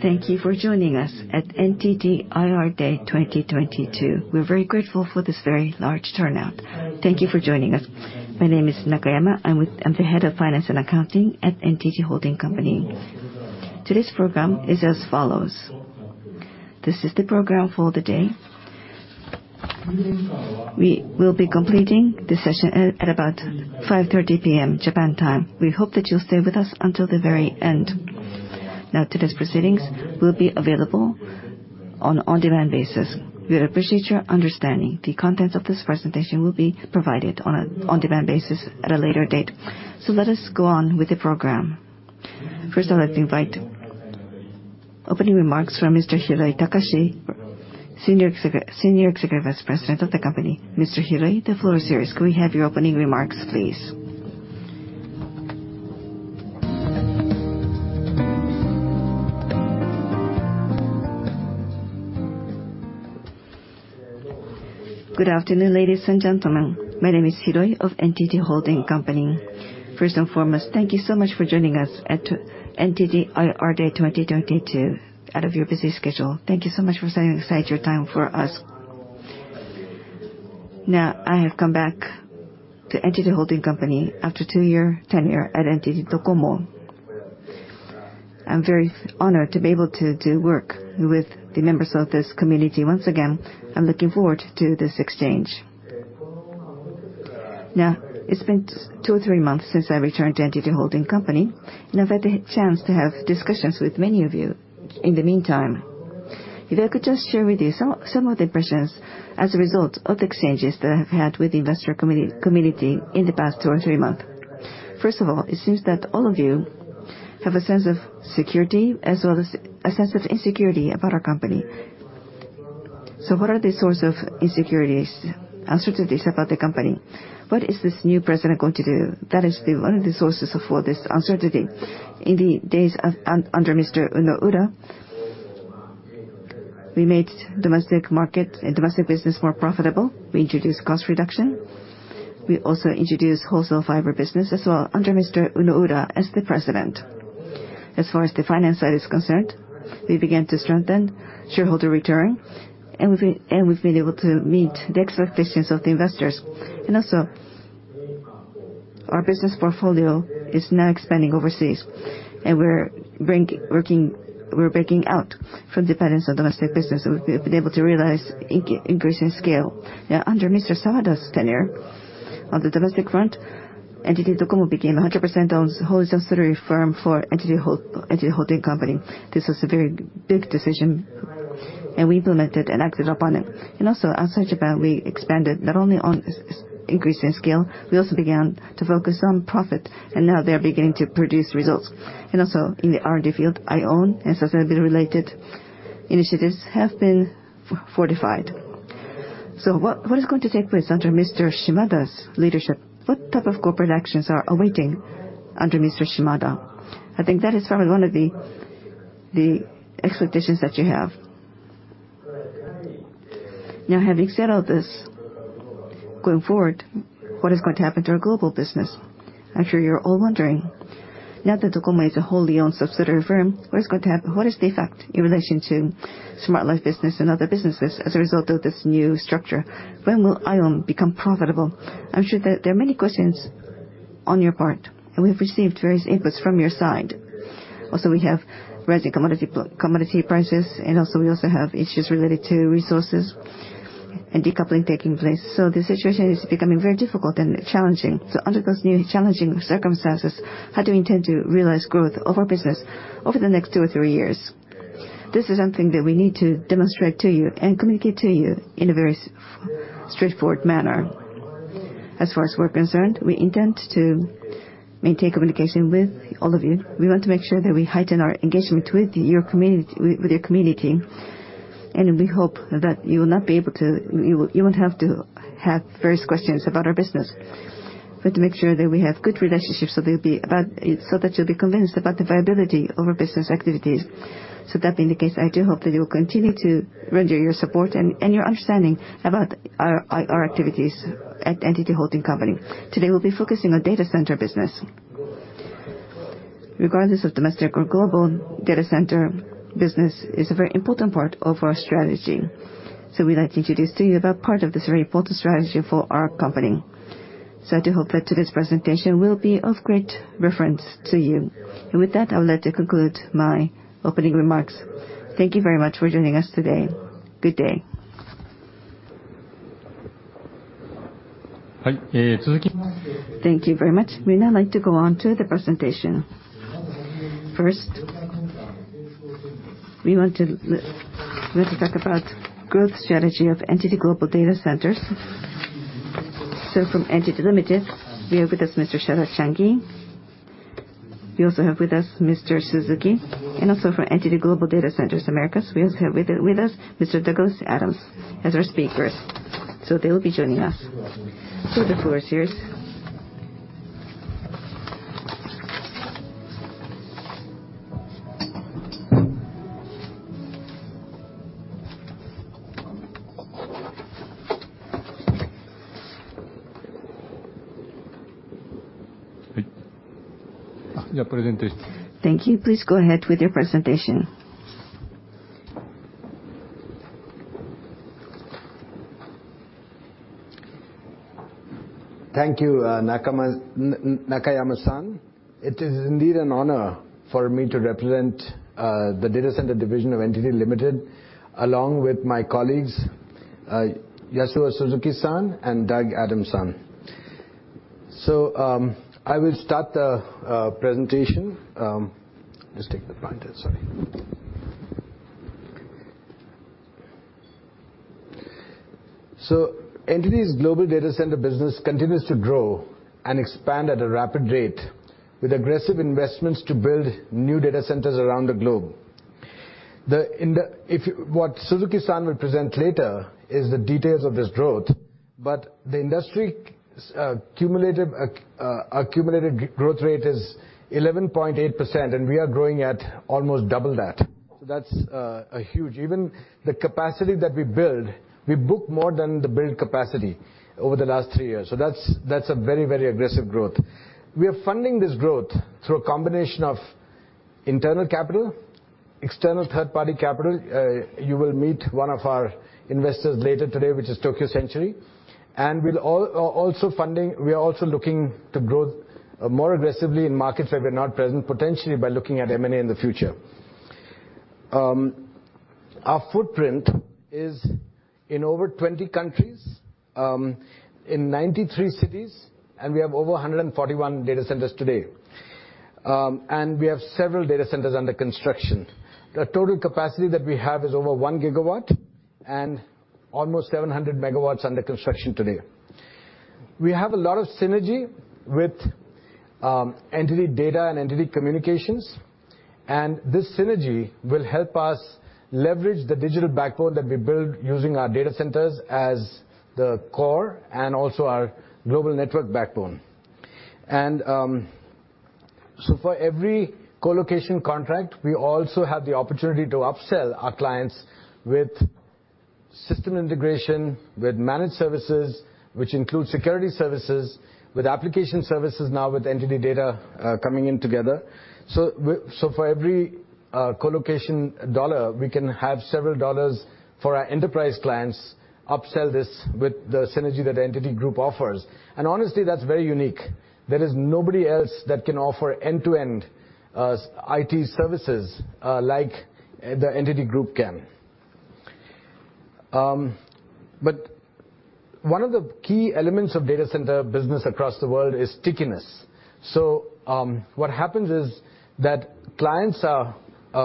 Thank you for joining us at NTT IR Day 2022. We're very grateful for this very large turnout. Thank you for joining us. My name is Nakayama. I'm the Head of Finance and Accounting at NTT Holding Company. Today's program is as follows. This is the program for the day. We will be completing the session at about 5:30 PM Japan time. We hope that you'll stay with us until the very end. Now, today's proceedings will be available on an on-demand basis. We appreciate your understanding. The contents of this presentation will be provided on an on-demand basis at a later date. Let us go on with the program. First, I'd like to invite opening remarks from Mr. Hiroi Takashi, Senior Executive Vice President of the company. Mr. Hiroi, the floor is yours. Could we have your opening remarks, please? Good afternoon, ladies and gentlemen. My name is Hiroi of NTT Holding Company. First and foremost, thank you so much for joining us at NTT IR Day 2022 out of your busy schedule. Thank you so much for setting aside your time for us. Now, I have come back to NTT Holding Company after two-year tenure at NTT DOCOMO. I'm very honored to be able to to work with the members of this community once again. I'm looking forward to this exchange. Now, it's been two or three months since I returned to NTT Holding Company, and I've had the chance to have discussions with many of you in the meantime. If I could just share with you some of the impressions as a result of the exchanges that I've had with the investor community in the past two or three months. First of all, it seems that all of you have a sense of security as well as a sense of insecurity about our company. What are the source of insecurities, uncertainties about the company? What is this new president going to do? That is the, one of the sources for this uncertainty. In the days under Mr. Unoura, we made domestic market and domestic business more profitable. We introduced cost reduction. We also introduced wholesale fiber business as well under Mr. Unoura as the president. As far as the finance side is concerned, we began to strengthen shareholder return, and we've been able to meet the expectations of the investors. Our business portfolio is now expanding overseas, and we're breaking out from dependence on domestic business, and we've been able to realize increase in scale. Now, under Mr. Sawada's tenure on the domestic front, NTT DOCOMO became a 100% wholly owned subsidiary firm of NTT Holding Company. This was a very big decision, and we implemented and acted upon it. Outside Japan, we expanded not only on increase in scale, we also began to focus on profit, and now they are beginning to produce results. In the R&D field, IOWN and sustainability-related initiatives have been fortified. What is going to take place under Mr. Shimada's leadership? What type of corporate actions are awaiting under Mr. Shimada? I think that is probably one of the expectations that you have. Now, having said all this, going forward, what is going to happen to our global business? I'm sure you're all wondering. Now that NTT DOCOMO is a wholly owned subsidiary firm, what is going to happen? What is the effect in relation to smart life business and other businesses as a result of this new structure? When will IOWN become profitable? I'm sure that there are many questions on your part, and we have received various inputs from your side. Also, we have rising commodity prices, and we have issues related to resources and decoupling taking place. The situation is becoming very difficult and challenging. Under those new challenging circumstances, how do we intend to realize growth of our business over the next two or three years? This is something that we need to demonstrate to you and communicate to you in a very straightforward manner. As far as we're concerned, we intend to maintain communication with all of you. We want to make sure that we heighten our engagement with your community. We hope that you won't have to have various questions about our business. We have to make sure that we have good relationships, so that you'll be convinced about the viability of our business activities. That being the case, I do hope that you will continue to render your support and your understanding about our activities at NTT Holding Company. Today, we'll be focusing on data center business. Regardless of domestic or global, data center business is a very important part of our strategy. We'd like to introduce to you about part of this very important strategy for our company. I do hope that today's presentation will be of great reference to you. With that, I would like to conclude my opening remarks. Thank you very much for joining us today. Good day. Thank you very much. We now like to go on to the presentation. First, we want to like to talk about growth strategy of NTT Global Data Centers. From NTT Limited, we have with us Mr. Sharad Sanghi. We also have with us Mr. Yasuo Suzuki, and also from NTT Global Data Centers Americas, we also have with us Mr. Douglas Adams as our speakers. They will be joining us. The floor is yours. Thank you. Please go ahead with your presentation. Thank you, Nakayama-san. It is indeed an honor for me to represent the data center division of NTT Limited, along with my colleagues, Yasuo Suzuki-san and Doug Adams-san. I will start the presentation. Just take the pointer, sorry. NTT's global data center business continues to grow and expand at a rapid rate with aggressive investments to build new data centers around the globe. What Suzuki-san will present later is the details of this growth, but the industry's cumulative accumulated growth rate is 11.8%, and we are growing at almost double that. That's huge. Even the capacity that we build, we book more than the build capacity over the last three years. That's a very aggressive growth. We are funding this growth through a combination of internal capital, external third-party capital, you will meet one of our investors later today, which is Tokyo Century. We are also looking to grow more aggressively in markets where we're not present, potentially by looking at M&A in the future. Our footprint is in over 20 countries, in 93 cities, and we have over 141 data centers today. We have several data centers under construction. The total capacity that we have is over 1 gigawatt and almost 700 MW under construction today. We have a lot of synergy with NTT Data and NTT Communications, and this synergy will help us leverage the digital backbone that we build using our data centers as the core and also our global network backbone. For every colocation contract, we also have the opportunity to upsell our clients with system integration, with managed services, which includes security services, with application services now with NTT DATA coming in together. For every colocation dollar, we can have several dollars for our enterprise clients upsell this with the synergy that NTT Group offers. Honestly, that's very unique. There is nobody else that can offer end-to-end IT services like the NTT Group can. One of the key elements of data center business across the world is stickiness. What happens is that clients are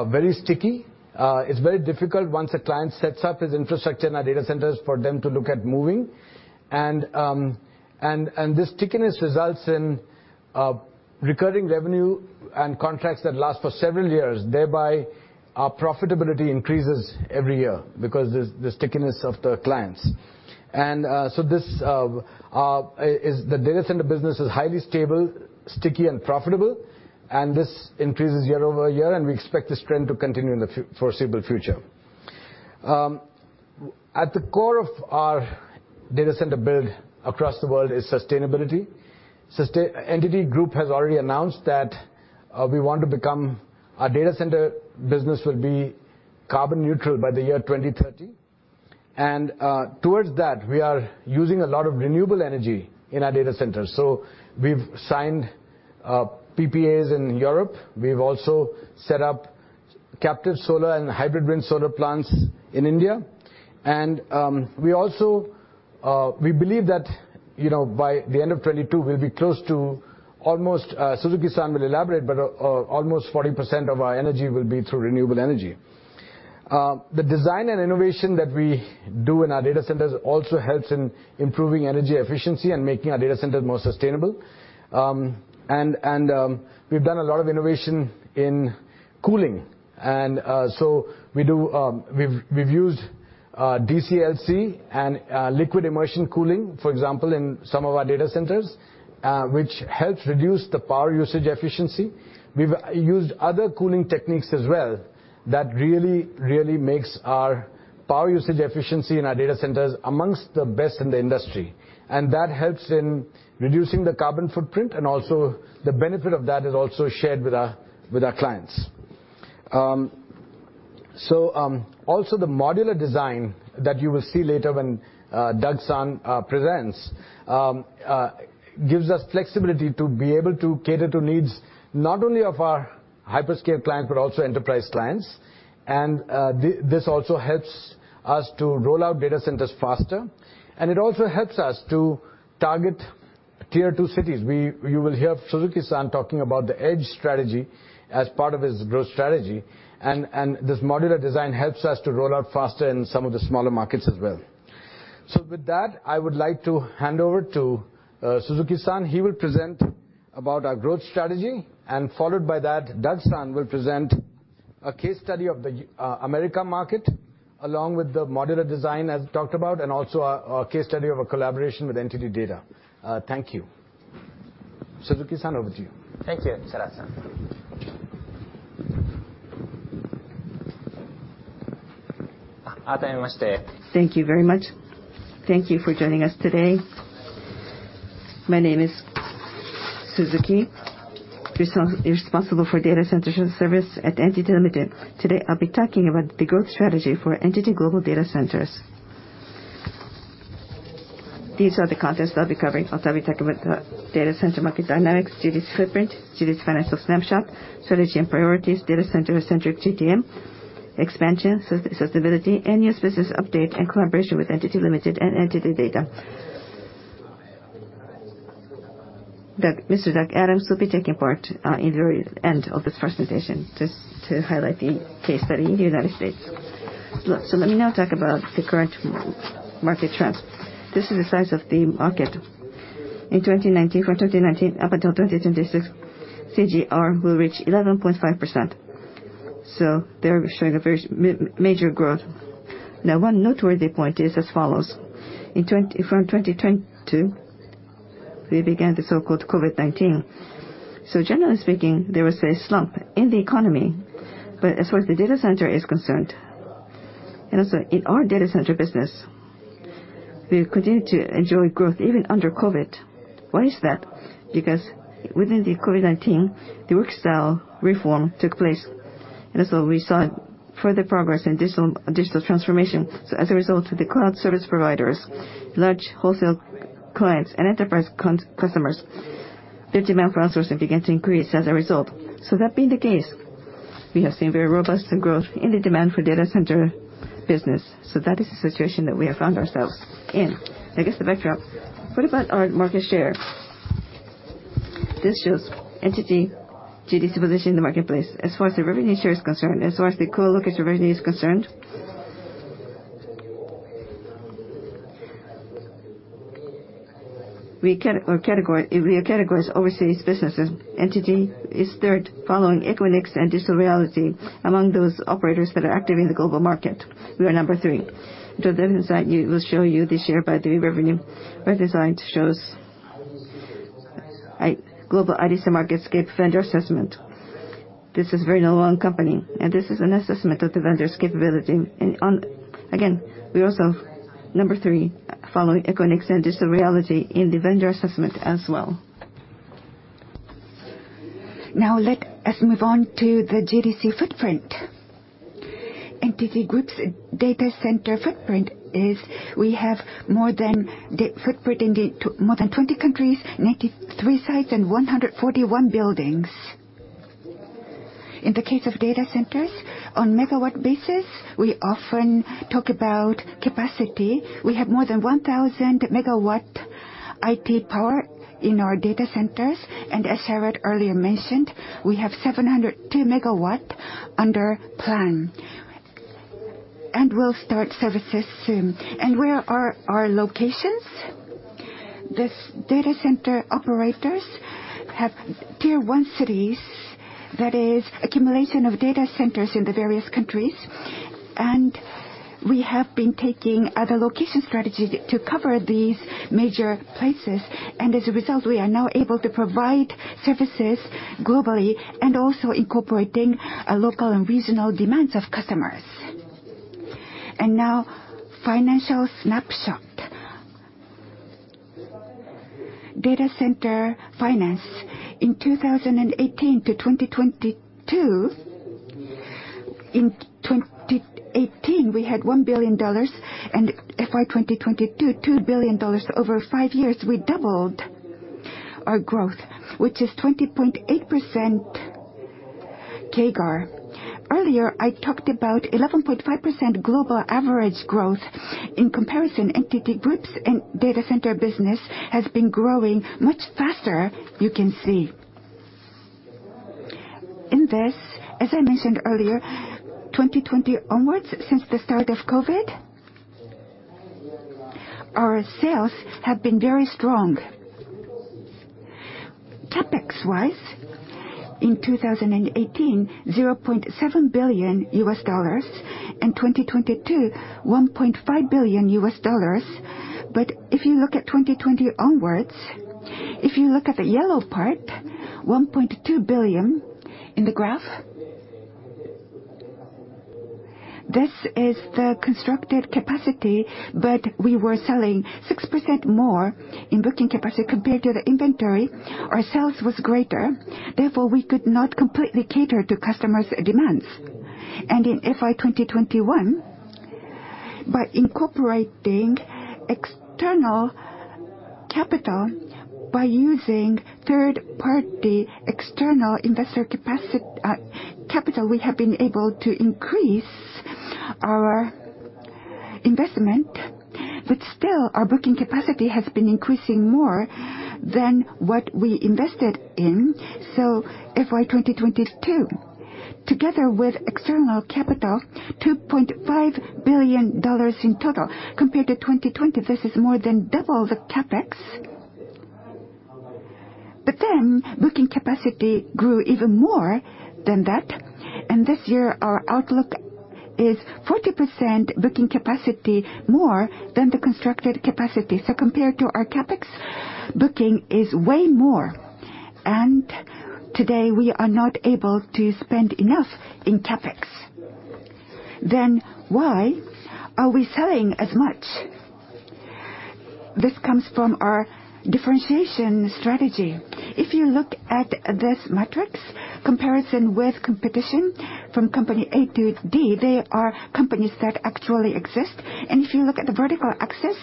very sticky. It's very difficult once a client sets up his infrastructure in our data centers for them to look at moving. This stickiness results in recurring revenue and contracts that last for several years, thereby our profitability increases every year because the stickiness of the clients. The data center business is highly stable, sticky, and profitable, and this increases year over year, and we expect this trend to continue in the foreseeable future. At the core of our data center build across the world is sustainability. NTT Group has already announced that our data center business will be carbon neutral by the year 2030. Towards that, we are using a lot of renewable energy in our data centers. We've signed PPAs in Europe. We've also set up captive solar and hybrid wind solar plants in India. We also believe that, you know, by the end of 2022, we'll be close to almost, Suzuki-san will elaborate, but almost 40% of our energy will be through renewable energy. The design and innovation that we do in our data centers also helps in improving energy efficiency and making our data centers more sustainable. We've done a lot of innovation in cooling. We've used DCLC and liquid immersion cooling, for example, in some of our data centers, which helps reduce the power usage efficiency. We've used other cooling techniques as well that really makes our power usage efficiency in our data centers among the best in the industry. That helps in reducing the carbon footprint and also the benefit of that is also shared with our clients. Also the modular design that you will see later when Doug-san presents gives us flexibility to be able to cater to needs not only of our hyperscale clients, but also enterprise clients. This also helps us to roll out data centers faster. It also helps us to target tier two cities. You will hear Suzuki-san talking about the Edge strategy as part of his growth strategy. This modular design helps us to roll out faster in some of the smaller markets as well. With that, I would like to hand over to Suzuki-san. He will present about our growth strategy, and followed by that, Doug-san will present a case study of the U... American market, along with the modular design as talked about, and also a case study of a collaboration with NTT DATA. Thank you. Suzuki-san, over to you. Thank you, Sharad Sanghi. Thank you very much. Thank you for joining us today. My name is Suzuki, responsible for data center service at NTT Limited. Today, I'll be talking about the growth strategy for NTT Global Data Centers. These are the contents I'll be covering. I'll be talking about the data center market dynamics, GDC footprint, GDC financial snapshot, strategy and priorities, data center-centric GDM, expansion, sustainability, and new business update, and collaboration with NTT Limited and NTT Data. Mr. Doug Adams will be taking part in the very end of this presentation just to highlight the case study in the United States. Look, let me now talk about the current market trends. This is the size of the market. From 2019 up until 2026, CAGR will reach 11.5%, so they're showing a very major growth. Now, one noteworthy point is as follows. In 2022, we began the so-called COVID-19. Generally speaking, there was a slump in the economy, but as far as the data center is concerned, and also in our data center business, we continued to enjoy growth even under COVID. Why is that? Because within the COVID-19, the work style reform took place, and also we saw further progress in digital transformation. As a result, the cloud service providers, large wholesale clients, and enterprise customers, their demand for outsourcing began to increase as a result. That being the case, we have seen very robust growth in the demand for data center business. That is the situation that we have found ourselves in. That is the backdrop. What about our market share? This shows NTT GDC position in the marketplace. As far as the revenue share is concerned, as far as the colocation revenue is concerned. If we categorize overseas businesses, NTT is third following Equinix and Digital Realty among those operators that are active in the global market. We are number three. The other side, we will show you the share by the revenue where Gartner shows global IDC MarketScape vendor assessment. This is a very well-known company, and this is an assessment of the vendor's capability. Again, we're also number three following Equinix and Digital Realty in the vendor assessment as well. Now, let us move on to the GDC footprint. NTT Group's data center footprint is in more than 20 countries, 93 sites, and 141 buildings. In the case of data centers, on MW basis, we often talk about capacity. We have more than 1,000 MW IT power in our data centers, and as Sharad Sanghi earlier mentioned, we have 702 MW under plan. We'll start services soon. Where are our locations? These data center operators have tier one cities, that is accumulation of data centers in the various countries. We have been taking other location strategies to cover these major places. As a result, we are now able to provide services globally and also incorporating local and regional demands of customers. Now, financial snapshot. Data center finance. From 2018 to 2022, in 2018, we had $1 billion, and FY 2022, $2 billion. Over five years, we doubled our growth, which is 20.8% CAGR. Earlier, I talked about 11.5% global average growth. In comparison, NTT Group's data center business has been growing much faster, you can see. In this, as I mentioned earlier, 2020 onwards, since the start of COVID, our sales have been very strong. CapEx-wise, in 2018, $0.7 billion. In 2022, $1.5 billion. If you look at 2020 onwards, if you look at the yellow part, $1.2 billion in the graph. This is the constructed capacity, but we were selling 6% more in booking capacity compared to the inventory. Our sales was greater, therefore, we could not completely cater to customers' demands. In FY 2021, by incorporating external capital, by using third-party external capital, we have been able to increase our investment. Still, our booking capacity has been increasing more than what we invested in. FY 2022, together with external capital, $2.5 billion in total. Compared to 2020, this is more than double the CapEx. Booking capacity grew even more than that. This year, our outlook is 40% booking capacity more than the constructed capacity. Compared to our CapEx, booking is way more. Today, we are not able to spend enough in CapEx. Why are we selling as much? This comes from our differentiation strategy. If you look at these metrics, comparison with competition from company A to D, they are companies that actually exist. If you look at the vertical axis,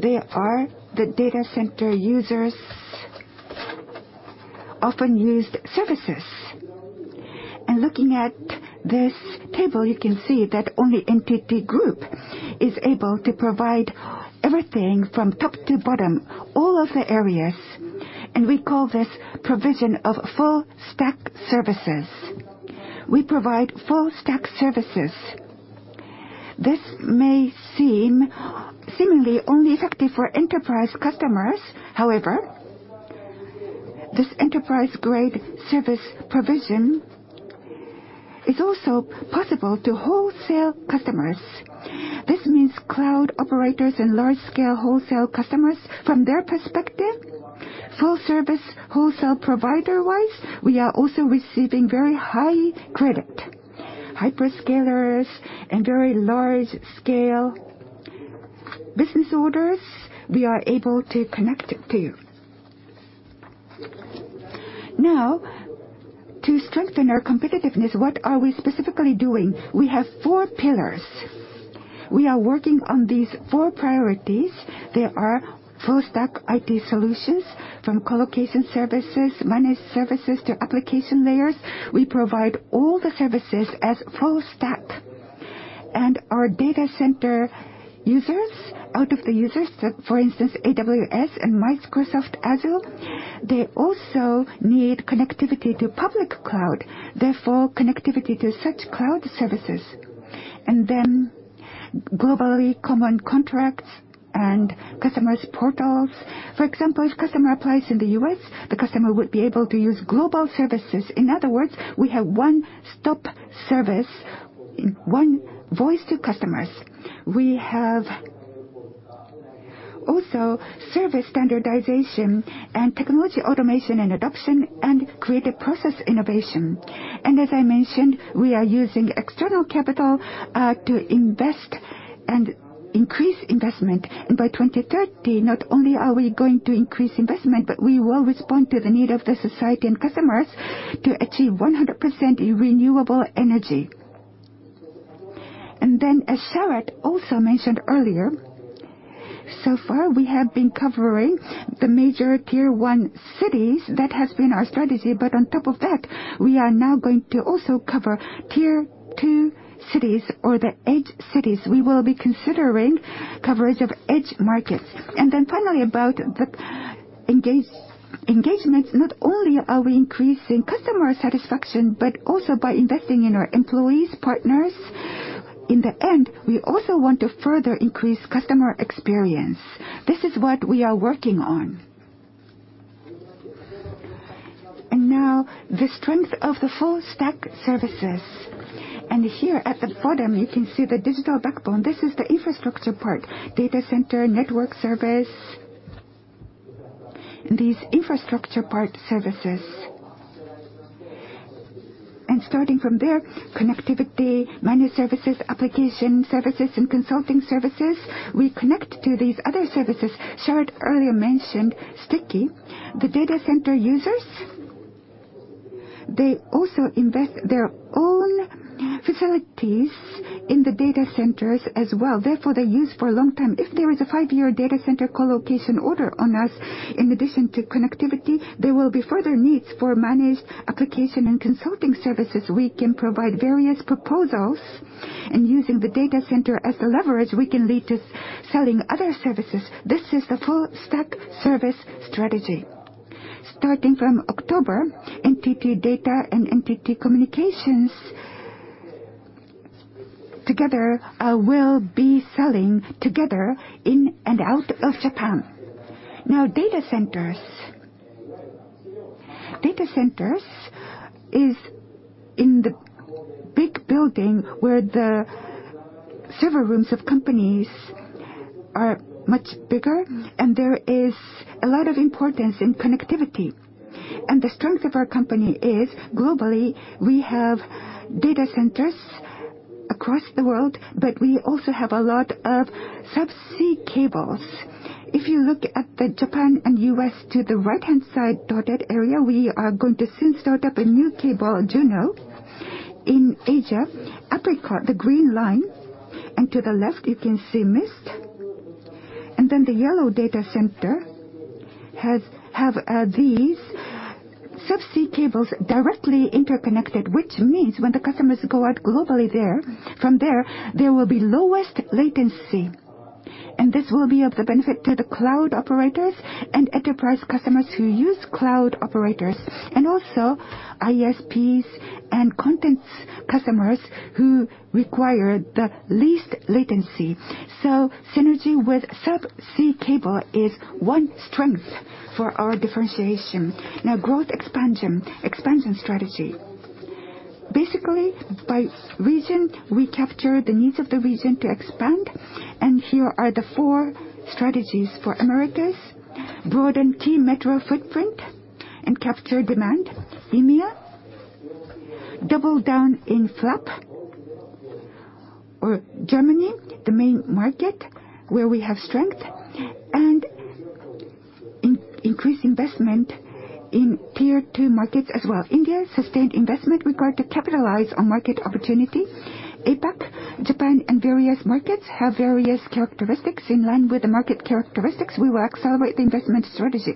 they are the data center users often used services. Looking at this table, you can see that only NTT Group is able to provide everything from top to bottom, all of the areas, and we call this provision of full stack services. We provide full stack services. This may seem seemingly only effective for enterprise customers. However, this enterprise-grade service provision is also possible to wholesale customers. This means cloud operators and large-scale wholesale customers. From their perspective, full service wholesale provider-wise, we are also receiving very high credit. Hyperscalers and very large-scale business orders, we are able to connect to. Now, to strengthen our competitiveness, what are we specifically doing? We have four pillars. We are working on these four priorities. They are full stack IT solutions from colocation services, managed services to application layers. We provide all the services as full stack. Our data center users, out of the users, so for instance, AWS and Microsoft Azure, they also need connectivity to public cloud, therefore connectivity to such cloud services. Globally common contracts and customers portals. For example, if customer applies in the U.S., the customer would be able to use global services. In other words, we have one-stop service, one voice to customers. We have also service standardization and technology automation and adoption and creative process innovation. As I mentioned, we are using external capital to invest and increase investment. By 2030, not only are we going to increase investment, but we will respond to the need of the society and customers to achieve 100% renewable energy. As Sharad also mentioned earlier, so far we have been covering the major Tier 1 cities. That has been our strategy. On top of that, we are now going to also cover Tier 2 cities or the edge cities. We will be considering coverage of edge markets. Then finally, about the engagements, not only are we increasing customer satisfaction, but also by investing in our employees, partners. In the end, we also want to further increase customer experience. This is what we are working on. Now the strength of the full stack services. Here at the bottom, you can see the digital backbone. This is the infrastructure part, data center, network service. These infrastructure part services. Starting from there, connectivity, managed services, application services and consulting services. We connect to these other services. Sharad earlier mentioned sticky. The data center users, they also invest their own facilities in the data centers as well. Therefore, they use for a long time. If there is a five-year data center colocation order on us, in addition to connectivity, there will be further needs for managed application and consulting services. We can provide various proposals, and using the data center as a leverage, we can lead to selling other services. This is the full stack service strategy. Starting from October, NTT DATA and NTT Communications together will be selling together in and out of Japan. Now, data centers. Data centers is in the big building where the server rooms of companies are much bigger, and there is a lot of importance in connectivity. The strength of our company is globally, we have data centers across the world, but we also have a lot of subsea cables. If you look at the Japan and U.S. to the right-hand side dotted area, we are going to soon start up a new cable, JUNO. In Asia, APRICOT, the green line, and to the left you can see MIST. Then the yellow data center has these subsea cables directly interconnected, which means when the customers go out globally there, from there will be lowest latency. This will be of the benefit to the cloud operators and enterprise customers who use cloud operators, and also ISPs and content customers who require the least latency. Synergy with subsea cable is one strength for our differentiation. Now growth expansion strategy. Basically, by region, we capture the needs of the region to expand, and here are the four strategies. For Americas, broaden key metro footprint and capture demand. EMEA, double down in FLAP, or Germany, the main market where we have strength, and increase investment in tier two markets as well. India, sustained investment required to capitalize on market opportunity. APAC, Japan, and various markets have various characteristics. In line with the market characteristics, we will accelerate the investment strategy.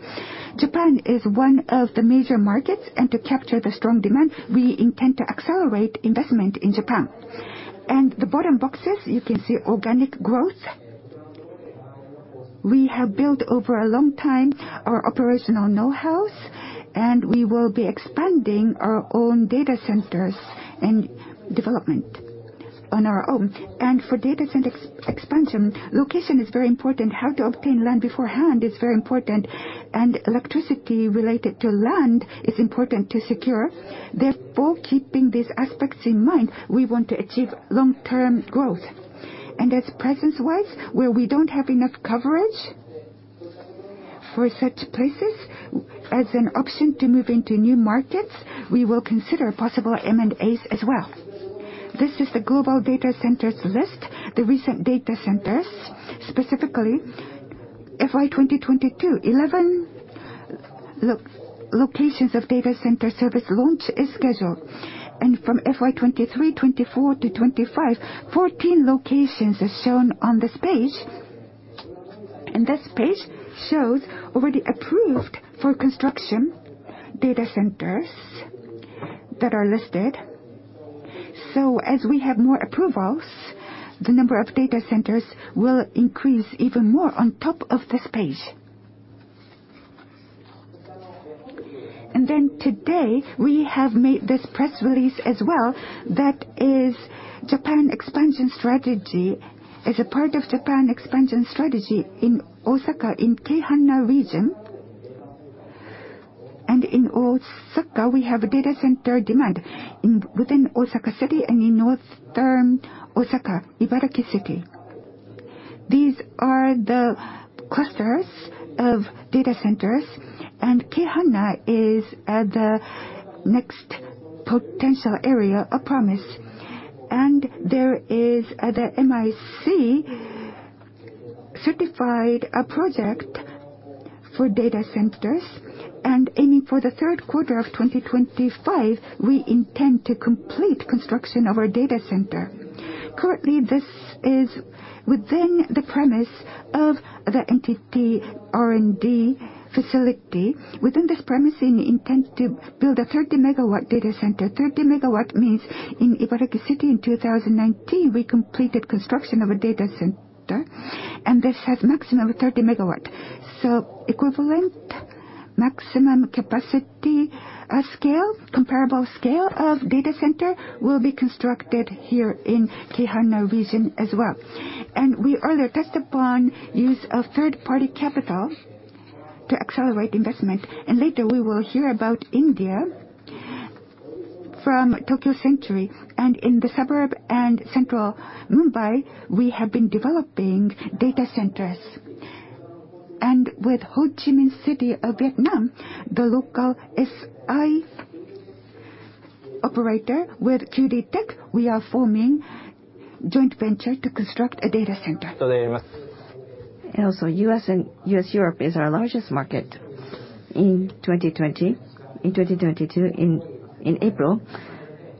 Japan is one of the major markets, and to capture the strong demand, we intend to accelerate investment in Japan. The bottom boxes, you can see organic growth. We have built over a long time our operational know-hows, and we will be expanding our own data centers and development on our own. For data center expansion, location is very important. How to obtain land beforehand is very important, and electricity related to land is important to secure. Therefore, keeping these aspects in mind, we want to achieve long-term growth. As presence-wise, where we don't have enough coverage for such places, as an option to move into new markets, we will consider possible M&As as well. This is the global data centers list, the recent data centers. Specifically, FY 2022, 11 locations of data center service launch is scheduled. From FY 2023-2025, 14 locations as shown on this page. This page shows already approved for construction data centers that are listed. As we have more approvals, the number of data centers will increase even more on top of this page. Today, we have made this press release as well, that is Japan Expansion Strategy. As a part of Japan Expansion Strategy in Osaka, in Keihanna region. In Osaka, we have data center demand within Osaka City and in Northern Osaka, Ibaraki City. These are the clusters of data centers, and Keihanna is at the next potential area of promise. There is the MIC certified project for data centers. Aiming for the third quarter of 2025, we intend to complete construction of our data center. Currently, this is within the premise of the NTT R&D facility. Within this premise, we intend to build a 3 MW data center. 30 MW means in Ibaraki City in 2019, we completed construction of a data center, and this has maximum 30 MW. Equivalent maximum capacity, scale, comparable scale of data center will be constructed here in Keihanna region as well. We are intent upon use of third-party capital to accelerate investment. Later, we will hear about India from Tokyo Century. In the suburbs and central Mumbai, we have been developing data centers. With Ho Chi Minh City of Vietnam, the local SI operator, with QD.TEK, we are forming joint venture to construct a data center. U.S./Europe is our largest market. In 2022 in April,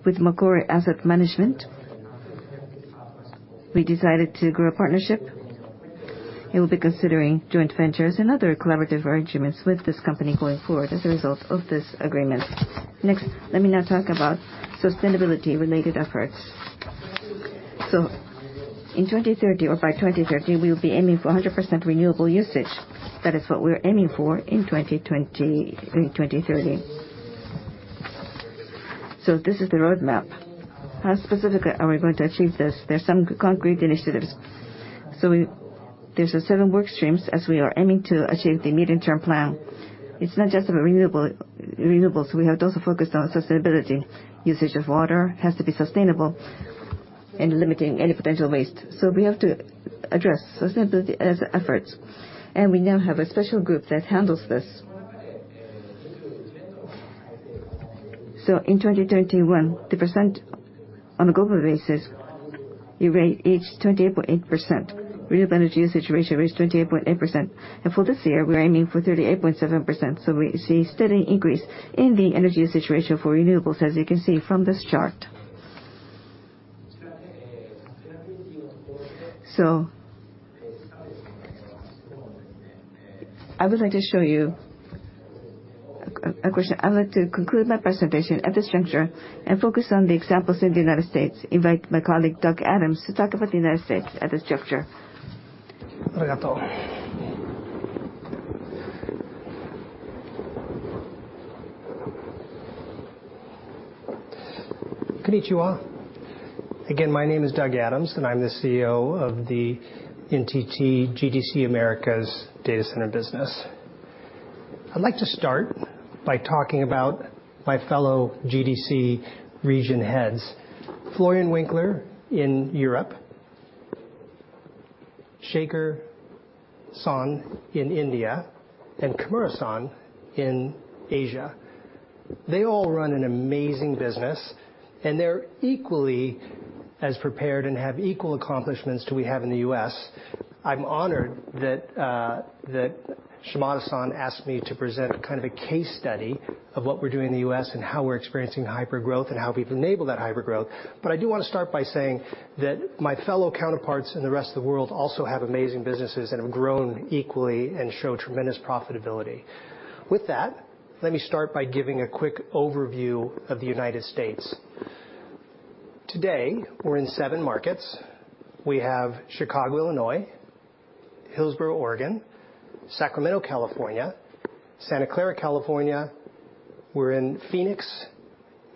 with Macquarie Asset Management, we decided to grow a partnership. We will be considering joint ventures and other collaborative arrangements with this company going forward as a result of this agreement. Next, let me now talk about sustainability-related efforts. In 2030, or by 2030, we will be aiming for 100% renewable usage. That is what we are aiming for in 2020, in 2030. This is the roadmap. How specifically are we going to achieve this? There are some concrete initiatives. There are seven workstreams as we are aiming to achieve the medium-term plan. It's not just about renewable, renewables. We have to also focus on sustainability. Usage of water has to be sustainable and limiting any potential waste. We have to address sustainability as efforts, and we now have a special group that handles this. In 2031, the percent on a global basis, it reached 28.8%. Renewable energy usage ratio reached 28.8%. For this year, we are aiming for 38.7%, so we see steady increase in the energy usage ratio for renewables, as you can see from this chart. I would like to show you a question. I would like to conclude my presentation at this juncture and focus on the examples in the United States. Invite my colleague, Doug Adams, to talk about the United States at this juncture. Konnichiwa. Again, my name is Doug Adams, and I'm the CEO of the NTT Global Data Centers Americas data center business. I'd like to start by talking about my fellow GDC region heads, Florian Winkler in Europe, Sharad Sanghi in India, and Kimura-san in Asia. They all run an amazing business, and they're equally as prepared and have equal accomplishments to we have in the U.S.. I'm honored that that Shimada-san asked me to present kind of a case study of what we're doing in the U.S. and how we're experiencing hypergrowth and how we've enabled that hypergrowth. I do want to start by saying that my fellow counterparts in the rest of the world also have amazing businesses and have grown equally and show tremendous profitability. With that, let me start by giving a quick overview of the United States. Today, we're in seven markets. We have Chicago, Illinois, Hillsboro, Oregon, Sacramento, California, Santa Clara, California. We're in Phoenix,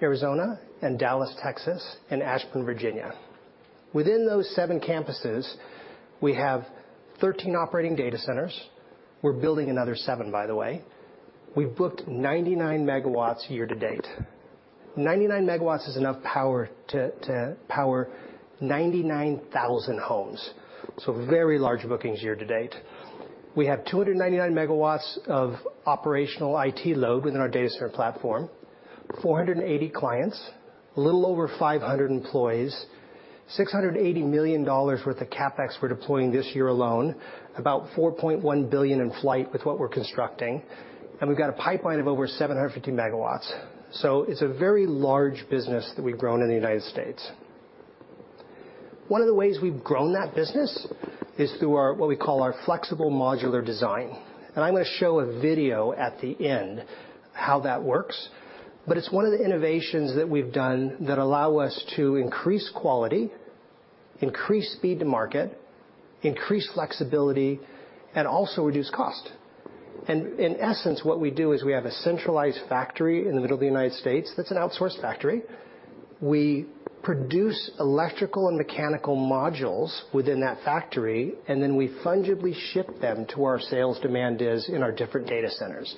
Arizona, and Dallas, Texas, and Ashburn, Virginia. Within those seven campuses, we have 13 operating data centers. We're building another seven, by the way. We've booked 99 MW year-to-date. 99 MW is enough power to power 99,000 homes, so very large bookings year-to-date. We have 299 MW of operational IT load within our data center platform, 480 clients, a little over 500 employees, $680 million worth of CapEx we're deploying this year alone, about $4.1 billion in flight with what we're constructing, and we've got a pipeline of over 750 MW. It's a very large business that we've grown in the United States. One of the ways we've grown that business is through our, what we call our flexible modular design. I'm gonna show a video at the end how that works. It's one of the innovations that we've done that allow us to increase quality, increase speed to market, increase flexibility, and also reduce cost. In essence, what we do is we have a centralized factory in the middle of the United States that's an outsourced factory. We produce electrical and mechanical modules within that factory, and then we fungibly ship them to where our sales demand is in our different data centers.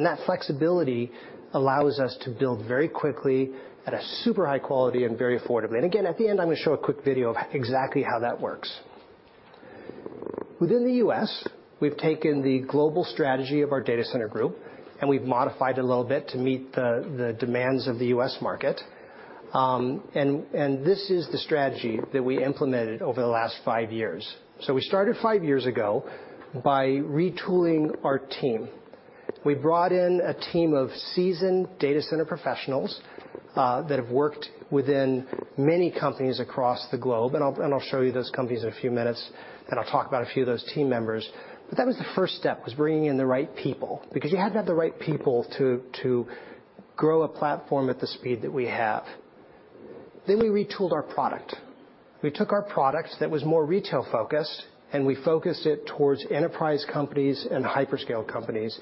That flexibility allows us to build very quickly at a super high quality and very affordably. Again, at the end, I'm gonna show a quick video of exactly how that works. Within the U.S. we've taken the global strategy of our data center group, and we've modified it a little bit to meet the demands of the U.S. market. This is the strategy that we implemented over the last five years. We started five years ago by retooling our team. We brought in a team of seasoned data center professionals that have worked within many companies across the globe. I'll show you those companies in a few minutes, and I'll talk about a few of those team members. That was the first step, bringing in the right people, because you had to have the right people to grow a platform at the speed that we have. We retooled our product. We took our product that was more retail-focused, and we focused it towards enterprise companies and hyperscale companies.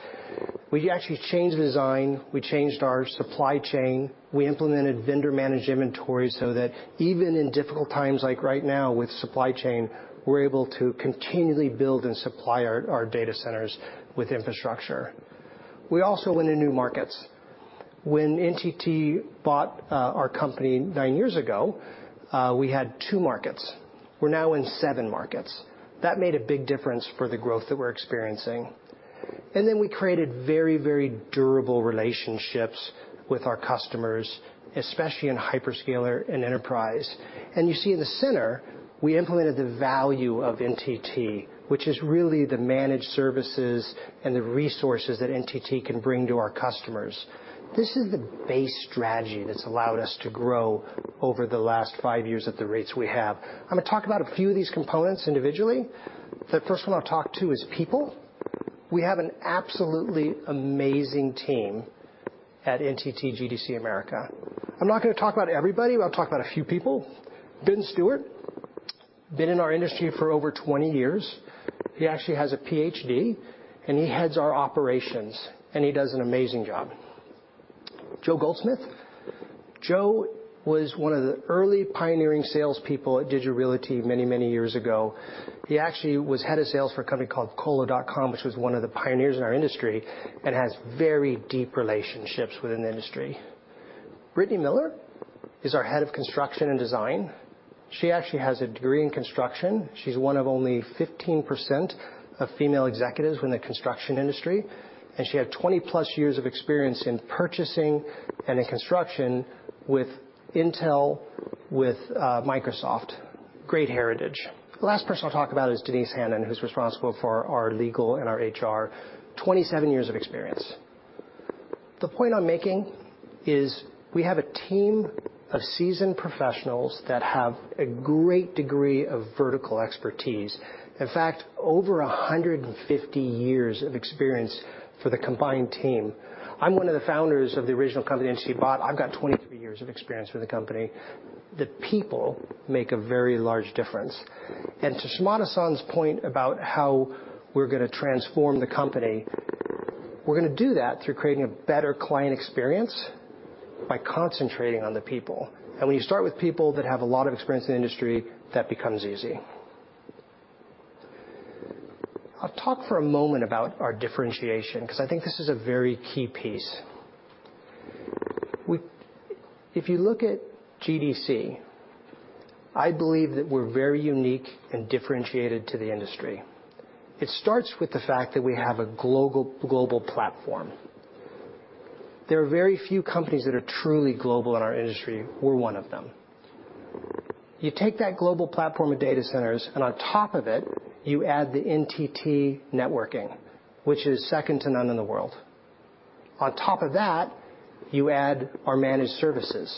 We actually changed the design. We changed our supply chain. We implemented vendor-managed inventory so that even in difficult times like right now with supply chain, we're able to continually build and supply our data centers with infrastructure. We also went to new markets. When NTT bought our company nine years ago, we had two markets. We're now in seven markets. That made a big difference for the growth that we're experiencing. Then we created very, very durable relationships with our customers, especially in hyperscaler and enterprise. You see in the center, we implemented the value of NTT, which is really the managed services and the resources that NTT can bring to our customers. This is the base strategy that's allowed us to grow over the last five years at the rates we have. I'm gonna talk about a few of these components individually. The first one I'll talk to is people. We have an absolutely amazing team at NTT GDC Americas. I'm not gonna talk about everybody, but I'll talk about a few people. Ben Stewart, been in our industry for over 20 years. He actually has a PhD, and he heads our operations, and he does an amazing job. Joe Goldsmith. Joe was one of the early pioneering salespeople at Digital Realty many, many years ago. He actually was head of sales for a company called Colo.com, which was one of the pioneers in our industry, and has very deep relationships within the industry. Brittany Miller is our head of construction and design. She actually has a degree in construction. She's one of only 15% of female executives in the construction industry, and she had 20+ years of experience in purchasing and in construction with Intel, with Microsoft. Great heritage. The last person I'll talk about is Denise Hannan, who's responsible for our legal and our HR. 27 years of experience. The point I'm making is we have a team of seasoned professionals that have a great degree of vertical expertise. In fact, over 150 years of experience for the combined team. I'm one of the founders of the original company NTT bought. I've got 23 years of experience with the company. The people make a very large difference. To Shimada-san's point about how we're gonna transform the company. We're gonna do that through creating a better client experience by concentrating on the people. When you start with people that have a lot of experience in the industry, that becomes easy. I'll talk for a moment about our differentiation, 'cause I think this is a very key piece. If you look at GDC, I believe that we're very unique and differentiated to the industry. It starts with the fact that we have a global platform. There are very few companies that are truly global in our industry. We're one of them. You take that global platform of data centers, and on top of it, you add the NTT networking, which is second to none in the world. On top of that, you add our managed services.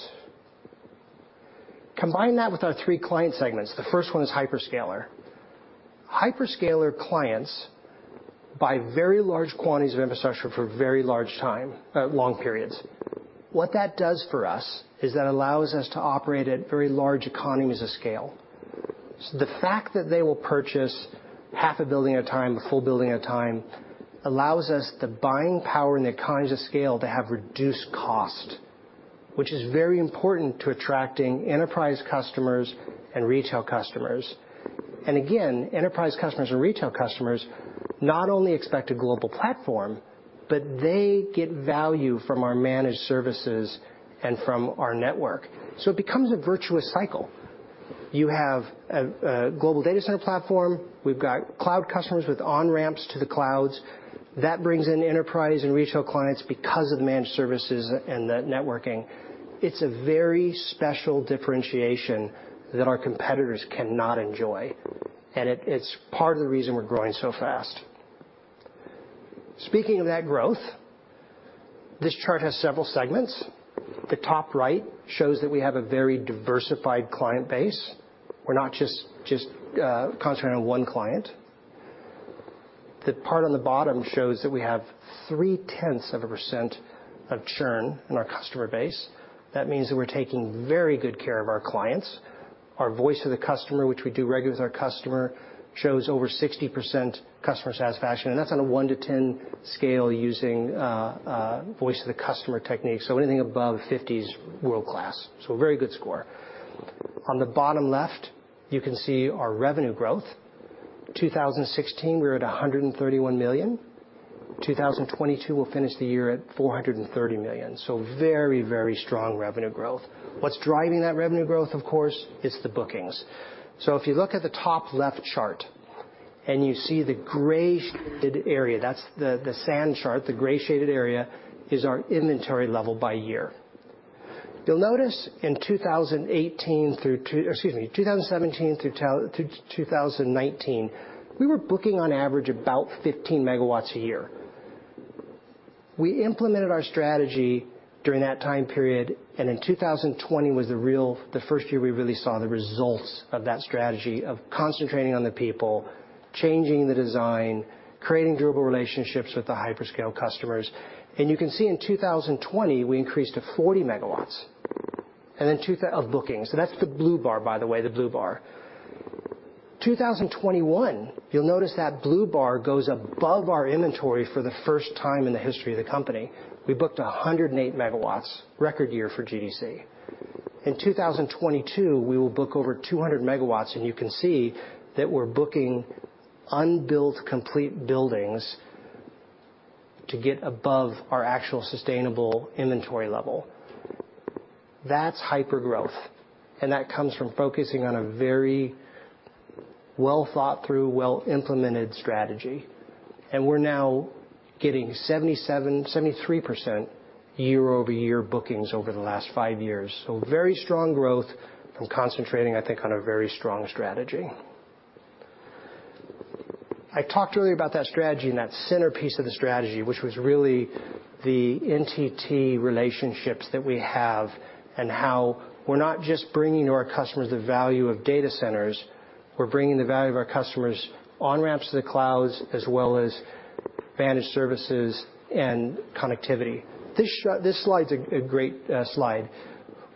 Combine that with our three client segments. The first one is hyperscaler. Hyperscaler clients buy very large quantities of infrastructure for a very long time, long periods. What that does for us is that allows us to operate at very large economies of scale. The fact that they will purchase half a building at a time, a full building at a time, allows us the buying power and economies of scale to have reduced cost, which is very important to attracting enterprise customers and retail customers. Again, enterprise customers and retail customers not only expect a global platform, but they get value from our managed services and from our network. It becomes a virtuous cycle. You have a global data center platform. We've got cloud customers with on-ramps to the clouds. That brings in enterprise and retail clients because of managed services and the networking. It's a very special differentiation that our competitors cannot enjoy, and it's part of the reason we're growing so fast. Speaking of that growth, this chart has several segments. The top right shows that we have a very diversified client base. We're not just concentrating on one client. The part on the bottom shows that we have 0.3% of churn in our customer base. That means that we're taking very good care of our clients. Our voice of the customer, which we do regularly with our customer, shows over 60% customer satisfaction, and that's on a one to 10 scale using voice of the customer techniques. Anything above 50 is world-class, a very good score. On the bottom left, you can see our revenue growth. 2016, we were at $131 million. 2022, we'll finish the year at $430 million. Very strong revenue growth. What's driving that revenue growth, of course, is the bookings. If you look at the top left chart, and you see the gray shaded area, that's the sand chart. The gray shaded area is our inventory level by year. You'll notice in 2017 through 2019, we were booking on average about 15 MW a year. We implemented our strategy during that time period, and in 2020 was the first year we really saw the results of that strategy of concentrating on the people, changing the design, creating durable relationships with the hyperscale customers. You can see in 2020, we increased to 40 MW of bookings. That's the blue bar, by the way, the blue bar. 2021, you'll notice that blue bar goes above our inventory for the first time in the history of the company. We booked 108 MW, record year for GDC. In 2022, we will book over 200 MW, and you can see that we're booking unbuilt complete buildings to get above our actual sustainable inventory level. That's hypergrowth, and that comes from focusing on a very well-thought-through, well-implemented strategy. We're now getting 77%-73% year-over-year bookings over the last five years. Very strong growth from concentrating, I think, on a very strong strategy. I talked earlier about that strategy and that centerpiece of the strategy, which was really the NTT relationships that we have and how we're not just bringing to our customers the value of data centers. We're bringing the value of our customers on-ramps to the clouds as well as managed services and connectivity. This slide's a great slide.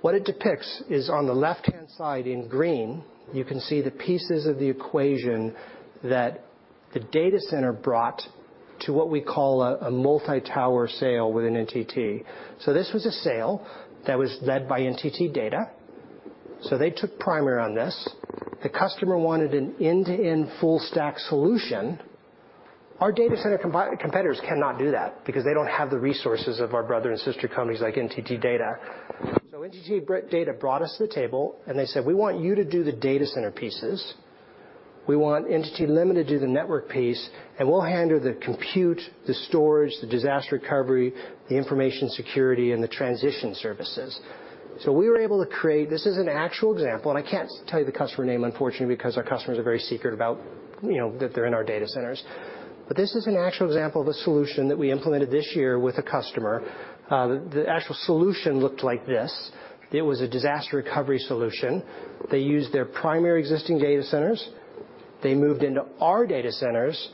What it depicts is on the left-hand side in green, you can see the pieces of the equation that the data center brought to what we call a multi-tower sale within NTT. This was a sale that was led by NTT Data. They took primary on this. The customer wanted an end-to-end full stack solution. Our data center competitors cannot do that because they don't have the resources of our brother and sister companies like NTT Data. NTT Data brought us to the table, and they said, "We want you to do the data center pieces. We want NTT Limited to do the network piece, and we'll handle the compute, the storage, the disaster recovery, the information security, and the transition services." We were able to create. This is an actual example, and I can't tell you the customer name, unfortunately, because our customers are very secret about, you know, that they're in our data centers. This is an actual example of a solution that we implemented this year with a customer. The actual solution looked like this. It was a disaster recovery solution. They used their primary existing data centers. They moved into our data centers.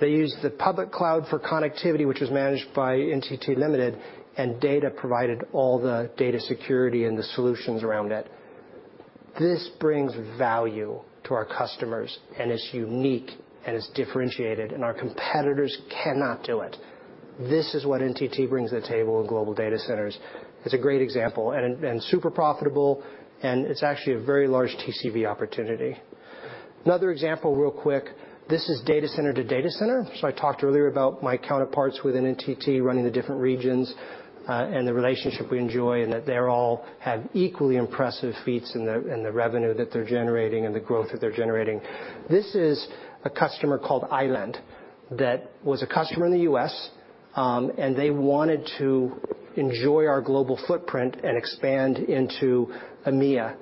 They used the public cloud for connectivity, which was managed by NTT Limited, and NTT Data provided all the data security and the solutions around that. This brings value to our customers, and it's unique and it's differentiated and our competitors cannot do it. This is what NTT brings to the table in global data centers. It's a great example and super profitable, and it's actually a very large TCV opportunity. Another example, real quick. This is data center to data center. I talked earlier about my counterparts within NTT running the different regions, and the relationship we enjoy and that they all have equally impressive feats in the revenue that they're generating and the growth that they're generating. This is a customer called Island that was a customer in the U.S., and they wanted to enjoy our global footprint and expand into EMEA.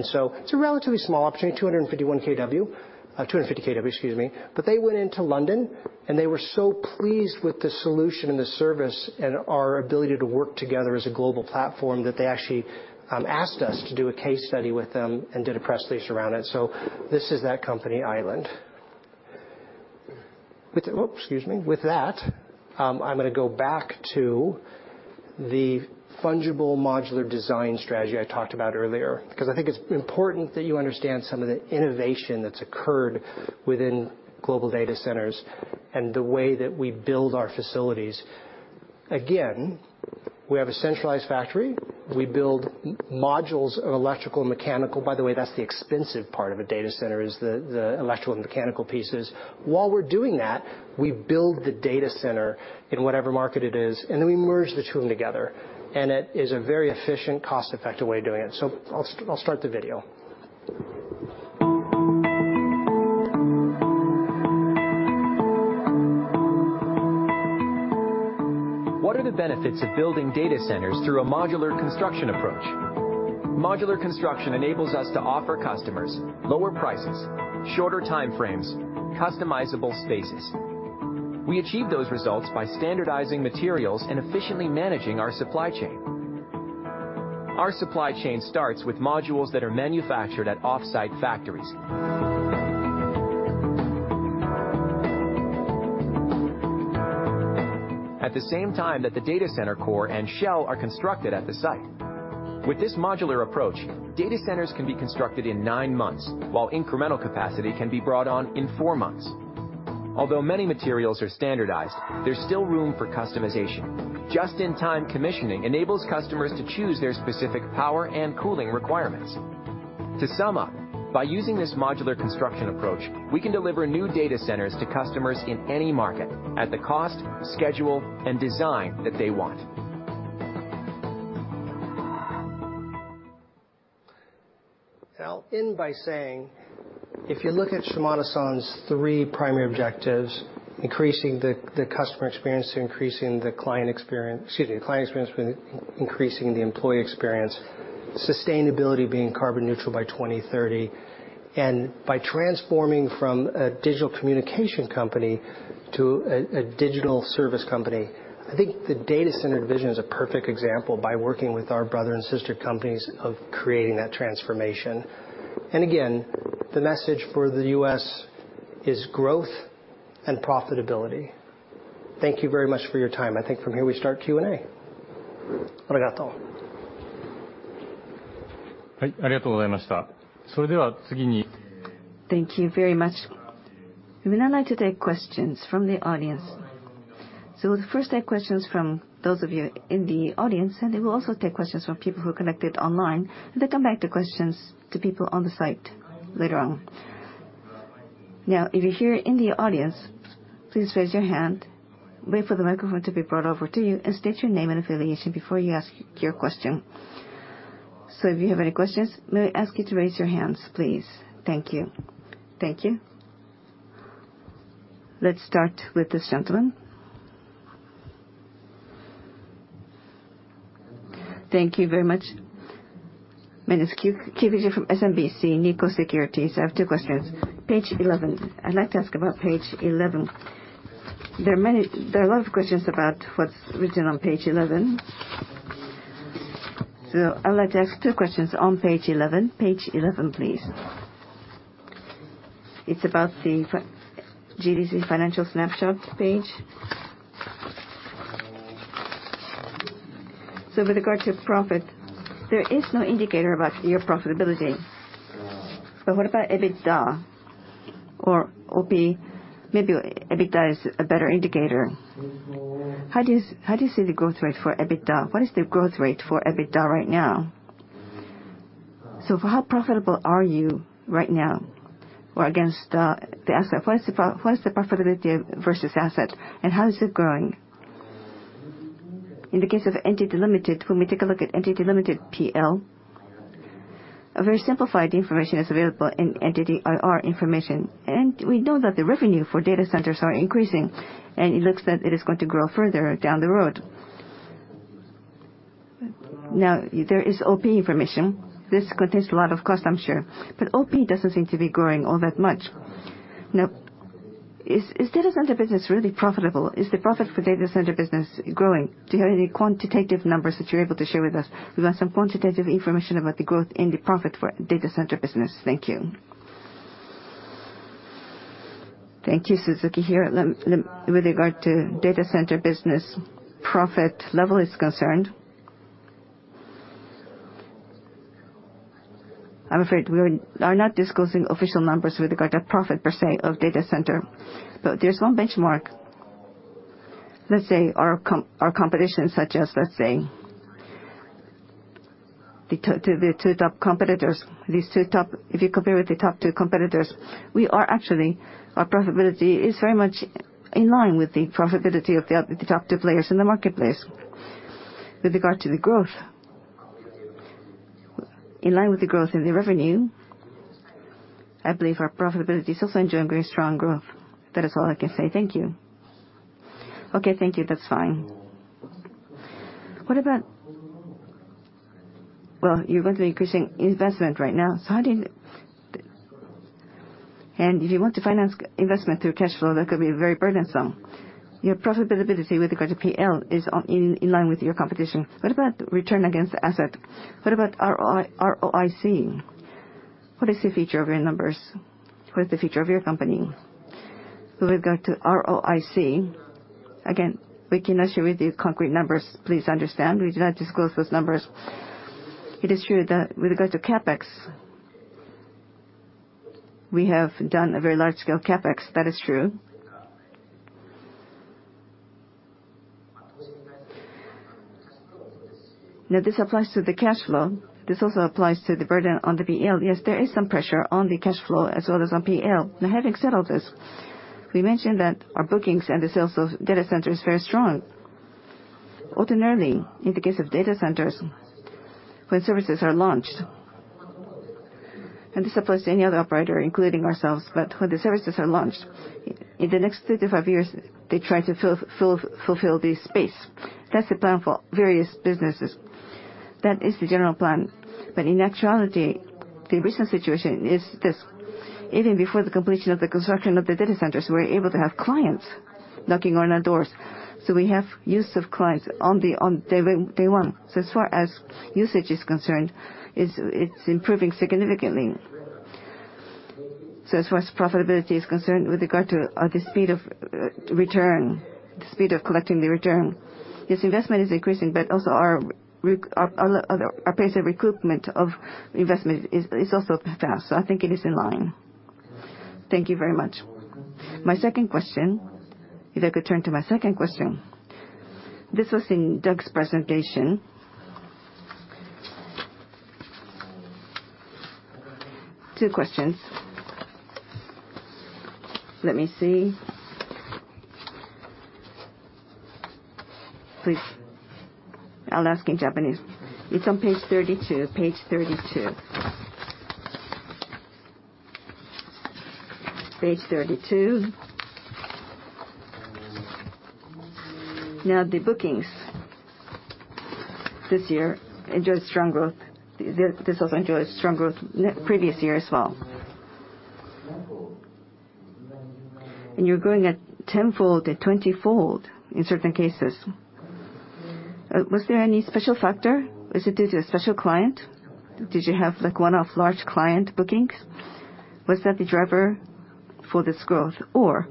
It's a relatively small opportunity, 250 kW, excuse me. They went into London, and they were so pleased with the solution and the service and our ability to work together as a global platform that they actually asked us to do a case study with them and did a press release around it. This is that company, Island. With that, I'm gonna go back to the fungible modular design strategy I talked about earlier, 'cause I think it's important that you understand some of the innovation that's occurred within Global Data Centers and the way that we build our facilities. Again, we have a centralized factory. We build modules of electrical and mechanical. By the way, that's the expensive part of a data center, is the electrical and mechanical pieces. While we're doing that, we build the data center in whatever market it is, and then we merge the two of them together, and it is a very efficient, cost-effective way of doing it. I'll start the video. What are the benefits of building data centers through a modular construction approach? Modular construction enables us to offer customers lower prices, shorter time frames, customizable spaces. We achieve those results by standardizing materials and efficiently managing our supply chain. Our supply chain starts with modules that are manufactured at off-site factories. At the same time that the data center core and shell are constructed at the site. With this modular approach, data centers can be constructed in nine months, while incremental capacity can be brought on in four months. Although many materials are standardized, there's still room for customization. Just-in-time commissioning enables customers to choose their specific power and cooling requirements. To sum up, by using this modular construction approach, we can deliver new data centers to customers in any market at the cost, schedule, and design that they want. I'll end by saying, if you look at Shimada-san's three primary objectives, increasing the client experience with increasing the employee experience, sustainability being carbon neutral by 2030, and by transforming from a digital communication company to a digital service company, I think the data center division is a perfect example by working with our brother and sister companies of creating that transformation. Again, the message for the U.S. is growth and profitability. Thank you very much for your time. I think from here we start Q&A. Thank you very much. We would now like to take questions from the audience. We'll first take questions from those of you in the audience, and then we'll also take questions from people who connected online, and then come back to questions to people on the site later on. If you're here in the audience, please raise your hand. Wait for the microphone to be brought over to you, and state your name and affiliation before you ask your question. If you have any questions, may I ask you to raise your hands, please? Thank you. Thank you. Let's start with this gentleman. Thank you very much. My name is Satoru Kikuchi from SMBC Nikko Securities. I have two questions. Page eleven. I'd like to ask about page eleven. There are a lot of questions about what's written on page eleven. I would like to ask 2 questions on page 11. Page 11, please. It's about the GDC financial snapshot page. With regard to profit, there is no indicator about your profitability. But what about EBITDA or OP? Maybe EBITDA is a better indicator. How do you see the growth rate for EBITDA? What is the growth rate for EBITDA right now? How profitable are you right now or against the asset? What is the profitability versus asset, and how is it growing? In the case of NTT Limited, when we take a look at NTT Limited PL, a very simplified information is available in NTT IR information. We know that the revenue for data centers are increasing, and it looks that it is going to grow further down the road. Now, there is OP information. This contains a lot of cost, I'm sure. OP doesn't seem to be growing all that much. Now, is data center business really profitable? Is the profit for data center business growing? Do you have any quantitative numbers that you're able to share with us? We want some quantitative information about the growth in the profit for data center business. Thank you. Thank you. Suzuki here. With regard to data center business profit level is concerned, I'm afraid we are not disclosing official numbers with regard to profit per se of data center. But there's one benchmark. Let's say our competition, such as, let's say, the two top competitors. These two top... If you compare with the top two competitors, we are actually, our profitability is very much in line with the profitability of the other, the top two players in the marketplace. With regard to the growth. In line with the growth in the revenue, I believe our profitability is also enjoying very strong growth. That is all I can say. Thank you. Okay, thank you. That's fine. What about. Well, you're going to be increasing investment right now, if you want to finance investment through cash flow, that could be very burdensome. Your profitability with regard to P&L is on, in line with your competition. What about return on assets? What about ROI, ROIC? What is the future of your numbers? What is the future of your company? With regard to ROIC, again, we cannot share with you concrete numbers. Please understand. We do not disclose those numbers. It is true that with regard to CapEx, we have done a very large-scale CapEx. That is true. Now, this applies to the cash flow. This also applies to the burden on the PL. Yes, there is some pressure on the cash flow as well as on PL. Now, having said all this, we mentioned that our bookings and the sales of data center is very strong. Ordinarily, in the case of data centers, when services are launched, and this applies to any other operator, including ourselves, but when the services are launched, in the next 35 years, they try to fulfill the space. That's the plan for various businesses. That is the general plan. But in actuality, the recent situation is this. Even before the completion of the construction of the data centers, we're able to have clients knocking on our doors. We have use of clients on day one. As far as usage is concerned, it's improving significantly. As far as profitability is concerned with regard to the speed of return, the speed of collecting the return, yes, investment is increasing, but also our pace of recoupment of investment is also fast. I think it is in line. Thank you very much. My second question, if I could turn to my second question. This was in Doug's presentation. Two questions. Let me see. Please. I'll ask in Japanese. It's on page 32. Now, the bookings this year enjoyed strong growth. This also enjoyed strong growth in previous year as well. You're growing at tenfold, at twentyfold in certain cases. Was there any special factor? Was it due to a special client? Did you have, like, one-off large client bookings? Was that the driver for this growth? Or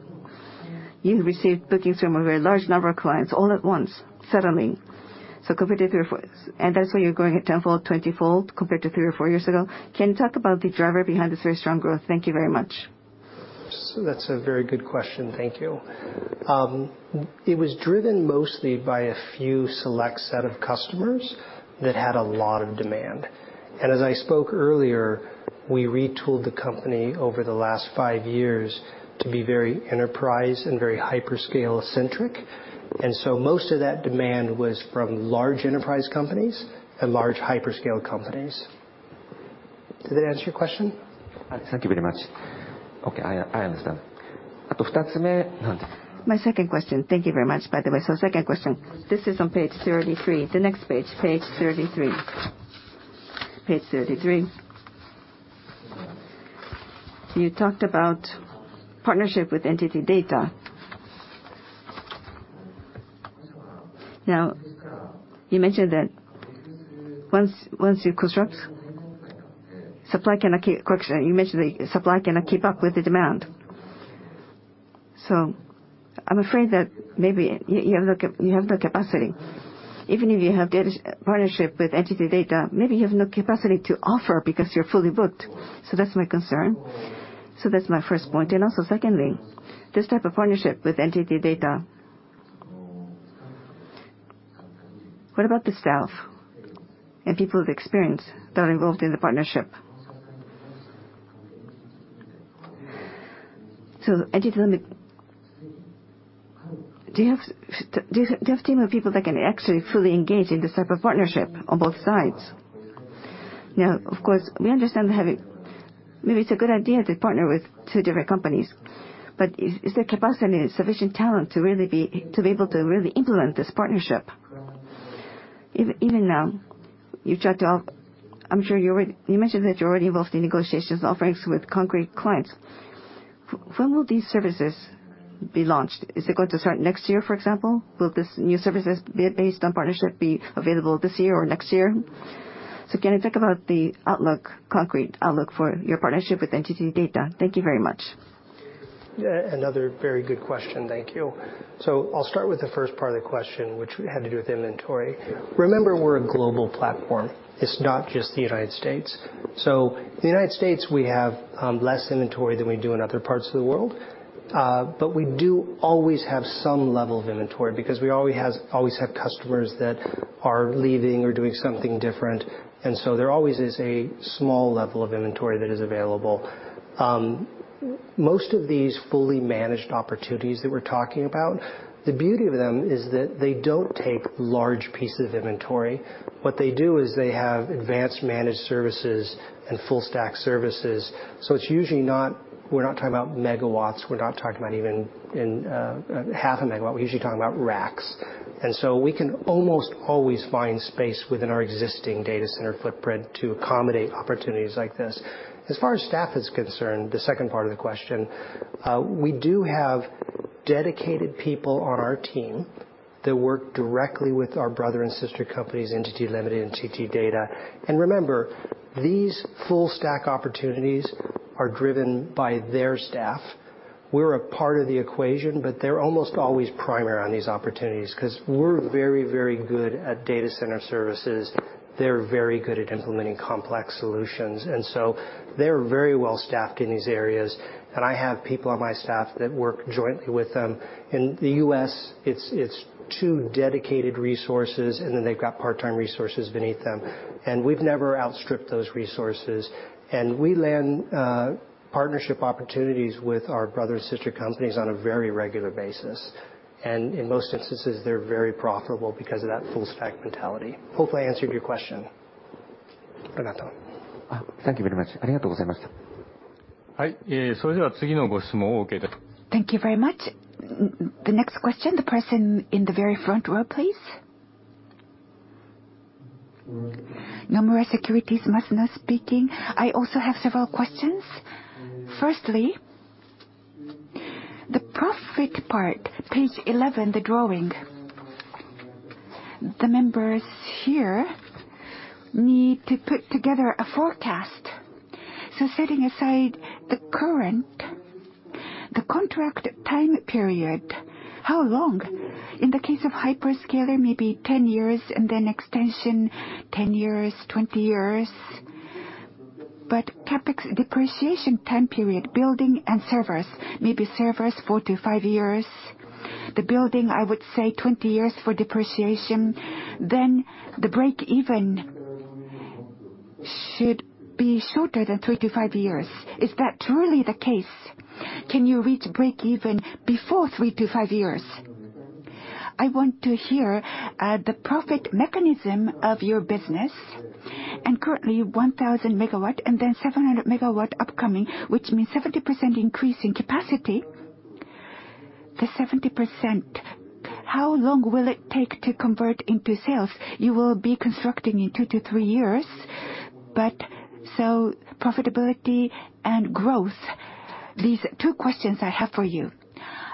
you received bookings from a very large number of clients all at once, suddenly. Compared to three or four years ago. That's why you're growing at tenfold, twentyfold compared to three or four years ago. Can you talk about the driver behind this very strong growth? Thank you very much. That's a very good question. Thank you. It was driven mostly by a few select set of customers that had a lot of demand. As I spoke earlier, we retooled the company over the last five years to be very enterprise and very hyperscale-centric. Most of that demand was from large enterprise companies and large hyperscale companies. Did that answer your question? Thank you very much. Okay, I understand. My second question. Thank you very much, by the way. Second question. This is on page 33. You talked about partnership with NTT Data. Now, you mentioned the supply cannot keep up with the demand. I'm afraid that maybe you have no capacity. Even if you have data partnership with NTT Data, maybe you have no capacity to offer because you're fully booked. That's my concern. That's my first point. Also secondly, this type of partnership with NTT Data, what about the staff and people with experience that are involved in the partnership? NTT, do you have a team of people that can actually fully engage in this type of partnership on both sides? Now, of course, we understand having maybe it's a good idea to partner with two different companies. But is there capacity and sufficient talent to be able to really implement this partnership? Even now, I'm sure you already mentioned that you're already involved in negotiations and offerings with concrete clients. When will these services be launched? Is it going to start next year, for example? Will this new services based on partnership be available this year or next year? Can you talk about the outlook, concrete outlook for your partnership with NTT DATA? Thank you very much. Another very good question, thank you. I'll start with the first part of the question, which had to do with inventory. Remember, we're a global platform. It's not just the United States. The United States, we have less inventory than we do in other parts of the world. We do always have some level of inventory because we always have customers that are leaving or doing something different. There always is a small level of inventory that is available. Most of these fully managed opportunities that we're talking about, the beauty of them is that they don't take large pieces of inventory. What they do is they have advanced managed services and full stack services. It's usually not. We're not talking about MW. We're not talking about even half a MW. We're usually talking about racks. We can almost always find space within our existing data center footprint to accommodate opportunities like this. As far as staff is concerned, the second part of the question, we do have dedicated people on our team that work directly with our brother and sister companies, NTT Limited and NTT Data. Remember, these full stack opportunities are driven by their staff. We're a part of the equation, but they're almost always primary on these opportunities 'cause we're very, very good at data center services. They're very good at implementing complex solutions, and so they're very well-staffed in these areas. I have people on my staff that work jointly with them. In the U.S., it's two dedicated resources, and then they've got part-time resources beneath them. We've never outstripped those resources. We land partnership opportunities with our brother and sister companies on a very regular basis. In most instances, they're very profitable because of that full stack mentality. Hopefully, I answered your question. Renato. Thank you very much. Thank you very much. The next question, the person in the very front row, please. Nomura Securities, Masuno speaking. I also have several questions. Firstly, the profit part, page eleven, the drawing. The members here need to put together a forecast. Setting aside the current, the contract time period, how long? In the case of hyperscaler, maybe 10 years, and then extension, 10 years, 20 years. CapEx depreciation time period, building and servers, maybe servers, four to five years. The building, I would say 20 years for depreciation. Then the breakeven should be shorter than three to five years. Is that truly the case? Can you reach breakeven before three to five years? I want to hear the profit mechanism of your business. Currently 1,000 MW and then 700 MW upcoming, which means 70% increase in capacity. The 70%, how long will it take to convert into sales? You will be constructing in years, but so profitability and growth, these two questions I have for you.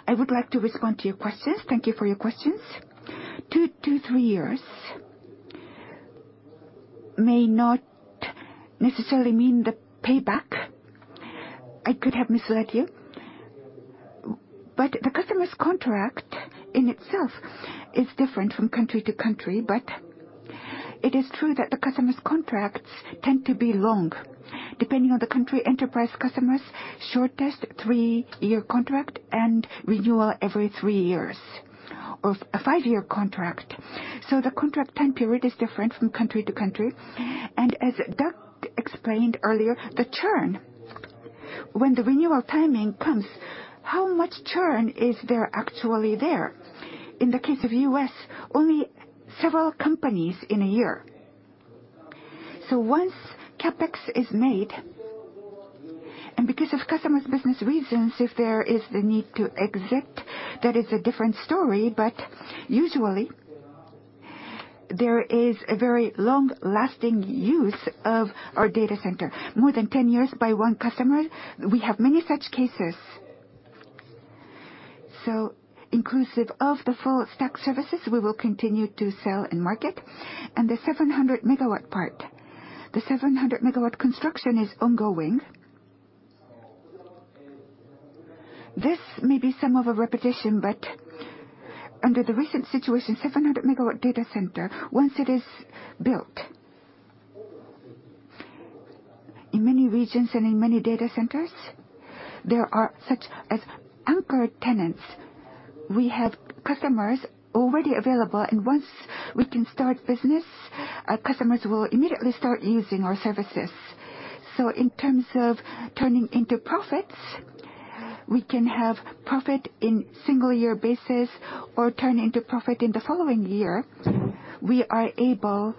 I would like to respond to your questions. Thank you for your questions. Two to three years may not necessarily mean the payback. I could have misled you. The customer's contract in itself is different from country to country. It is true that the customer's contracts tend to be long. Depending on the country, enterprise customers shortest three-year contract and renewal every three years, or a five-year contract. The contract time period is different from country to country. As Doug explained earlier, the churn. When the renewal timing comes, how much churn is there actually there? In the case of U.S., only several companies in a year. Once CapEx is made, and because of customers' business reasons, if there is the need to exit, that is a different story. Usually, there is a very long-lasting use of our data center, more than 10 years by one customer. We have many such cases. Inclusive of the full stack services, we will continue to sell and market. The 700 MW part. The 700 MW construction is ongoing. This may be some of a repetition, but under the recent situation, 700 MW data center, once it is built, in many regions and in many data centers, there are such as anchor tenants. We have customers already available, and once we can start business, our customers will immediately start using our services. In terms of turning into profits, we can have profit in single year basis or turn into profit in the following year. We are able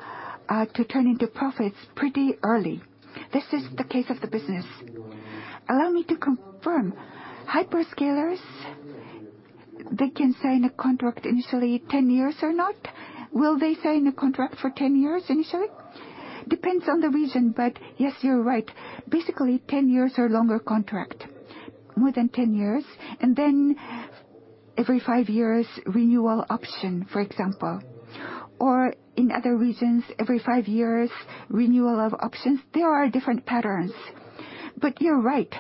to turn into profits pretty early. This is the case of the business. Allow me to confirm. Hyperscalers. They can sign a contract initially 10 years or not? Will they sign a contract for 10 years initially? Depends on the region, but yes, you're right. Basically, 10 years or longer contract. More than 10 years, and then every five years, renewal option, for example. Or in other regions, every five years renewal of options. There are different patterns. You're right,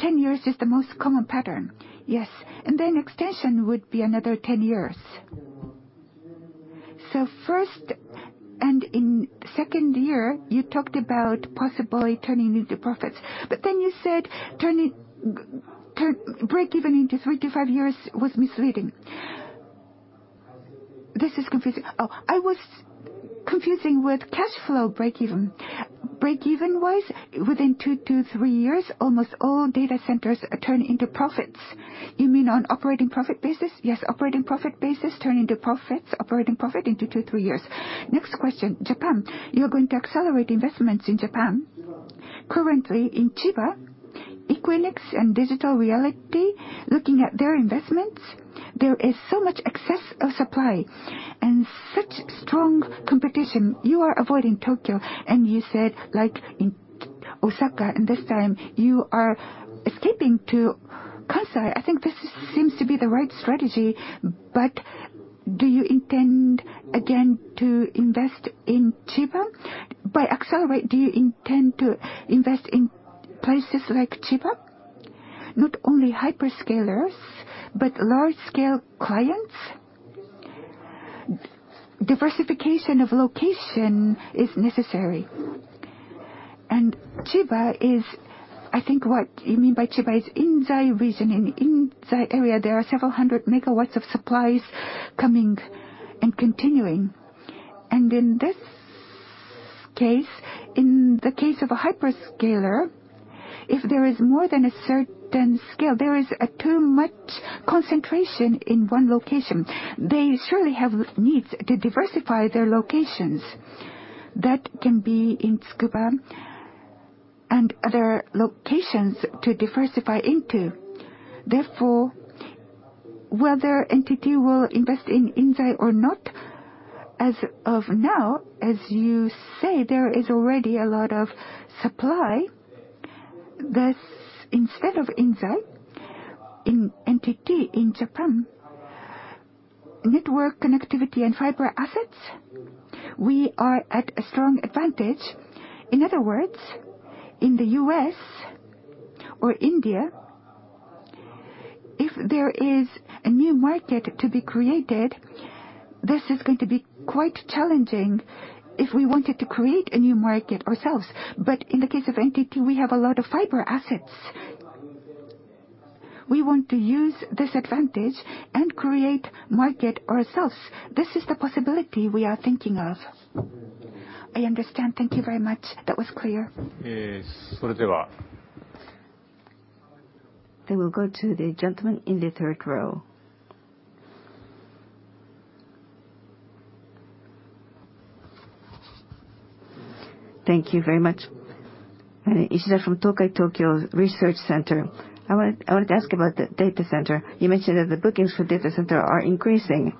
10 years is the most common pattern. Yes. And then extension would be another 10 years. First and second year, you talked about possibly turning into profits, but then you said turning to breakeven into three to five years was misleading. This is confusing. I was confusing with cash flow breakeven. Breakeven-wise, within two to three years, almost all data centers turn into profits. You mean on operating profit basis? Yes. Operating profit basis turn into profits. Operating profit in two to three years. Next question, Japan. You are going to accelerate investments in Japan. Currently in Chiba, Equinix and Digital Realty, looking at their investments, there is so much excess of supply and such strong competition. You are avoiding Tokyo, and you said, like, in Osaka and this time you are escaping to Kansai. I think this seems to be the right strategy, but do you intend again to invest in Chiba? By accelerate, do you intend to invest in places like Chiba? Not only hyperscalers, but large scale clients, diversification of location is necessary. Chiba is. I think what you mean by Chiba is Inzai region. In Inzai area, there are several hundred MW of supply coming and continuing. In this case, in the case of a hyperscaler, if there is more than a certain scale, there is too much concentration in one location. They surely have needs to diversify their locations. That can be in Tsukuba and other locations to diversify into. Therefore, whether NTT will invest in Inzai or not, as of now, as you say, there is already a lot of supply. Thus, instead of Inzai, in NTT in Japan, network connectivity and fiber assets, we are at a strong advantage. In other words, in the U.S. or India, if there is a new market to be created, this is going to be quite challenging if we wanted to create a new market ourselves. In the case of NTT, we have a lot of fiber assets. We want to use this advantage and create market ourselves. This is the possibility we are thinking of. I understand. Thank you very much. That was clear. Yes. I will go to the gentleman in the third row. Thank you very much. Ishida from Tokai Tokyo Research Center. I wanted to ask about the data center. You mentioned that the bookings for data center are increasing,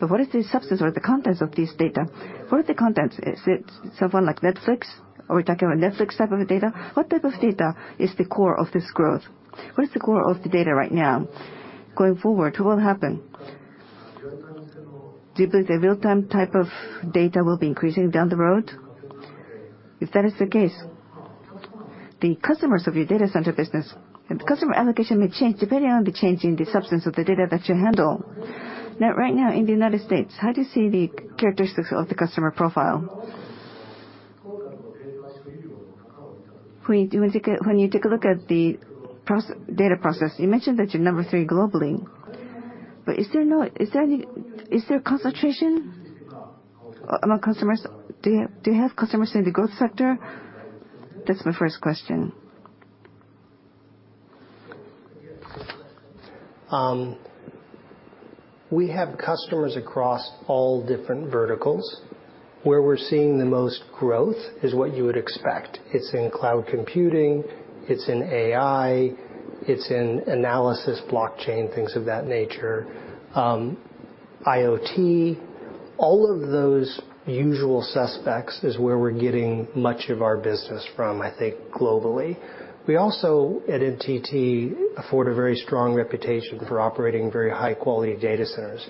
but what is the substance or the contents of this data? What is the contents? Is it someone like Netflix? Are we talking about Netflix type of data? What type of data is the core of this growth? What is the core of the data right now? Going forward, what will happen? Do you believe the real-time type of data will be increasing down the road? If that is the case, the customers of your data center business and the customer allocation may change depending on the change in the substance of the data that you handle. Now, right now in the United States, how do you see the characteristics of the customer profile? When you take a look at the data process, you mentioned that you're number 3 globally, but is there any concentration among customers? Do you have customers in the growth sector? That's my first question. We have customers across all different verticals. Where we're seeing the most growth is what you would expect. It's in cloud computing, it's in AI, it's in analytics, blockchain, things of that nature. IoT, all of those usual suspects is where we're getting much of our business from, I think, globally. We also, at NTT, have a very strong reputation for operating very high-quality data centers.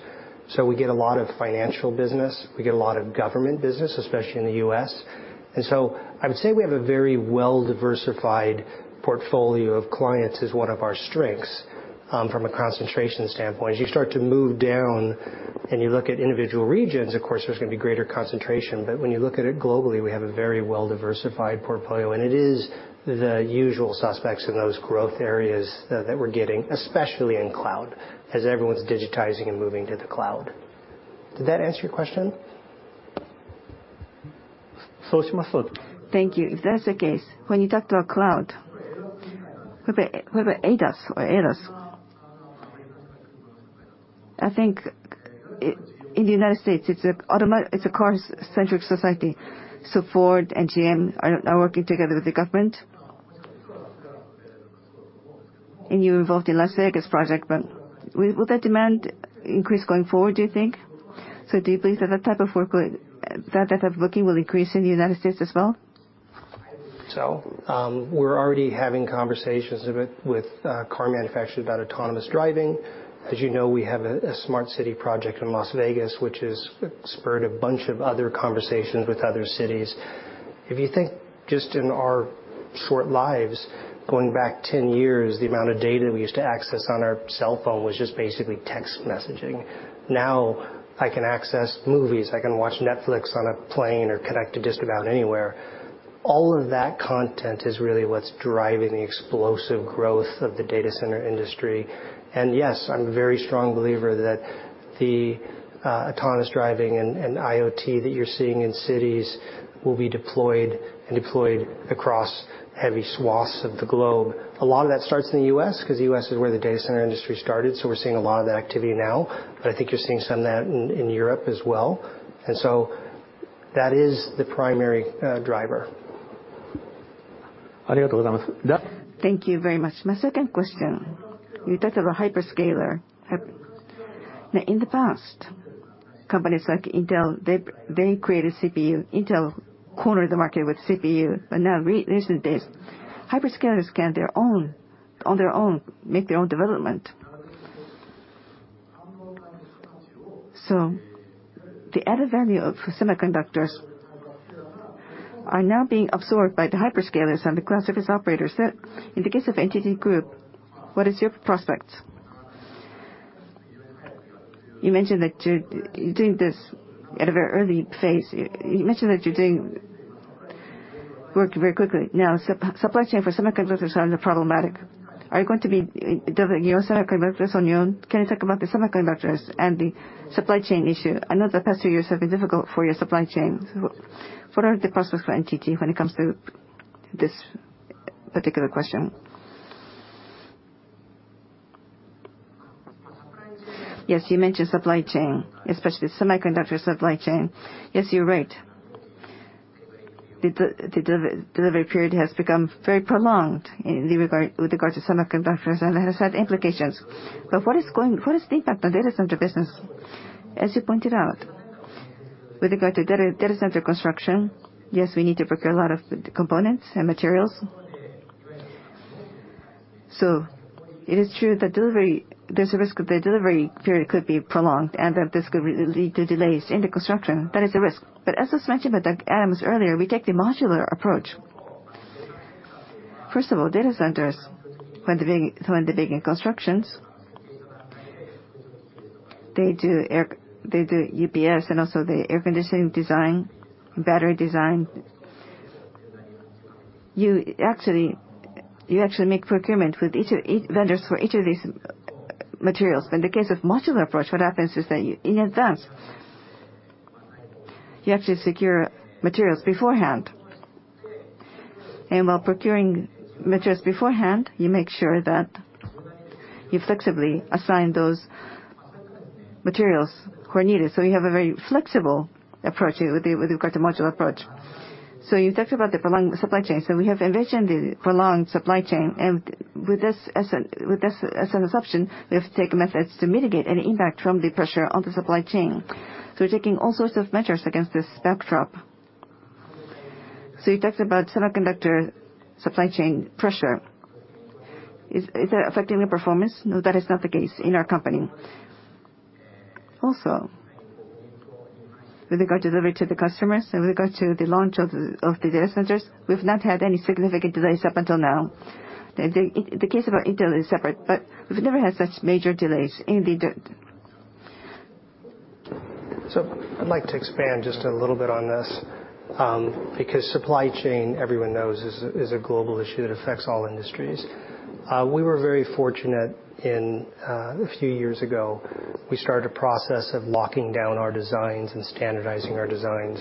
So we get a lot of financial business. We get a lot of government business, especially in the U.S. I would say we have a very well-diversified portfolio of clients as one of our strengths, from a concentration standpoint. As you start to move down and you look at individual regions, of course, there's going to be greater concentration. When you look at it globally, we have a very well-diversified portfolio. It is the usual suspects in those growth areas that we're getting, especially in cloud, as everyone's digitizing and moving to the cloud. Did that answer your question? Thank you. If that's the case, when you talk about cloud, with the ADAS, I think in the United States, it's a car-centric society. Ford and GM are working together with the government. You're involved in Las Vegas project, but will that demand increase going forward, do you think? Do you believe that type of workload, that type of booking will increase in the United States as well? We're already having conversations a bit with car manufacturers about autonomous driving. As you know, we have a smart city project in Las Vegas, which has spurred a bunch of other conversations with other cities. If you think just in our short lives, going back 10 years, the amount of data we used to access on our cell phone was just basically text messaging. Now, I can access movies. I can watch Netflix on a plane or connect to just about anywhere. All of that content is really what's driving the explosive growth of the data center industry. Yes, I'm a very strong believer that the autonomous driving and IoT that you're seeing in cities will be deployed across heavy swaths of the globe. A lot of that starts in the U.S. because U.S.is where the data center industry started, so we're seeing a lot of that activity now. I think you're seeing some of that in Europe as well. That is the primary driver. Thank you very much. My second question. You talked of a hyperscaler. Now, in the past, companies like Intel, they created CPU. Intel cornered the market with CPU. Now recent days, hyperscalers can on their own make their own development. The added value of semiconductors are now being absorbed by the hyperscalers and the cloud service operators. In the case of NTT Group, what is your prospects? You mentioned that you're doing this at a very early phase. You mentioned that you're doing work very quickly. Now, supply chain for semiconductors are problematic. Are you going to be developing your semiconductors on your own? Can you talk about the semiconductors and the supply chain issue? I know the past few years have been difficult for your supply chain. What are the prospects for NTT when it comes to this particular question? Yes, you mentioned supply chain, especially semiconductor supply chain. Yes, you're right. The delivery period has become very prolonged with regard to semiconductors, and that has had implications. What is the impact on data center business? As you pointed out, with regard to data center construction, yes, we need to procure a lot of components and materials. It is true that there's a risk that the delivery period could be prolonged, and that this could lead to delays in the construction. That is a risk. As was mentioned by Adams earlier, we take the modular approach. First of all, data centers, when they begin construction, they do UPS and also the air conditioning design, battery design. You actually make procurement with each of vendors for each of these materials. In the case of modular approach, what happens is that in advance, you have to secure materials beforehand. While procuring materials beforehand, you make sure that you flexibly assign those materials where needed. You have a very flexible approach with regard to modular approach. You talked about the prolonged supply chain. We have envisioned the prolonged supply chain. With this as an assumption, we have to take methods to mitigate any impact from the pressure on the supply chain. We're taking all sorts of measures against this backdrop. You talked about semiconductor supply chain pressure. Is that affecting the performance? No, that is not the case in our company. Also, with regard to delivery to the customers and with regard to the launch of the data centers, we've not had any significant delays up until now. The case about Intel is separate, but we've never had such major delays in the d- I'd like to expand just a little bit on this, because supply chain, everyone knows, is a global issue that affects all industries. We were very fortunate in a few years ago, we started a process of locking down our designs and standardizing our designs.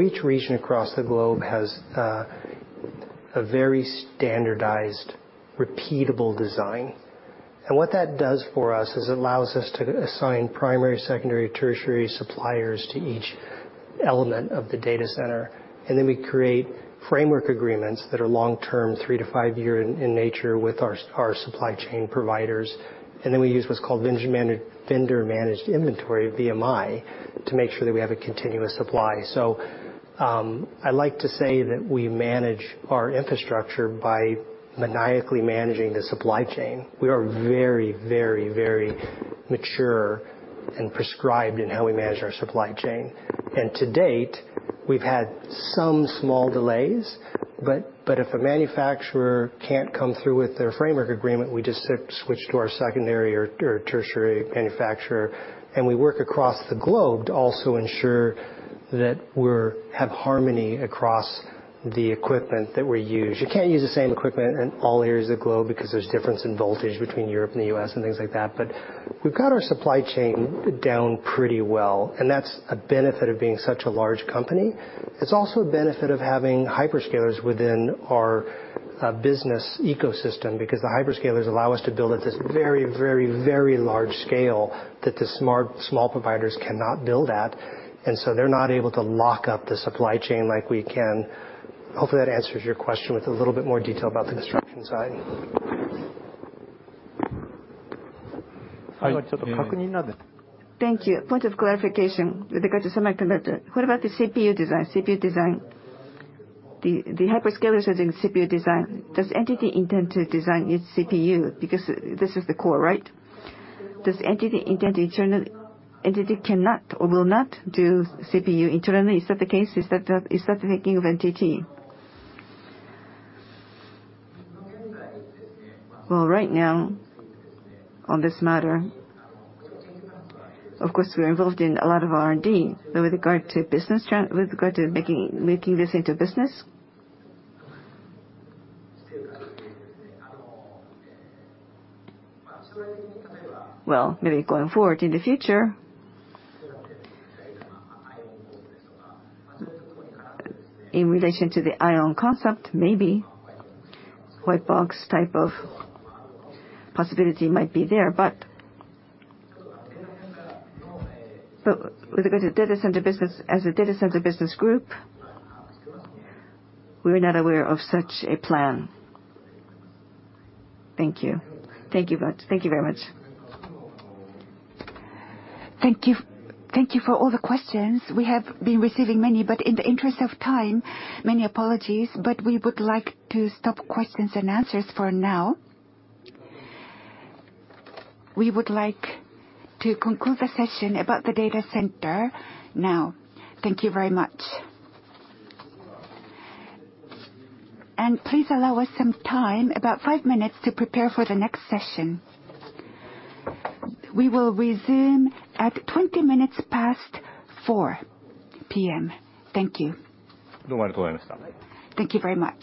Each region across the globe has a very standardized, repeatable design. What that does for us is it allows us to assign primary, secondary, tertiary suppliers to each element of the data center. Then we create framework agreements that are long-term, three to five -year in nature with our supply chain providers. Then we use what's called vendor managed inventory, VMI, to make sure that we have a continuous supply. I like to say that we manage our infrastructure by maniacally managing the supply chain. We are very mature and prescribed in how we manage our supply chain. To date, we've had some small delays, but if a manufacturer can't come through with their framework agreement, we just switch to our secondary or tertiary manufacturer, and we work across the globe to also ensure that we have harmony across the equipment that we use. You can't use the same equipment in all areas of the globe because there's difference in voltage between Europe and the U.S. and things like that. We've got our supply chain down pretty well, and that's a benefit of being such a large company. It's also a benefit of having hyperscalers within our business ecosystem, because the hyperscalers allow us to build at this very large scale that the smart small providers cannot build at. They're not able to lock up the supply chain like we can. Hopefully, that answers your question with a little bit more detail about the construction side. Thank you. Point of clarification with regard to semiconductor. What about the CPU design? The hyperscalers using CPU design. Does NTT intend to design its CPU? Because this is the core, right? NTT cannot or will not do CPU internally. Is that the case? Is that the thinking of NTT? Well, right now, on this matter, of course, we are involved in a lot of R&D. But with regard to making this into business? Well, maybe going forward in the future. In relation to the IOWN concept, maybe white box type of possibility might be there. But with regard to data center business, as a data center business group, we're not aware of such a plan. Thank you. Thank you very much. Thank you. Thank you for all the questions. We have been receiving many, but in the interest of time, many apologies, but we would like to stop questions and answers for now. We would like to conclude the session about the data center now. Thank you very much. Please allow us some time, about five minutes, to prepare for the next session. We will resume at 4:20 PM. Thank you. Thank you very much.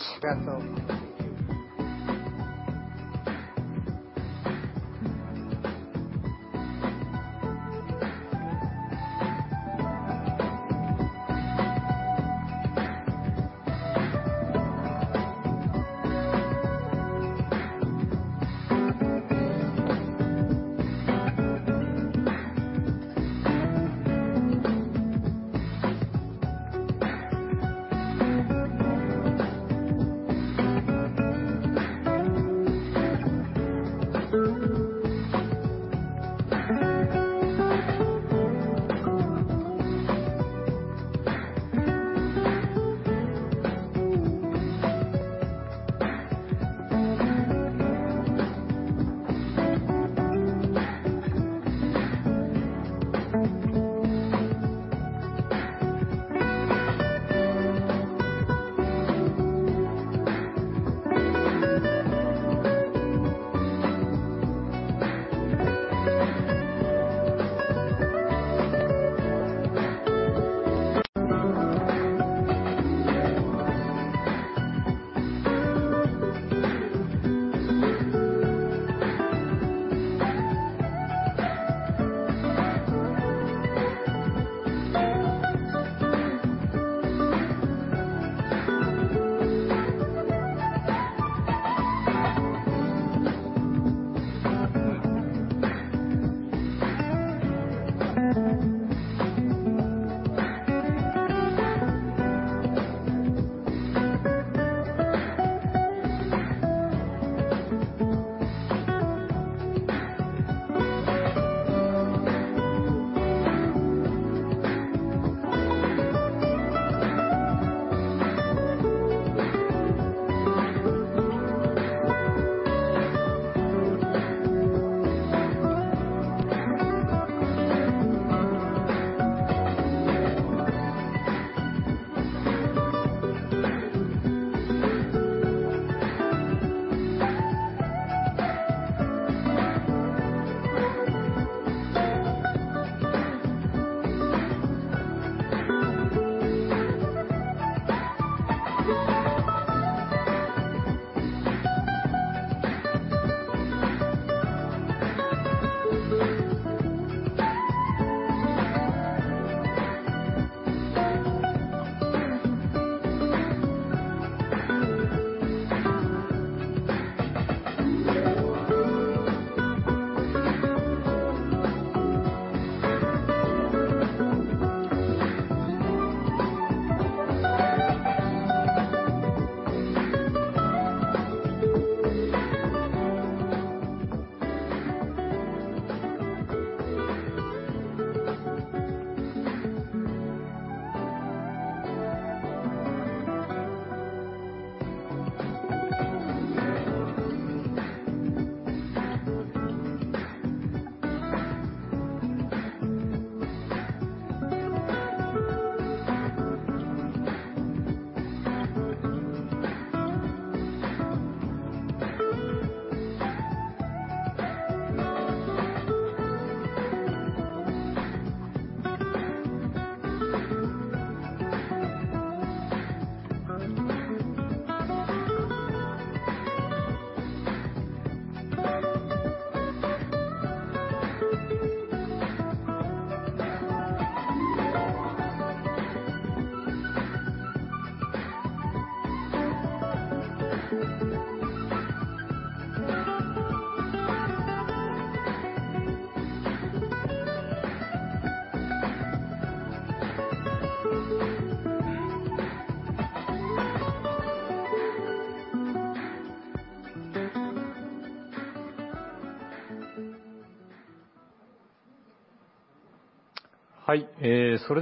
Thank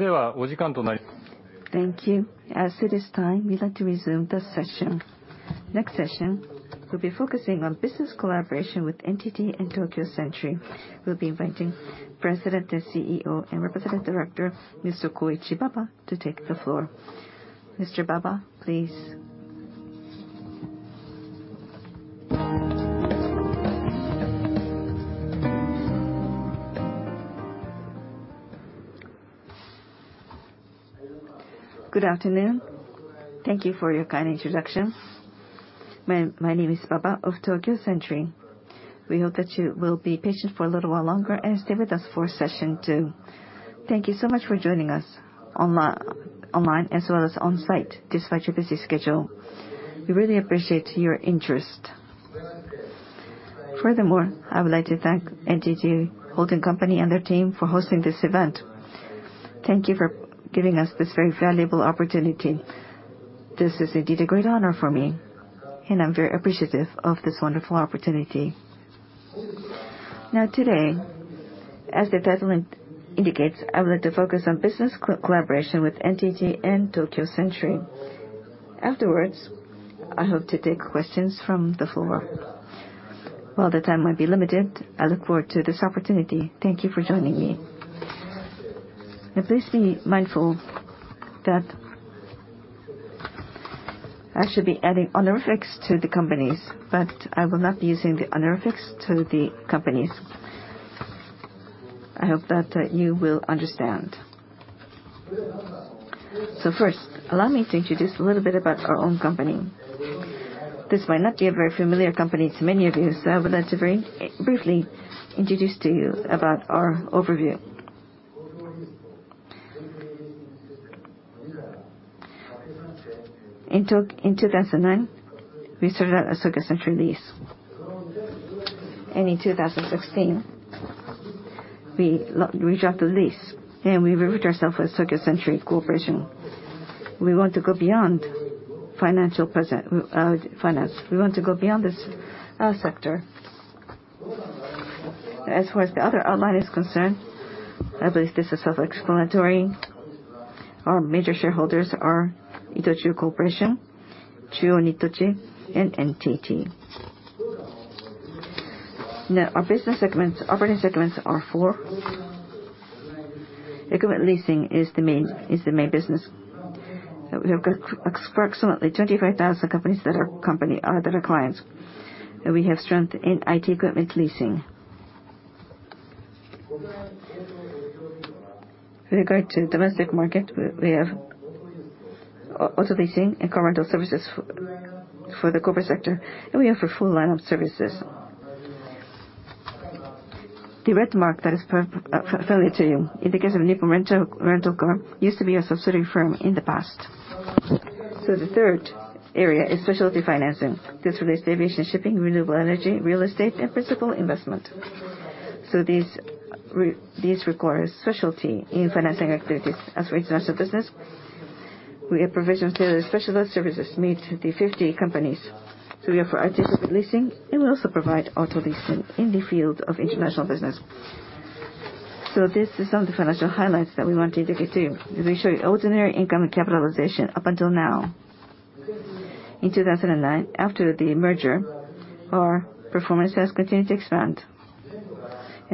you. As it is time, we'd like to resume this session. Next session, we'll be focusing on business collaboration with NTT and Tokyo Century. We'll be inviting President and CEO and Representative Director, Mr. Koichi Baba, to take the floor. Mr. Baba, please. Good afternoon. Thank you for your kind introduction. My name is Baba of Tokyo Century. We hope that you will be patient for a little while longer and stay with us for session two. Thank you so much for joining us online as well as on-site, despite your busy schedule. We really appreciate your interest. Furthermore, I would like to thank NTT Holding Company and their team for hosting this event. Thank you for giving us this very valuable opportunity. This is indeed a great honor for me, and I'm very appreciative of this wonderful opportunity. Now today, as the title indicates, I would like to focus on business collaboration with NTT and Tokyo Century. Afterwards, I hope to take questions from the floor. While the time might be limited, I look forward to this opportunity. Thank you for joining me. Now please be mindful that I should be adding honorifics to the companies, but I will not be using the honorifics to the companies. I hope that you will understand. First, allow me to introduce a little bit about our own company. This might not be a very familiar company to many of you, so I would like to very briefly introduce to you about our overview. In 2009, we started out as Century Tokyo Leasing Corporation. In 2016, we dropped the lease, and we rebrand ourselves as Tokyo Century Corporation. We want to go beyond financial finance. We want to go beyond this sector. As far as the other outline is concerned, I believe this is self-explanatory. Our major shareholders are ITOCHU Corporation, Chuo Nittochi, and NTT. Now, our business segments operating segments are four. Equipment leasing is the main business. We have approximately 25,000 companies that are clients. We have strength in IT equipment leasing. With regard to domestic market, we have auto leasing and car rental services for the corporate sector, and we offer a full line of services. The red mark that is familiar to you, in the case of Nippon Rent-A-Car, used to be a subsidiary firm in the past. The third area is specialty financing. This relates to aviation, shipping, renewable energy, real estate, and principal investment. These require specialty in financing activities. As for international business, we have provisions where specialized services meet the 50 companies. We offer IT leasing, and we also provide auto leasing in the field of international business. This is some of the financial highlights that we want to indicate to you. As we show you ordinary income and capitalization up until now. In 2009, after the merger, our performance has continued to expand.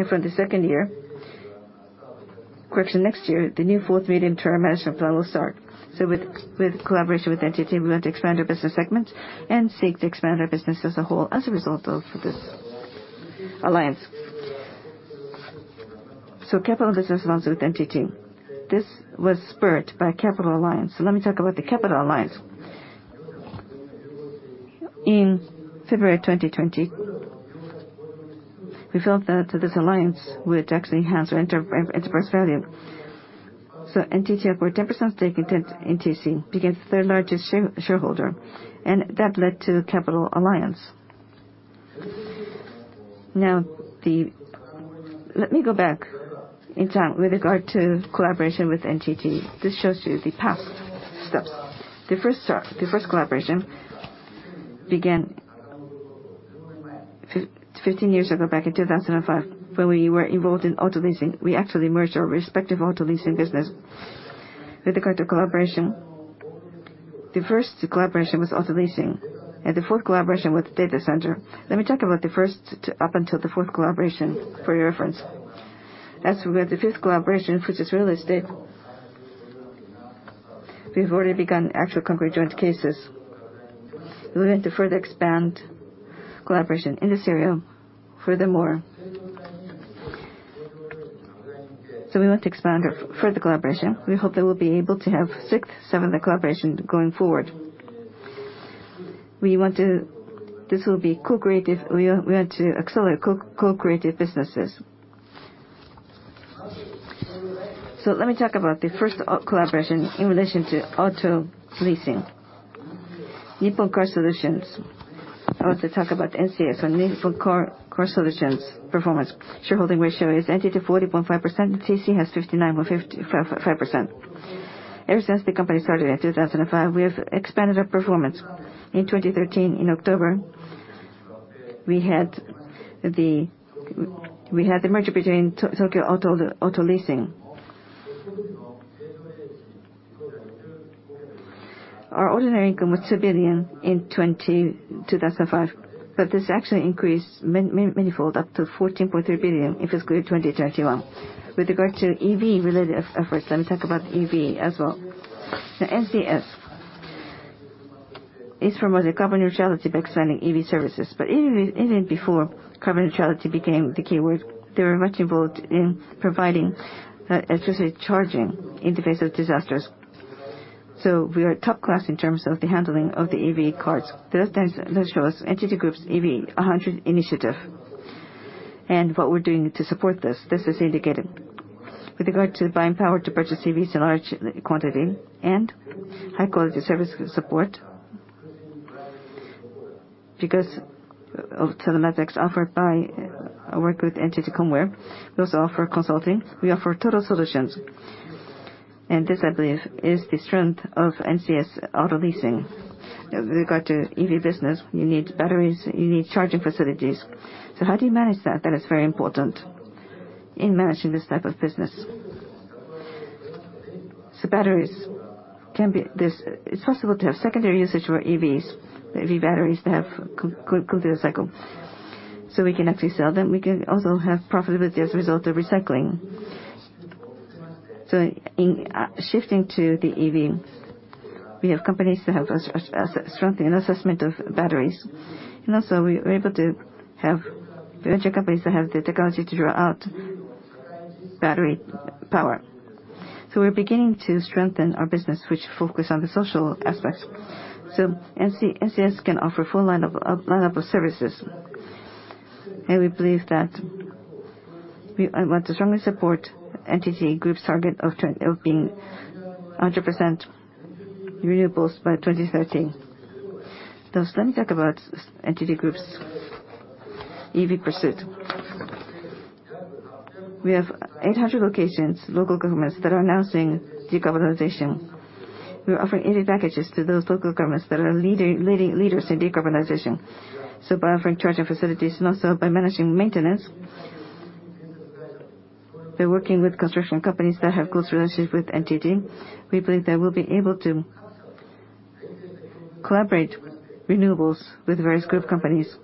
From next year, the new fourth medium-term management plan will start. With collaboration with NTT, we want to expand our business segments and seek to expand our business as a whole as a result of this alliance. Capital business alliance with NTT. This was spurred by capital alliance. Let me talk about the capital alliance. In February 2020, we felt that this alliance would actually enhance our enterprise value. NTT acquired 10% stake in Tokyo Century, became the third-largest shareholder, and that led to capital alliance. Now, let me go back in time with regard to collaboration with NTT. This shows you the past steps. The first step, the first collaboration began 15 years ago, back in 2005, when we were involved in auto leasing. We actually merged our respective auto leasing business. With regard to collaboration, the first collaboration was auto leasing, and the fourth collaboration was data center. Let me talk about the first up until the fourth collaboration for your reference. As we have the fifth collaboration, which is real estate, we've already begun actual concrete joint cases. We want to further expand collaboration in this area furthermore. We want to expand our further collaboration. We hope that we'll be able to have sixth, seventh collaboration going forward. We want to. This will be co-creative. We want to accelerate co-creative businesses. Let me talk about the first collaboration in relation to auto leasing. Nippon Car Solutions. I want to talk about NCS or Nippon Car Solutions performance. Shareholding ratio is NTT 40.5%, and TC has 59.55%. Ever since the company started in 2005, we have expanded our performance. In 2013, in October, we had the merger between Tokyo Auto Leasing. Our ordinary income was 2 billion in 2005, but this actually increased manyfold up to 14.3 billion in fiscal year 2021. With regard to EV-related efforts, let me talk about EV as well. Now NCS is promoting carbon neutrality by expanding EV services. Even before carbon neutrality became the keyword, they were much involved in providing electric charging in the face of disasters. We are top class in terms of the handling of the EV cards. The left-hand slide shows NTT Group's EV100 initiative and what we're doing to support this. This is indicated. With regard to buying power to purchase EVs in large quantity and high-quality service support, because of telematics offered by our work with NTT COMWARE, we also offer consulting. We offer total solutions. This, I believe, is the strength of NCS Auto Leasing. With regard to EV business, you need batteries, you need charging facilities. How do you manage that? That is very important in managing this type of business. It's possible to have secondary usage for EVs, EV batteries that have come to the cycle, so we can actually sell them. We can also have profitability as a result of recycling. In shifting to the EV, we have companies that have strengthened assessment of batteries. Also, we were able to have venture companies that have the technology to draw out battery power. We're beginning to strengthen our business, which focus on the social aspects. NCS can offer full lineup of services. We believe that we want to strongly support NTT Group's target of being 100% renewables by 2030. Now let me talk about NTT Group's EV pursuit. We have 800 locations, local governments, that are announcing decarbonization. We're offering EV packages to those local governments that are leaders in decarbonization. By offering charging facilities and also by managing maintenance, we're working with construction companies that have close relationships with NTT. We believe that we'll be able to collaborate renewables with various group companies,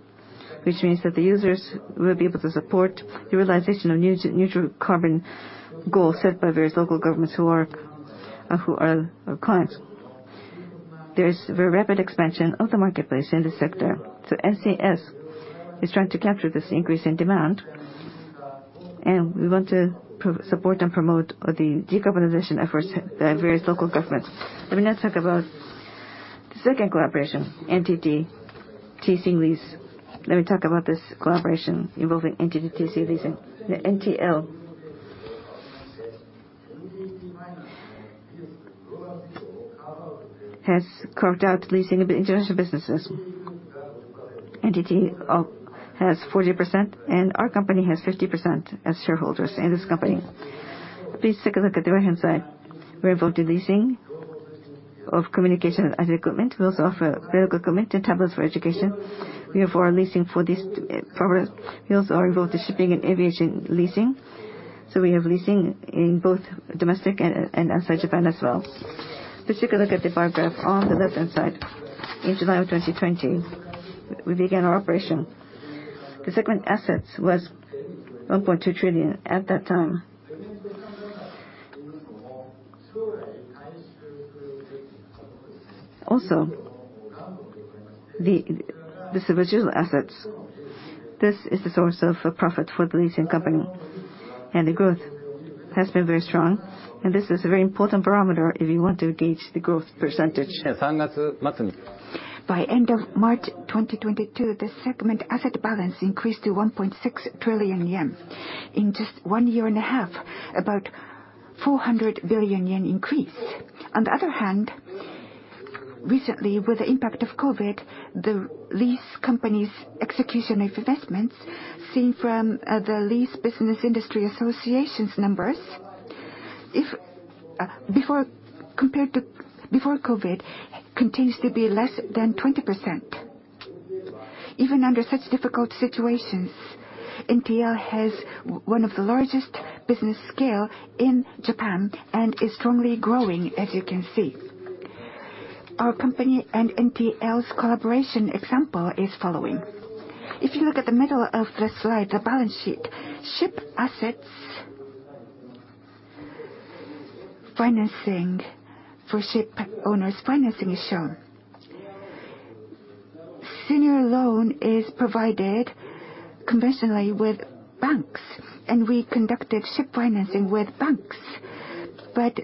which means that the users will be able to support the realization of carbon-neutral goals set by various local governments who are our clients. There is very rapid expansion of the marketplace in this sector, so NCS is trying to capture this increase in demand, and we want to support and promote the decarbonization efforts at various local governments. Let me now talk about the second collaboration, NTT TC Lease. Let me talk about this collaboration involving NTT TC Leasing. Now NTL has carved out leasing of international businesses. NTT has 40% and our company has 50% as shareholders in this company. Please take a look at the right-hand side. We're involved in leasing of communication and IT equipment. We also offer medical equipment and tablets for education. We offer our leasing for these products. We also are involved in shipping and aviation leasing. We have leasing in both domestic and outside Japan as well. Please take a look at the bar graph on the left-hand side. In July of 2020, we began our operation. The segment assets was 1.2 trillion at that time. Also, the residual assets, this is the source of profit for the leasing company, and the growth has been very strong. This is a very important parameter if you want to gauge the growth percentage. By end of March 2022, the segment asset balance increased to 1.6 trillion yen. In just one year and a half, about 400 billion yen increased. On the other hand, recently, with the impact of COVID, the lease company's execution of investments, seen from the Lease Business Industry Association's numbers, if compared to before COVID, continues to be less than 20%. Even under such difficult situations, NTL has one of the largest business scale in Japan and is strongly growing, as you can see. Our company and NTL's collaboration example is following. If you look at the middle of the slide, the balance sheet, ship assets financing for ship owners financing is shown. Senior loan is provided conventionally with banks, and we conducted ship financing with banks.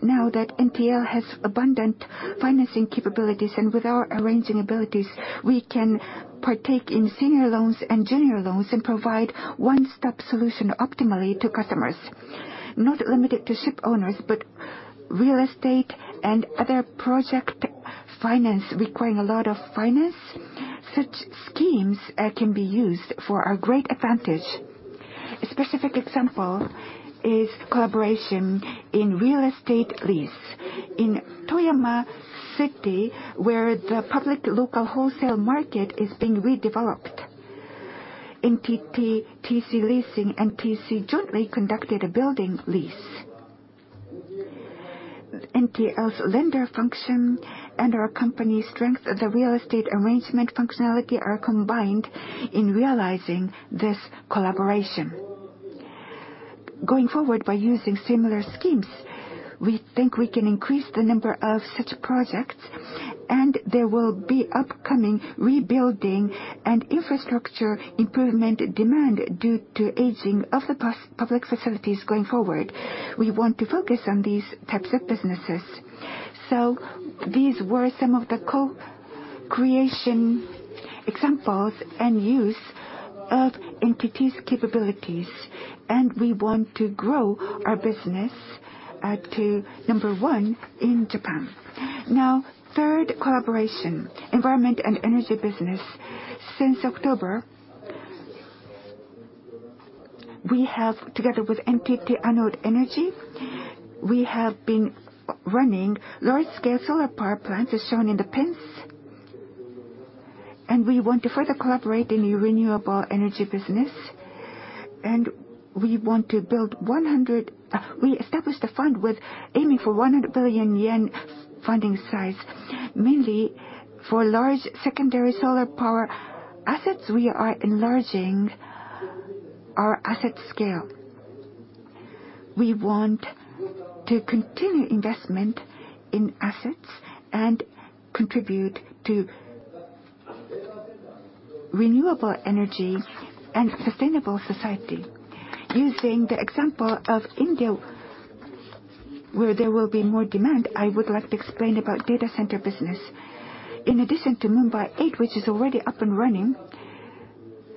Now that NTL has abundant financing capabilities and with our arranging abilities, we can partake in senior loans and general loans and provide one-stop solution optimally to customers. Not limited to ship owners, but real estate and other project finance requiring a lot of finance, such schemes can be used for our great advantage. A specific example is collaboration in real estate lease. In Toyama City, where the public local wholesale market is being redeveloped, NTT, TC Leasing, and TC jointly conducted a building lease. NTL's lender function and our company's strength, the real estate arrangement functionality, are combined in realizing this collaboration. Going forward, by using similar schemes, we think we can increase the number of such projects, and there will be upcoming rebuilding and infrastructure improvement demand due to aging of the public facilities going forward. We want to focus on these types of businesses. These were some of the co-creation examples and use of NTT's capabilities, and we want to grow our business to number one in Japan. Now, third collaboration, environment and energy business. Since October, together with NTT Anode Energy, we have been running large-scale solar power plants, as shown in the pics. We want to further collaborate in the renewable energy business. We established a fund with aiming for 100 billion yen funding size. Mainly for large secondary solar power assets, we are enlarging our asset scale. We want to continue investment in assets and contribute to renewable energy and sustainable society. Using the example of India, where there will be more demand, I would like to explain about data center business. In addition to Mumbai 8, which is already up and running,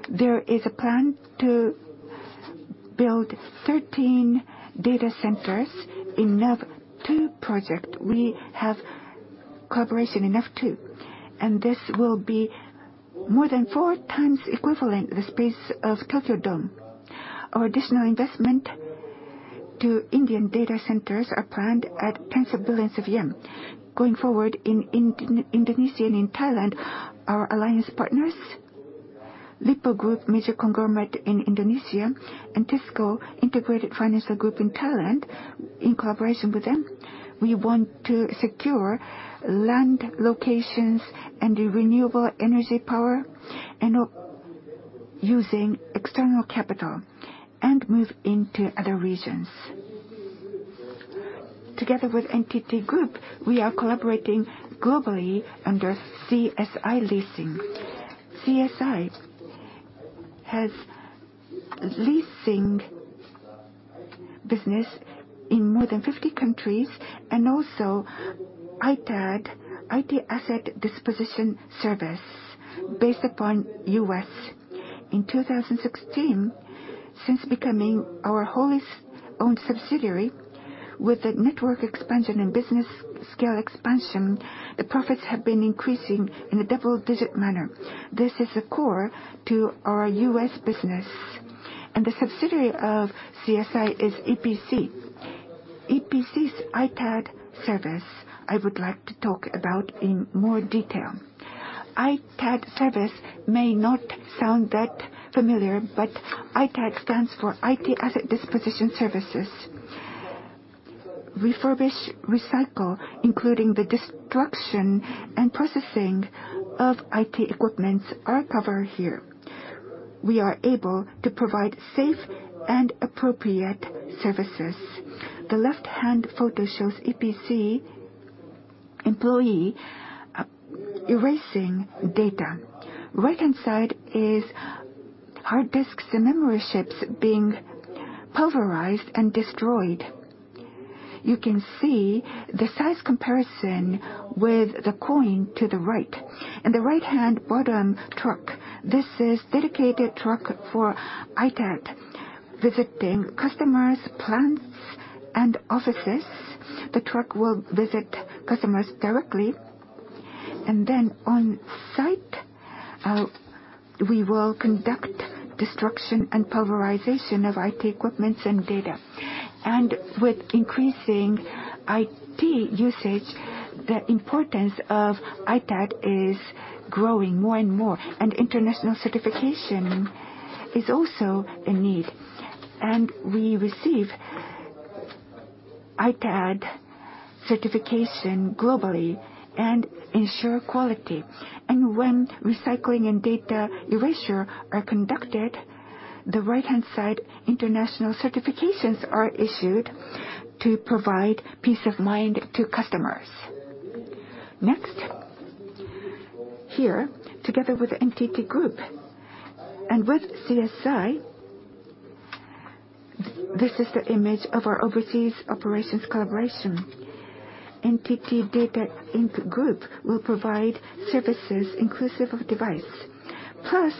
there is a plan to build 13 data centers in NAV2 project. We have cooperation in NAV2, and this will be more than four times equivalent the space of Tokyo Dome. Our additional investment to Indian data centers are planned at JPY tens of billions. Going forward, in Indonesia and in Thailand, our alliance partners, Lippo Group, major conglomerate in Indonesia, and TISCO, integrated financial group in Thailand, in collaboration with them, we want to secure land locations and renewable energy power and using external capital and move into other regions. Together with NTT Group, we are collaborating globally under CSI Leasing. CSI has leasing business in more than 50 countries and also ITAD, IT Asset Disposition service based in the U.S. In 2016, since becoming our wholly-owned subsidiary with a network expansion and business scale expansion, the profits have been increasing in a double-digit manner. This is a core to our U.S. business. The subsidiary of CSI is EPC. EPC's ITAD service, I would like to talk about in more detail. ITAD service may not sound that familiar, but ITAD stands for IT Asset Disposition services. Refurbish, recycle, including the destruction and processing of IT equipment, are covered here. We are able to provide safe and appropriate services. The left-hand photo shows EPC employee erasing data. Right-hand side is hard disks and memory chips being pulverized and destroyed. You can see the size comparison with the coin to the right. In the right-hand bottom truck, this is dedicated truck for ITAD. Visiting customers, plants, and offices, the truck will visit customers directly. On site, we will conduct destruction and pulverization of IT equipment and data. With increasing IT usage, the importance of ITAD is growing more and more, and international certification is also a need. We receive ITAD certification globally and ensure quality. When recycling and data erasure are conducted, the right-hand side international certifications are issued to provide peace of mind to customers. Next, here, together with NTT Group and with CSI, this is the image of our overseas operations collaboration. NTT DATA, Inc. Group will provide services inclusive of devices. Plus,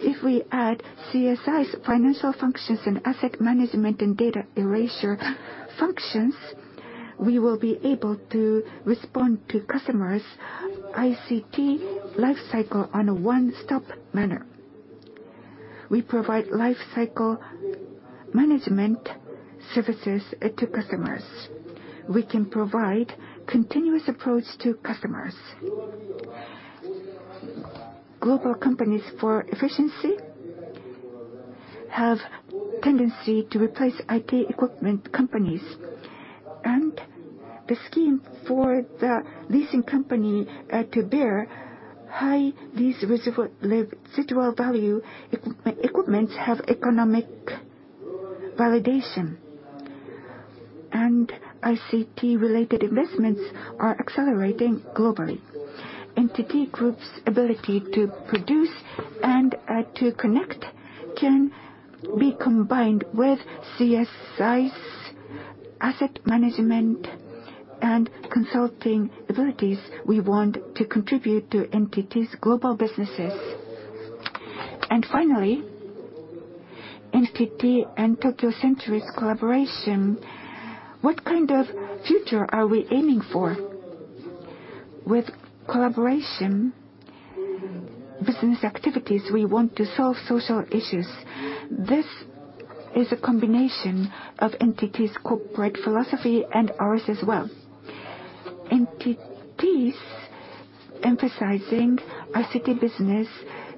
if we add CSI's financial functions and asset management and data erasure functions, we will be able to respond to customers' ICT life cycle in a one-stop manner. We provide life cycle management services to customers. We can provide continuous approach to customers. Global companies, for efficiency, have tendency to replace IT equipment companies. The scheme for the leasing company to bear high lease residual value equipment have economic validation. ICT-related investments are accelerating globally. NTT Group's ability to produce and to connect can be combined with CSI's asset management and consulting abilities. We want to contribute to NTT's global businesses. Finally, NTT and Tokyo Century's collaboration. What kind of future are we aiming for? With collaboration business activities, we want to solve social issues. This is a combination of NTT's corporate philosophy and ours as well. NTT's emphasizing ICT business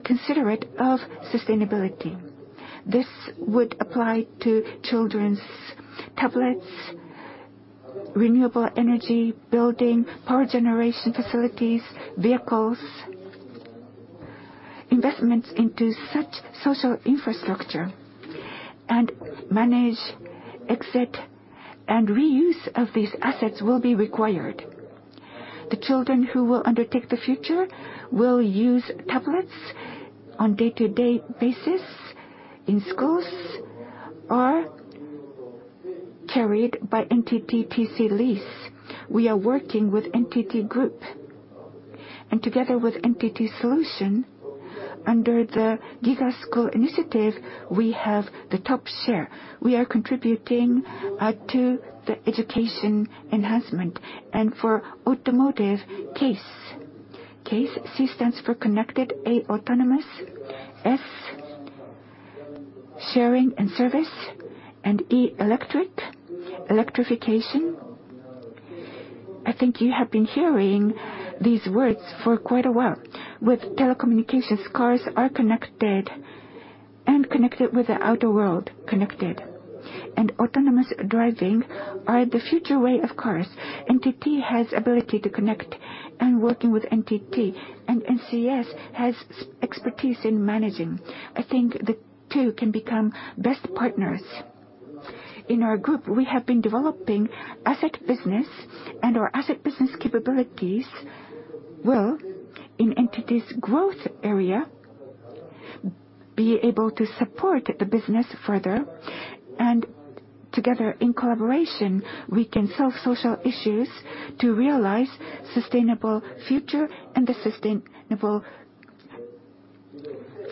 considerate of sustainability. This would apply to children's tablets, renewable energy, building, power generation facilities, vehicles. Investments into such social infrastructure and management, exit and reuse of these assets will be required. The children who will undertake the future will use tablets on day-to-day basis in schools are carried by NTT TC Lease. We are working with NTT Group. Together with NTT Solution, under the GIGA School initiative, we have the top share. We are contributing to the education enhancement. For automotive case. Case, C stands for connected, A, autonomous, S, sharing and service, and E, electric, electrification. I think you have been hearing these words for quite a while. With telecommunications, cars are connected with the outer world. Autonomous driving are the future way of cars. NTT has ability to connect, and working with NTT. NCS has expertise in managing. I think the two can become best partners. In our group, we have been developing asset business, and our asset business capabilities will, in NTT's growth area, be able to support the business further. Together, in collaboration, we can solve social issues to realize sustainable future, and the sustainable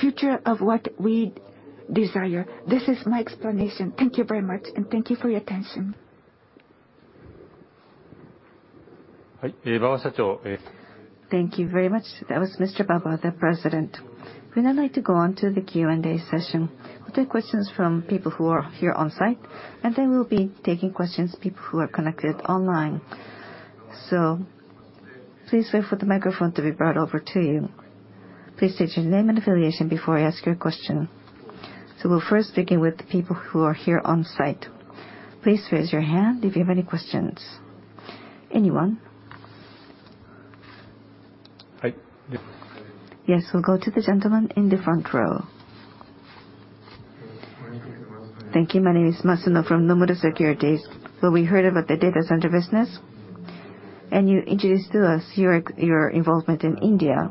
future of what we desire. This is my explanation. Thank you very much, and thank you for your attention. Thank you very much. That was Mr. Baba, the President. We now like to go on to the Q&A session. We'll take questions from people who are here on site, and then we'll be taking questions people who are connected online. Please wait for the microphone to be brought over to you. Please state your name and affiliation before you ask your question. We'll first begin with the people who are here on site. Please raise your hand if you have any questions. Anyone? Yes, we'll go to the gentleman in the front row. Thank you. My name is Masuno from Nomura Securities. We heard about the data center business, and you introduced to us your involvement in India.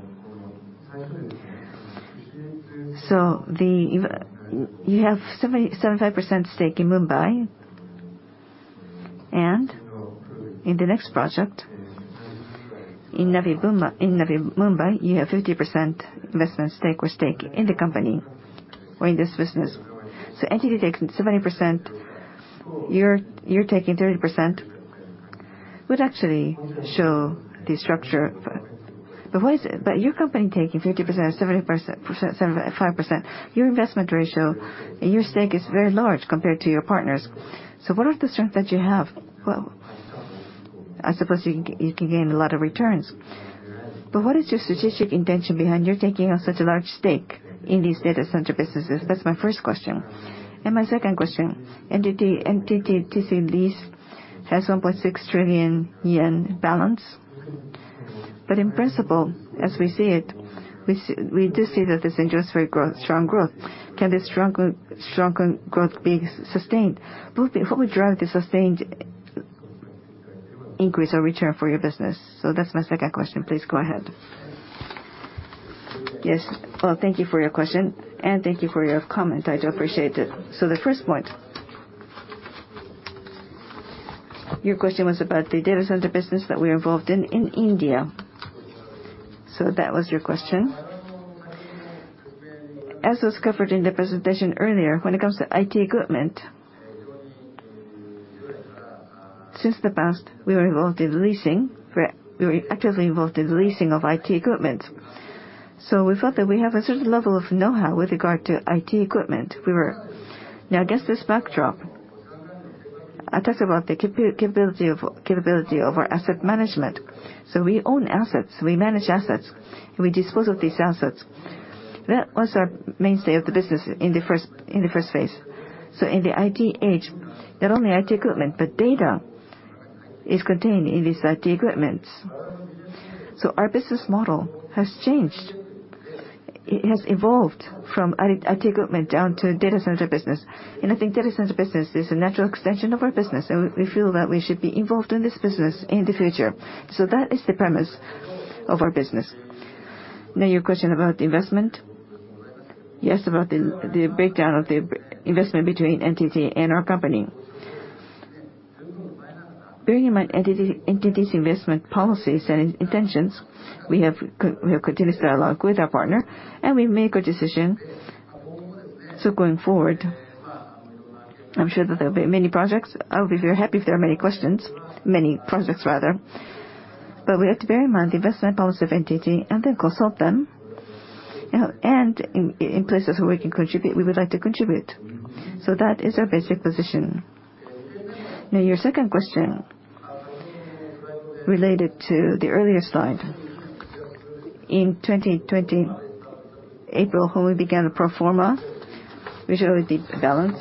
You have 77% stake in Mumbai, and in the next project, in Navi Mumbai, you have 50% investment stake or stake in the company or in this business. NTT takes 70%, you're taking 30%. Would actually show the structure. Why is it your company taking 50% or 70%, 75%, your investment ratio and your stake is very large compared to your partners. What are the strength that you have? Well, I suppose you can gain a lot of returns. What is your strategic intention behind your taking of such a large stake in these data center businesses? That's my first question. My second question, NTT TC Leasing has 1.6 trillion yen balance. In principle, as we see it, we do see that there's infrastructure growth, strong growth. Can this strong growth be sustained? What would drive the sustained increase or return for your business? That's my second question. Please go ahead. Yes. Well, thank you for your question, and thank you for your comment. I do appreciate it. The first point. Your question was about the data center business that we're involved in in India. That was your question. As was covered in the presentation earlier, when it comes to IT equipment, since the past, we were involved in leasing. We were actively involved in the leasing of IT equipment. We felt that we have a certain level of know-how with regard to IT equipment. Now against this backdrop, I talked about the capability of our asset management. We own assets, we manage assets, and we dispose of these assets. That was our mainstay of the business in the first phase. In the IT age, not only IT equipment, but data is contained in these IT equipment. Our business model has changed. It has evolved from IT equipment down to data center business. I think data center business is a natural extension of our business, and we feel that we should be involved in this business in the future. That is the premise of our business. Now your question about investment. Yes, about the breakdown of the investment between NTT and our company. Bearing in mind NTT's investment policies and intentions, we have continuous dialogue with our partner, and we make a decision. Going forward, I'm sure that there will be many projects. I'll be very happy if there are many questions, many projects rather. We have to bear in mind the investment policy of NTT and then consult them. You know, and in places where we can contribute, we would like to contribute. That is our basic position. Now your second question related to the earlier slide. In April 2020, when we began the pro forma, we showed you the balance,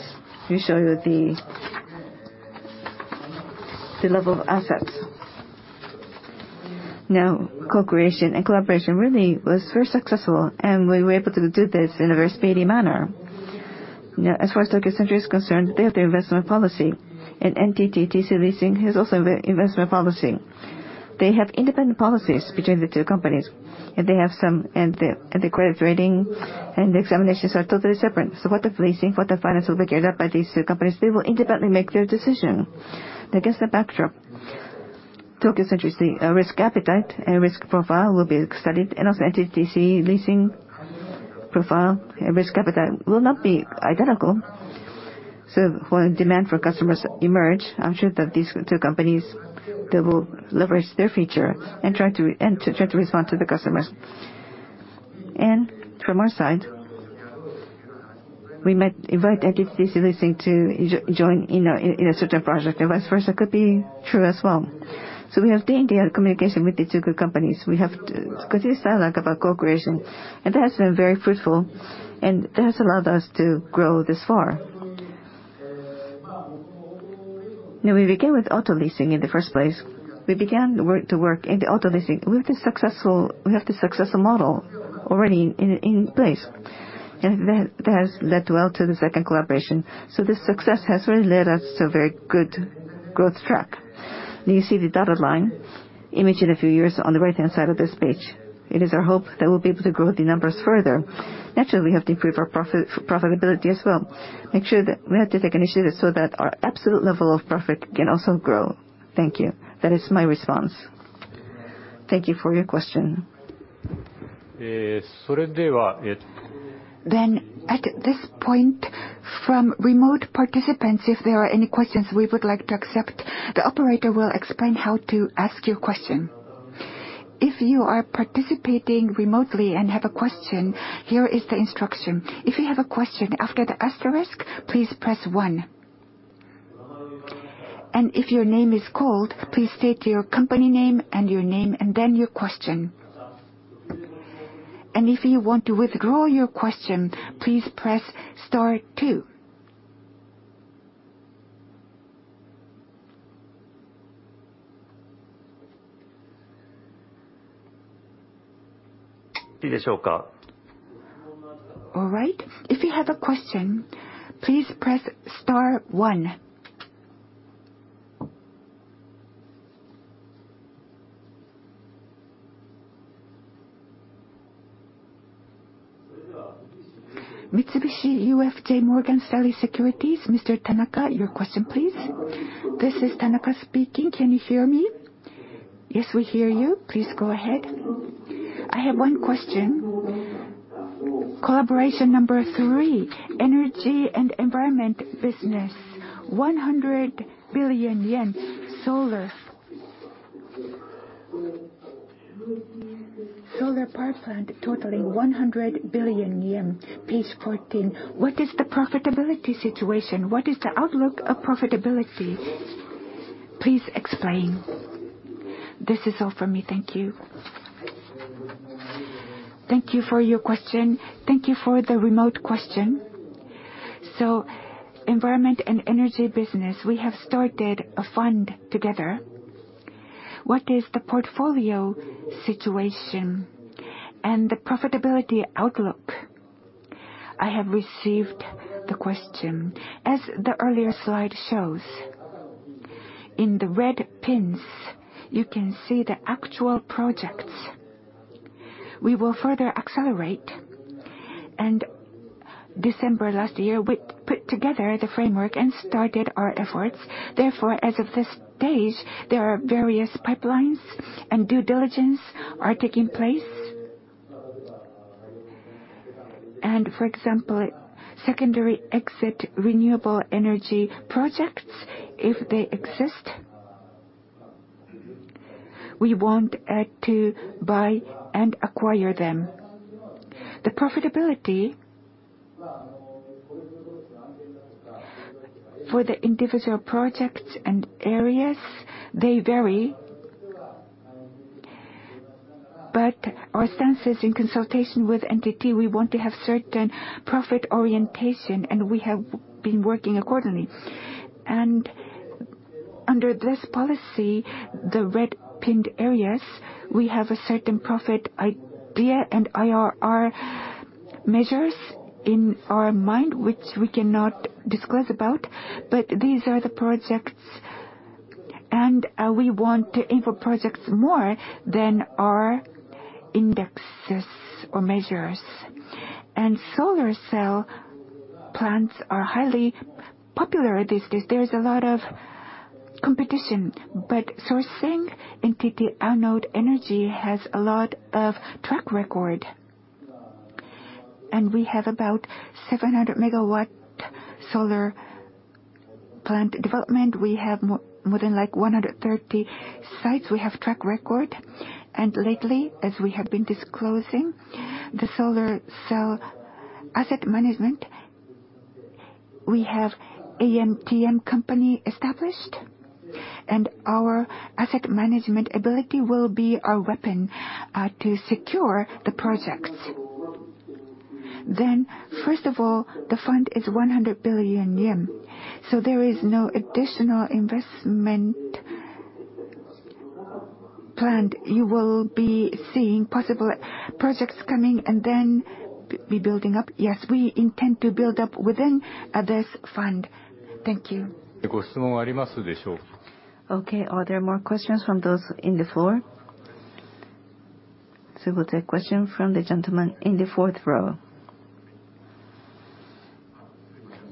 we showed you the level of assets. Now, co-creation and collaboration really was very successful, and we were able to do this in a very speedy manner. Now, as far as Tokyo Century is concerned, they have their investment policy. NTT TC Leasing has also investment policy. They have independent policies between the two companies, and they have and the credit rating and the examinations are totally separate. What the policy, what the financing will be carried out by these two companies, they will independently make their decision. Against that backdrop, Tokyo Century's risk appetite and risk profile will be studied, and also NTT TC Leasing profile and risk appetite will not be identical. When demand for customers emerge, I'm sure that these two companies, they will leverage their feature and try to respond to the customers. From our side, we might invite NTT TC Leasing to join in a certain project. Vice versa, it could be true as well. We have day-in, day-out communication with the two companies. We have to continue dialogue about co-creation, and that has been very fruitful, and that has allowed us to grow this far. Now we began with auto leasing in the first place. We began the work in the auto leasing. We have the successful model already in place. That has led well to the second collaboration. This success has really led us to a very good growth track. Now you see the dotted line image in a few years on the right-hand side of this page. It is our hope that we'll be able to grow the numbers further. Naturally, we have to improve our profit, profitability as well. Make sure that we have to take initiatives so that our absolute level of profit can also grow. Thank you. That is my response. Thank you for your question. At this point, from remote participants, if there are any questions we would like to accept, the operator will explain how to ask your question. If you are participating remotely and have a question, here is the instruction. If you have a question, after the asterisk, please press one. If your name is called, please state your company name and your name, and then your question. If you want to withdraw your question, please press star two. All right. If you have a question, please press star one. Mitsubishi UFJ Morgan Stanley Securities, Mr. Tanaka, your question please. This is Tanaka speaking. Can you hear me? Yes, we hear you. Please go ahead. I have one question. Collaboration number three, energy and environment business, 100 billion yen solar. Solar park plant totaling 100 billion yen, page 14. What is the profitability situation? What is the outlook of profitability? Please explain. This is all for me. Thank you. Thank you for your question. Thank you for the remote question. Environment and energy business, we have started a fund together. What is the portfolio situation and the profitability outlook? I have received the question. As the earlier slide shows, in the red pins, you can see the actual projects. We will further accelerate, and December last year, we put together the framework and started our efforts. Therefore, as of this stage, there are various pipelines and due diligence are taking place. For example, secondary exit renewable energy projects, if they exist, we want to buy and acquire them. The profitability for the individual projects and areas, they vary. Our stance is in consultation with NTT, we want to have certain profit orientation, and we have been working accordingly. Under this policy, the red pinned areas, we have a certain profit idea and IRR measures in our mind, which we cannot disclose about. These are the projects, and we want to aim for projects more than our indexes or measures. Solar cell plants are highly popular these days. There is a lot of competition. Sourcing NTT Anode Energy has a lot of track record. We have about 700 MW solar plant development. We have more than like 130 sites. We have track record. Lately, as we have been disclosing the solar cell asset management, we have AMTM company established, and our asset management ability will be our weapon to secure the projects. First of all, the fund is 100 billion yen, so there is no additional investment planned. You will be seeing possible projects coming and then be building up. Yes, we intend to build up within this fund. Thank you. Okay. Are there more questions from those on the floor? We'll take a question from the gentleman in the fourth row.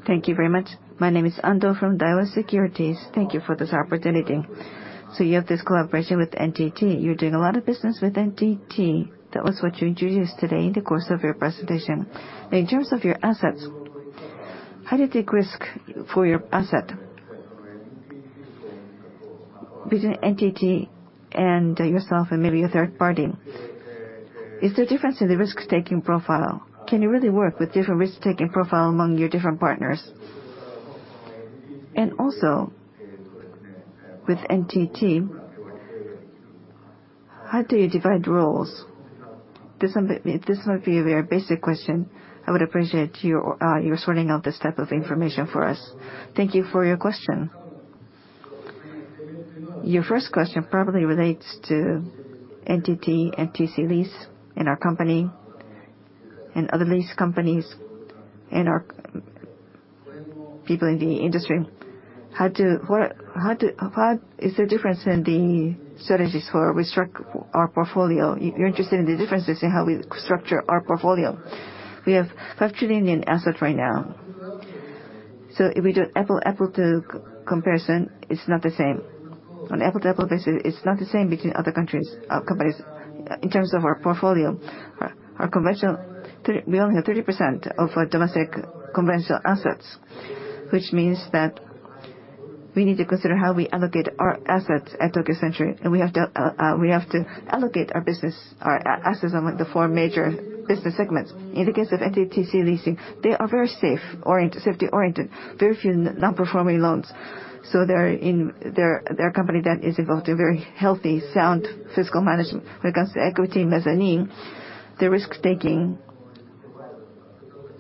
Thank you very much. My name is Ando from Daiwa Securities. Thank you for this opportunity. You have this collaboration with NTT. You're doing a lot of business with NTT. That was what you introduced today in the course of your presentation. In terms of your assets, how do you take risk for your asset between NTT and yourself and maybe a third party? Is there difference in the risk-taking profile? Can you really work with different risk-taking profile among your different partners? With NTT, how do you divide roles? This might be a very basic question. I would appreciate your sorting out this type of information for us. Thank you for your question. Your first question probably relates to NTT Lease and our company, and other lease companies, and our people in the industry. What is the difference in the strategies for how we structure our portfolio? You're interested in the differences in how we structure our portfolio. We have 5 trillion in assets right now. If we do apple-to-apple comparison, it's not the same. On apple-to-apple basis, it's not the same between other countries, companies in terms of our portfolio. We only have 30% of our domestic conventional assets, which means that we need to consider how we allocate our assets at Tokyo Century, and we have to allocate our business, our assets among the four major business segments. In the case of NTT TC Leasing, they are very safety-oriented. Very few non-performing loans. They're a company that is involved in very healthy, sound fiscal management. When it comes to equity mezzanine, the risk-taking.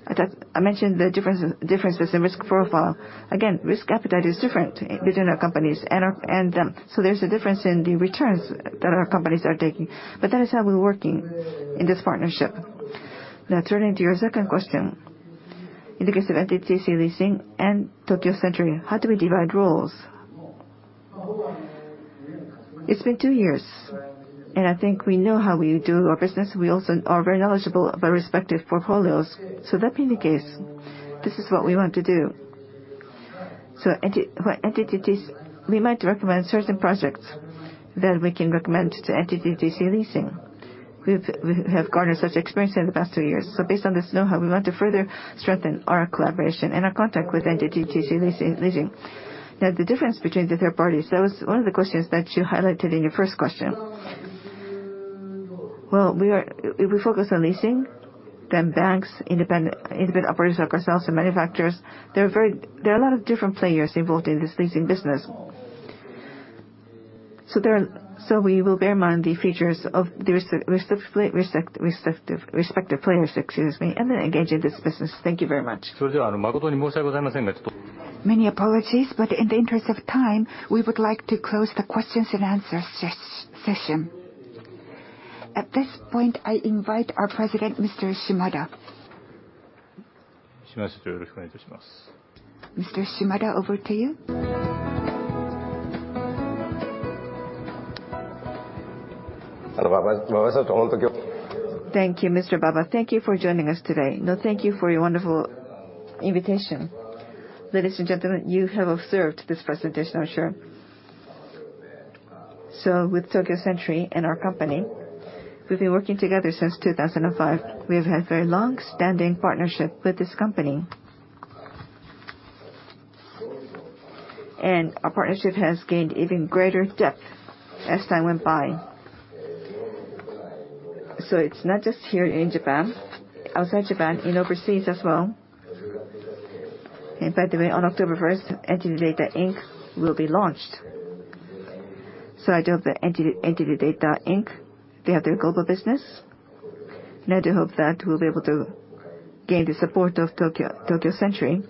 I thought I mentioned the differences in risk profile. Again, risk appetite is different between our companies and them, so there's a difference in the returns that our companies are taking. That is how we're working in this partnership. Now turning to your second question. In the case of NTT TC Leasing and Tokyo Century, how do we divide roles? It's been two years, and I think we know how we do our business. We also are very knowledgeable of our respective portfolios. That being the case, this is what we want to do. For NTT's, we might recommend certain projects that we can recommend to NTT TC Leasing. We have garnered such experience in the past two years. Based on this know-how, we want to further strengthen our collaboration and our contact with NTT TC Leasing. Now the difference between the third parties, that was one of the questions that you highlighted in your first question. Well, we focus on leasing, then banks, independent operators like ourselves and manufacturers. There are a lot of different players involved in this leasing business. We will bear in mind the features of the respective players, excuse me, and then engage in this business. Thank you very much. Many apologies, but in the interest of time, we would like to close the questions and answers session. At this point, I invite our president, Mr. Shimada. Mr. Shimada, over to you. Thank you, Mr. Baba. Thank you for joining us today. No, thank you for your wonderful invitation. Ladies and gentlemen, you have observed this presentation, I'm sure. With Tokyo Century and our company, we've been working together since 2005. We have had very long-standing partnership with this company. Our partnership has gained even greater depth as time went by. It's not just here in Japan, outside Japan, overseas as well. By the way, on October first, NTT DATA, Inc. will be launched. I drove the NTT DATA, Inc. They have their global business. I do hope that we'll be able to gain the support of Tokyo Century,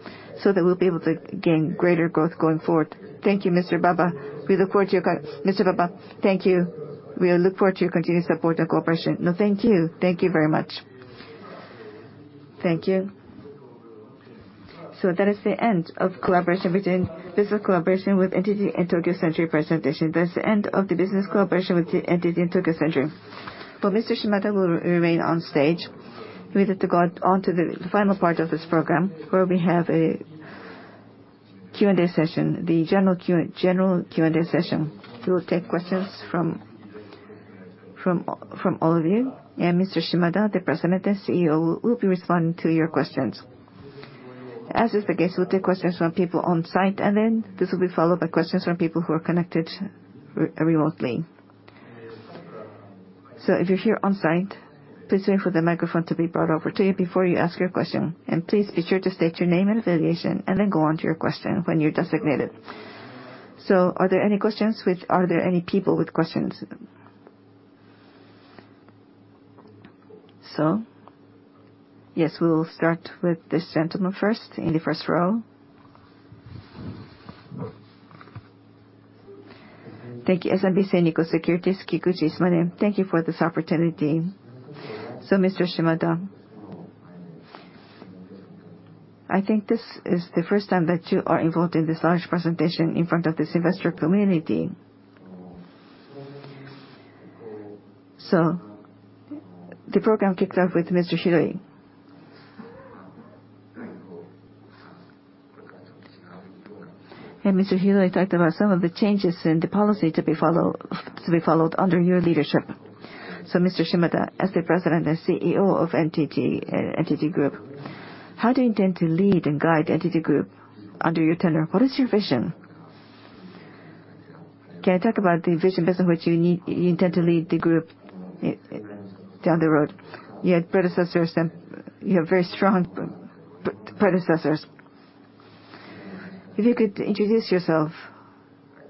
so that we'll be able to gain greater growth going forward. Thank you, Mr. Baba. Mr. Baba, thank you. We look forward to your continued support and cooperation. No, thank you. Thank you very much. Thank you. That is the end of business collaboration with NTT and Tokyo Century presentation. That's the end of the business collaboration with NTT and Tokyo Century. Mr. Shimada will remain on stage. We need to go on to the final part of this program, where we have a Q&A session, the general Q&A session. We will take questions from all of you. Mr. Shimada, the President and CEO, will be responding to your questions. As is the case, we'll take questions from people on site, and then this will be followed by questions from people who are connected remotely. If you're here on site, please wait for the microphone to be brought over to you before you ask your question. Please be sure to state your name and affiliation, and then go on to your question when you're designated. Are there any questions? Are there any people with questions? Yes, we will start with this gentleman first, in the first row. Thank you. SMBC Nikko Securities, Kikuchi is my name. Thank you for this opportunity. Mr. Shimada, I think this is the first time that you are involved in this large presentation in front of this investor community. The program kicked off with Mr. Hiroi. Mr. Hiroi talked about some of the changes in the policy to be followed under your leadership. Mr. Shimada, as the President and CEO of NTT Group, how do you intend to lead and guide NTT Group under your tenure? What is your vision? Can you talk about the vision based on which you intend to lead the group, down the road? You had predecessors that you have very strong predecessors. If you could introduce yourself,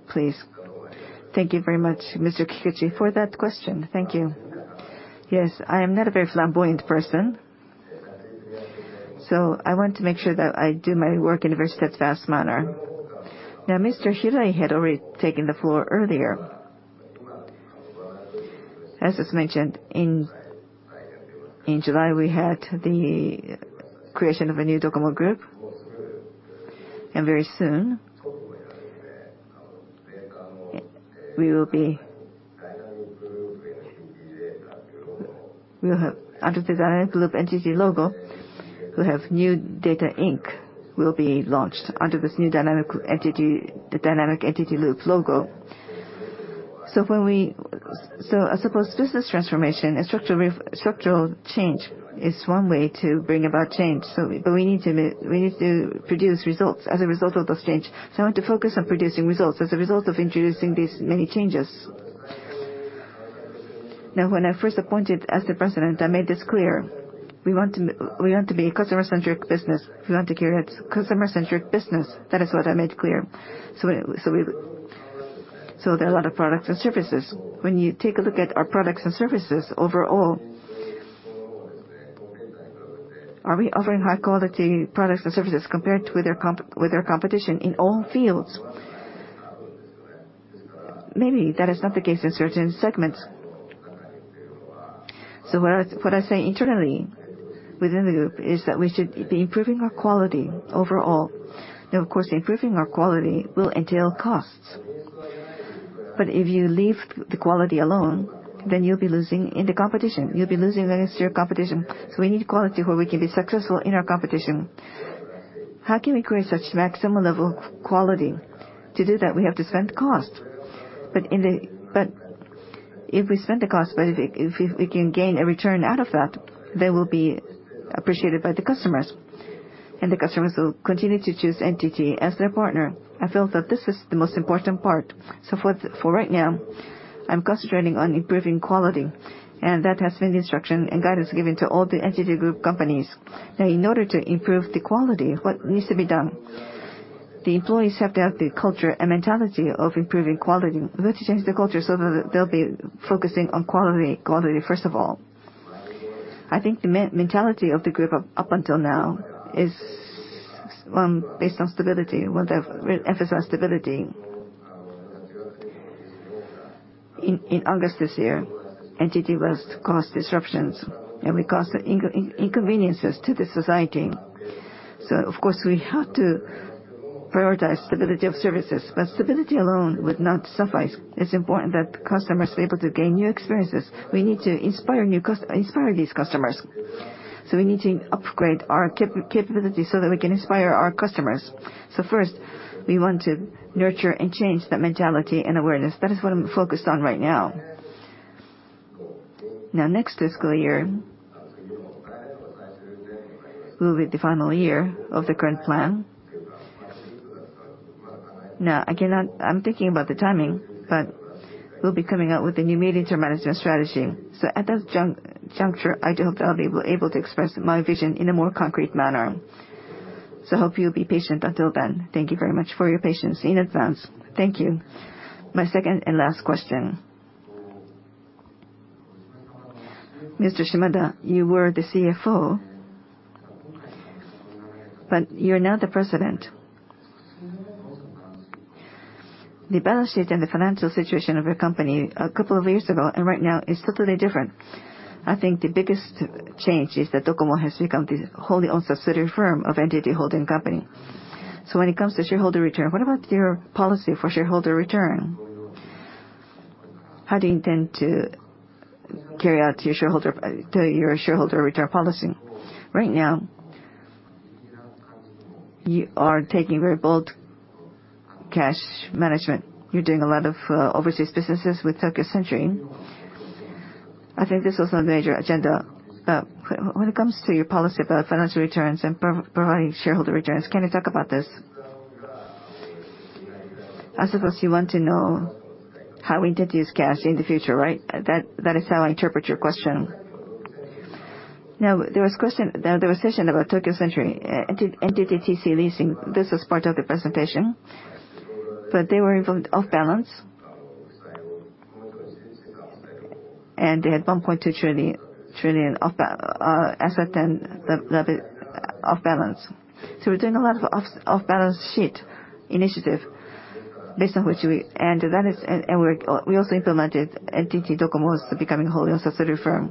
please. Thank you very much, Mr. Kikuchi, for that question. Thank you. Yes, I am not a very flamboyant person, so I want to make sure that I do my work in a very steadfast manner. Now, Mr. Hiroi had already taken the floor earlier. As was mentioned, in July, we had the creation of a new Docomo Group, and very soon, we will have under the Dynamic Loop NTT logo, we'll have NTT DATA, Inc. will be launched under this new Dynamic NTT, the Dynamic NTT Loop logo. I suppose business transformation and structural change is one way to bring about change. We need to produce results as a result of those changes. I want to focus on producing results as a result of introducing these many changes. Now, when I first appointed as the president, I made this clear. We want to be a customer-centric business. We want to create customer-centric business. That is what I made clear. There are a lot of products and services. When you take a look at our products and services overall, are we offering high-quality products and services compared with their competition in all fields? Maybe that is not the case in certain segments. What I say internally within the group is that we should be improving our quality overall. Now, of course, improving our quality will entail costs. If you leave the quality alone, then you'll be losing in the competition. You'll be losing against your competition. We need quality where we can be successful in our competition. How can we create such maximum level of quality? To do that, we have to spend cost. If we spend the cost, but if we can gain a return out of that, they will be appreciated by the customers. The customers will continue to choose NTT as their partner. I feel that this is the most important part. For right now, I'm concentrating on improving quality. That has been the instruction and guidance given to all the NTT group companies. Now, in order to improve the quality, what needs to be done? The employees have to have the culture and mentality of improving quality. We have to change the culture so that they'll be focusing on quality first of all. I think the me-mentality of the group up until now is one based on stability. We want to re-emphasize stability. In August this year, NTT was the cause of disruptions, and we caused inconveniences to the society. Of course, we have to prioritize stability of services, but stability alone would not suffice. It's important that customers are able to gain new experiences. We need to inspire these customers. We need to upgrade our capability so that we can inspire our customers. First, we want to nurture and change that mentality and awareness. That is what I'm focused on right now. Now, next fiscal year will be the final year of the current plan. Now, I cannot. I'm thinking about the timing, but we'll be coming out with a new medium-term management strategy. At this juncture, I do hope that I'll be able to express my vision in a more concrete manner. I hope you'll be patient until then. Thank you very much for your patience in advance. Thank you. My second and last question. Mr. Shimada, you were the CFO, but you're now the President. The balance sheet and the financial situation of your company a couple of years ago and right now is totally different. I think the biggest change is that DOCOMO has become the wholly-owned subsidiary firm of NTT Holding Company. When it comes to shareholder return, what about your policy for shareholder return? How do you intend to carry out your shareholder return policy? Right now, you are taking very bold cash management. You're doing a lot of overseas businesses with Tokyo Century. I think this was on the major agenda. When it comes to your policy about financial returns and providing shareholder returns, can you talk about this? I suppose you want to know how we intend to use cash in the future, right? That is how I interpret your question. Now, there was a session about Tokyo Century, NTT TC Leasing. This was part of the presentation. But they were involved off-balance-sheet, and they had JPY 1.2 trillion off-balance-sheet assets and lease-level off-balance. So we're doing a lot of off-balance-sheet initiatives based on that. We also implemented NTT DOCOMO as the becoming wholly-owned subsidiary firm.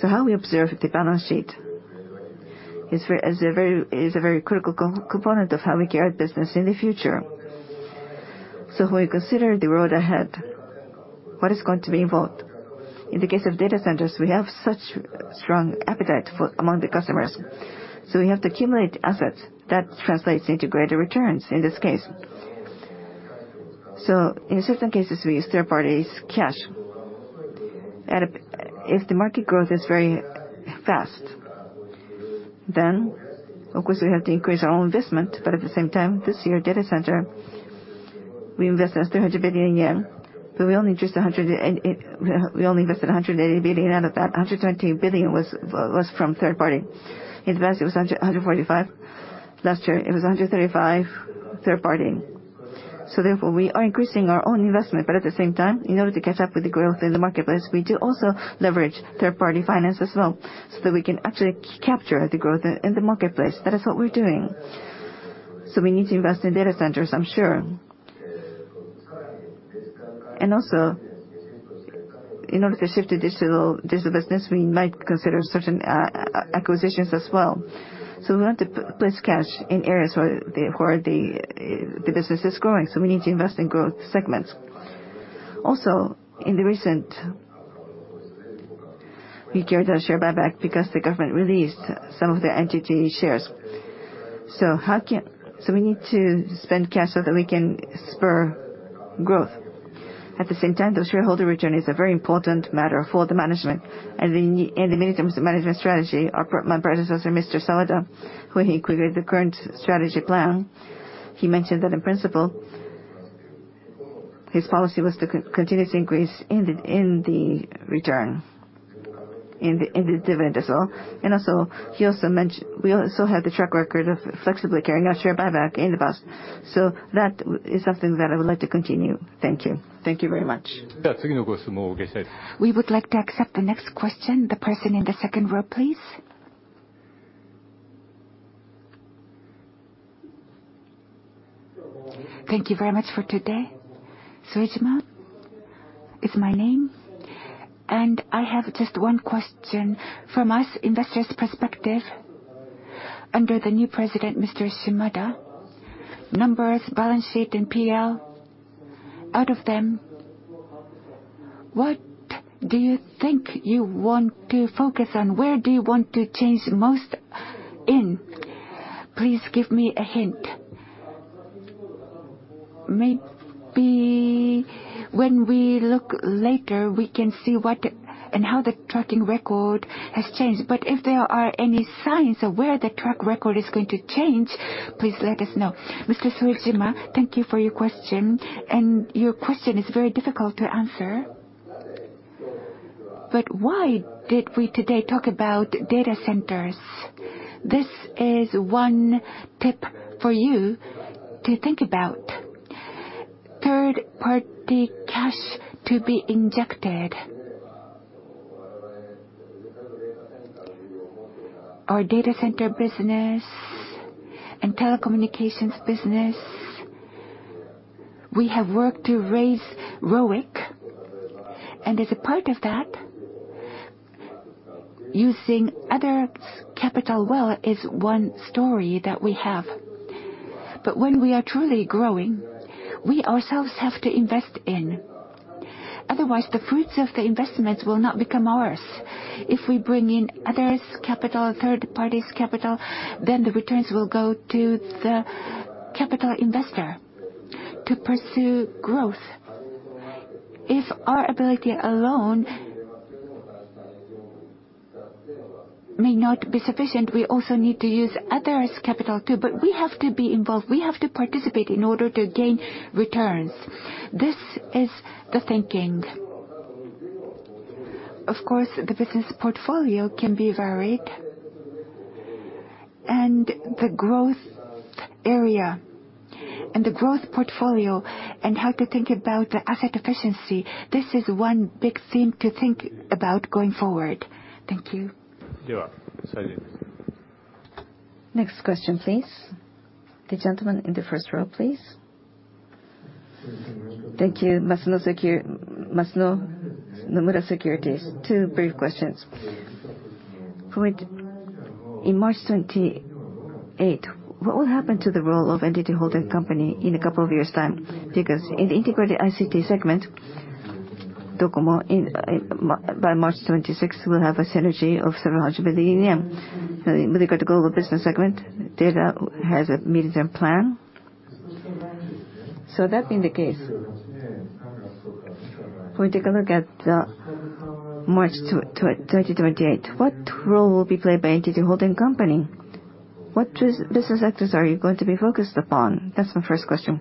How we observe the balance sheet is a very critical component of how we carry out business in the future. When we consider the road ahead, what is going to be involved? In the case of data centers, we have such strong appetite among the customers. We have to accumulate assets. That translates into greater returns in this case. In certain cases, we use third parties' cash. If the market growth is very fast, then, of course, we have to increase our own investment. But at the same time, this year, data center, we invested 300 billion yen, but we only invested 180 billion out of that. 120 billion was from third party. In the past, it was 145. Last year, it was 135 third-party. We are increasing our own investment. At the same time, in order to catch up with the growth in the marketplace, we do also leverage third-party finance as well, so that we can actually capture the growth in the marketplace. That is what we're doing. We need to invest in data centers, I'm sure. Also, in order to shift to digital business, we might consider certain acquisitions as well. We want to place cash in areas where the business is growing. We need to invest in growth segments. Recently, we carried out a share buyback because the government released some of their NTT shares. We need to spend cash so that we can spur growth. At the same time, the shareholder return is a very important matter for the management. In the medium-term management strategy, my predecessor, Mr. Sawada, when he created the current strategy plan, he mentioned that in principle, his policy was to continuously increase the return in the dividend as well. He also mentioned we have the track record of flexibly carrying out share buybacks in the past. That is something that I would like to continue. Thank you. Thank you very much. We would like to accept the next question. The person in the second row, please. Thank you very much for today. Sujima is my name. I have just one question. From us investors' perspective, under the new president, Mr. Shimada, numbers, balance sheet, and PL, out of them, what do you think you want to focus on? Where do you want to change most in? Please give me a hint. Maybe when we look later, we can see what and how the track record has changed. If there are any signs of where the track record is going to change, please let us know. Mr. Sujima, thank you for your question. Your question is very difficult to answer. Why did we today talk about data centers? This is one tip for you to think about. Third-party cash to be injected. Our data center business and telecommunications business, we have worked to raise ROIC. As a part of that. Using other capital well is one story that we have. When we are truly growing, we ourselves have to invest in. Otherwise, the fruits of the investments will not become ours. If we bring in others' capital, third parties' capital, then the returns will go to the capital investor to pursue growth. If our ability alone may not be sufficient, we also need to use others' capital too, but we have to be involved, we have to participate in order to gain returns. This is the thinking. Of course, the business portfolio can be varied. The growth area and the growth portfolio and how to think about the asset efficiency, this is one big theme to think about going forward. Thank you. You are. Next question, please. The gentleman in the first row, please. Thank you. Masuno, Nomura Securities. Two brief questions. First, in March 2028, what will happen to the role of NTT Holding Company in a couple of years' time? Because in the integrated ICT segment, DOCOMO, by March 2026 will have a synergy of 700 billion yen. With regard to global business segment, NTT Data has a medium-term plan. That being the case, if we take a look at March 2028, what role will be played by NTT Holding Company? What business sectors are you going to be focused upon? That's my first question.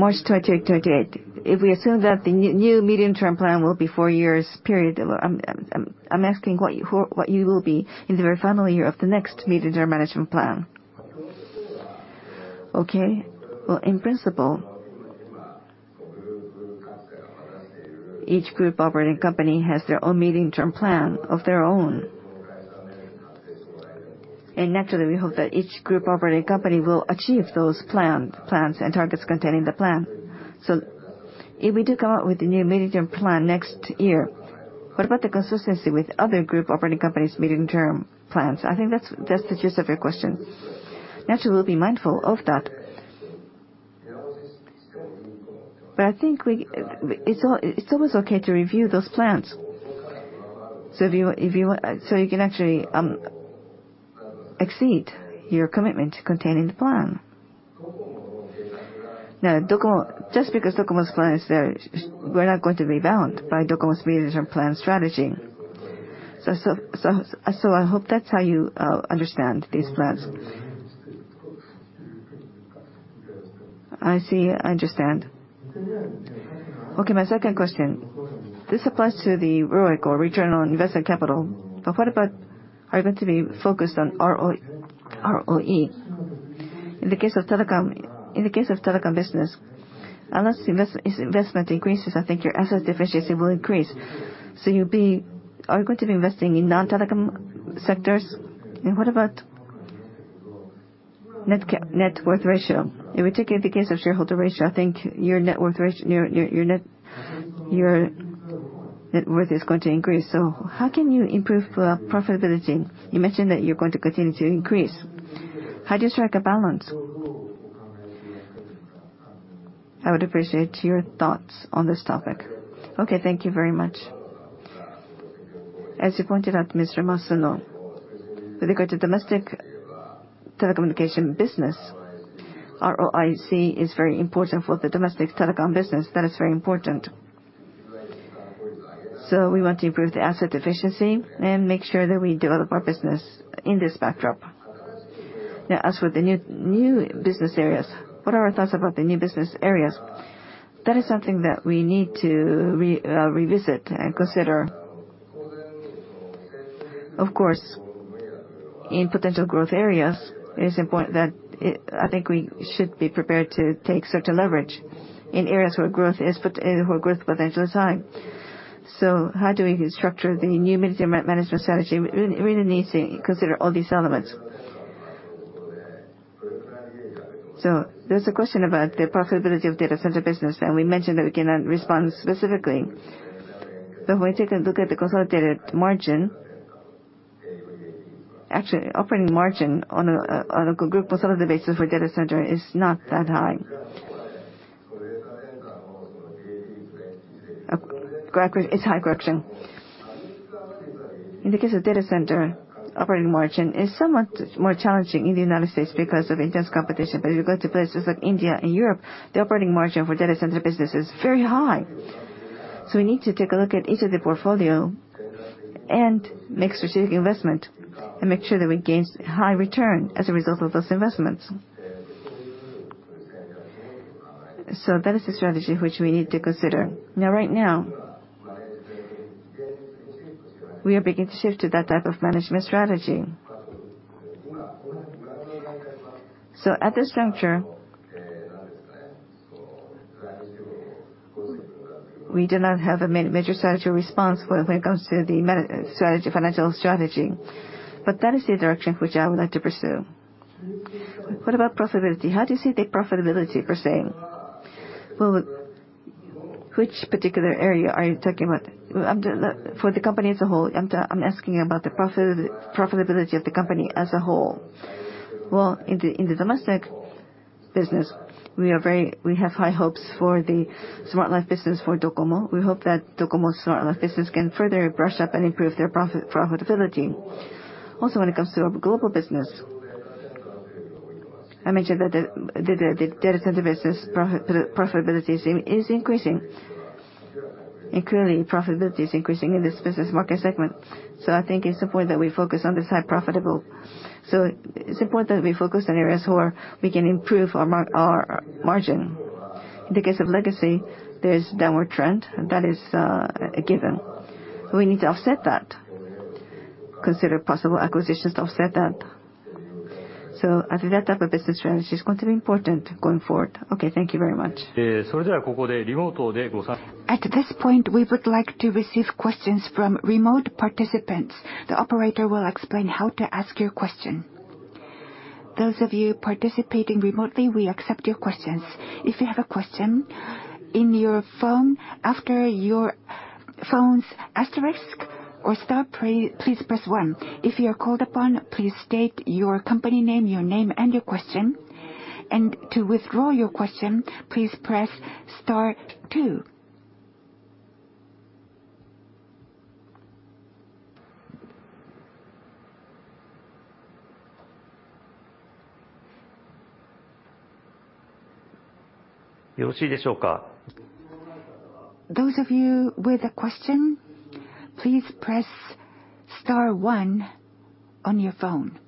If we assume that the new medium-term plan will be 4-year period, I'm asking what you will be in the very final year of the next medium-term management plan. Okay. Well, in principle, each group operating company has their own medium-term plan of their own. Naturally, we hope that each group operating company will achieve those plans and targets contained in the plan. If we do come up with a new medium-term plan next year, what about the consistency with other group operating companies' medium-term plans? I think that's the gist of your question. Naturally, we'll be mindful of that. I think it's always okay to review those plans. If you can actually exceed your commitment contained in the plan. Now, DOCOMO, just because DOCOMO's plan is there, we're not going to be bound by DOCOMO's medium-term plan strategy. I hope that's how you understand these plans. I see. I understand. Okay, my second question. This applies to the ROIC, or return on invested capital. What about, are you going to be focused on ROE? In the case of telecom business, unless investment increases, I think your asset efficiency will increase. You'll be investing in non-telecom sectors? What about net worth ratio? In particular, in the case of shareholder ratio, I think your net worth is going to increase. How can you improve profitability? You mentioned that you're going to continue to increase. How do you strike a balance? I would appreciate your thoughts on this topic. Okay, thank you very much. As you pointed out, Mr. Masuno, with regard to domestic telecommunication business, ROIC is very important for the domestic telecom business. That is very important. We want to improve the asset efficiency and make sure that we develop our business in this backdrop. Now as for the new business areas, what are our thoughts about the new business areas? That is something that we need to revisit and consider. Of course, in potential growth areas, it is important that I think we should be prepared to take certain leverage in areas where growth potential is high. How do we structure the new management strategy? We really need to consider all these elements. There's a question about the profitability of data center business, and we mentioned that we cannot respond specifically. When we take a look at the consolidated margin, actually operating margin on a group consolidated basis for data center is not that high. It's high-growth gen. In the case of data center, operating margin is somewhat more challenging in the United States because of intense competition. If you go to places like India and Europe, the operating margin for data center business is very high. We need to take a look at each of the portfolio and make strategic investment and make sure that we gain high return as a result of those investments. That is the strategy which we need to consider. Now right now, we are beginning to shift to that type of management strategy. At this juncture, we do not have a major strategy response when it comes to the major strategy, financial strategy. That is the direction which I would like to pursue. What about profitability? How do you see the profitability per se? Well, which particular area are you talking about? For the company as a whole. I'm asking about the profitability of the company as a whole. Well, in the domestic business, we have high hopes for the smart life business for DOCOMO. We hope that DOCOMO's smart life business can further brush up and improve their profitability. Also, when it comes to our global business, I mentioned that the data center business profitability is increasing. Clearly, profitability is increasing in this business market segment. I think it's important that we focus on the highly profitable. It's important that we focus on areas where we can improve our margin. In the case of legacy, there is a downward trend, and that is a given. We need to offset that, consider possible acquisitions to offset that. I think that type of business strategy is going to be important going forward. Okay, thank you very much. At this point, we would like to receive questions from remote participants. The operator will explain how to ask your question. Those of you participating remotely, we accept your questions. If you have a question, in your phone, after your phone's asterisk or star, please press one. If you are called upon, please state your company name, your name, and your question. To withdraw your question, please press star two. Those of you with a question, please press star one on your phone.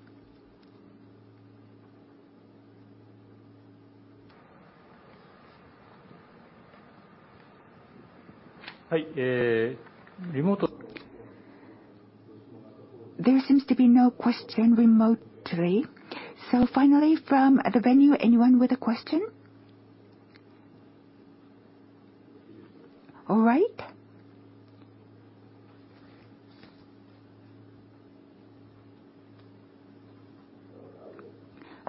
There seems to be no question remotely. Finally, from the venue, anyone with a question? All right.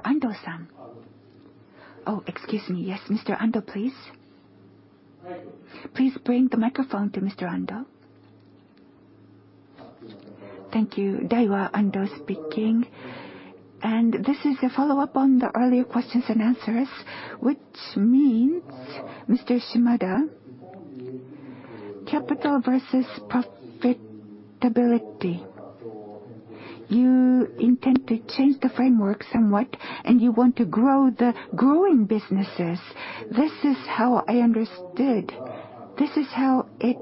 Ando-san. Oh, excuse me. Yes, Mr. Ando, please. Please bring the microphone to Mr. Ando. Thank you. Daiwa, Ando speaking. This is a follow-up on the earlier questions and answers, which means, Mr. Shimada, capital versus profitability. You intend to change the framework somewhat, and you want to grow the growing businesses. This is how I understood. This is how it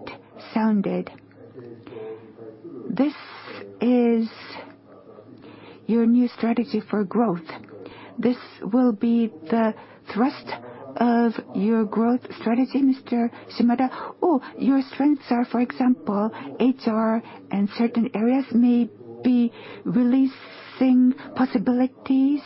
sounded. This is your new strategy for growth. This will be the thrust of your growth strategy, Mr. Shimada? Or your strengths are, for example, HR and certain areas may be releasing possibilities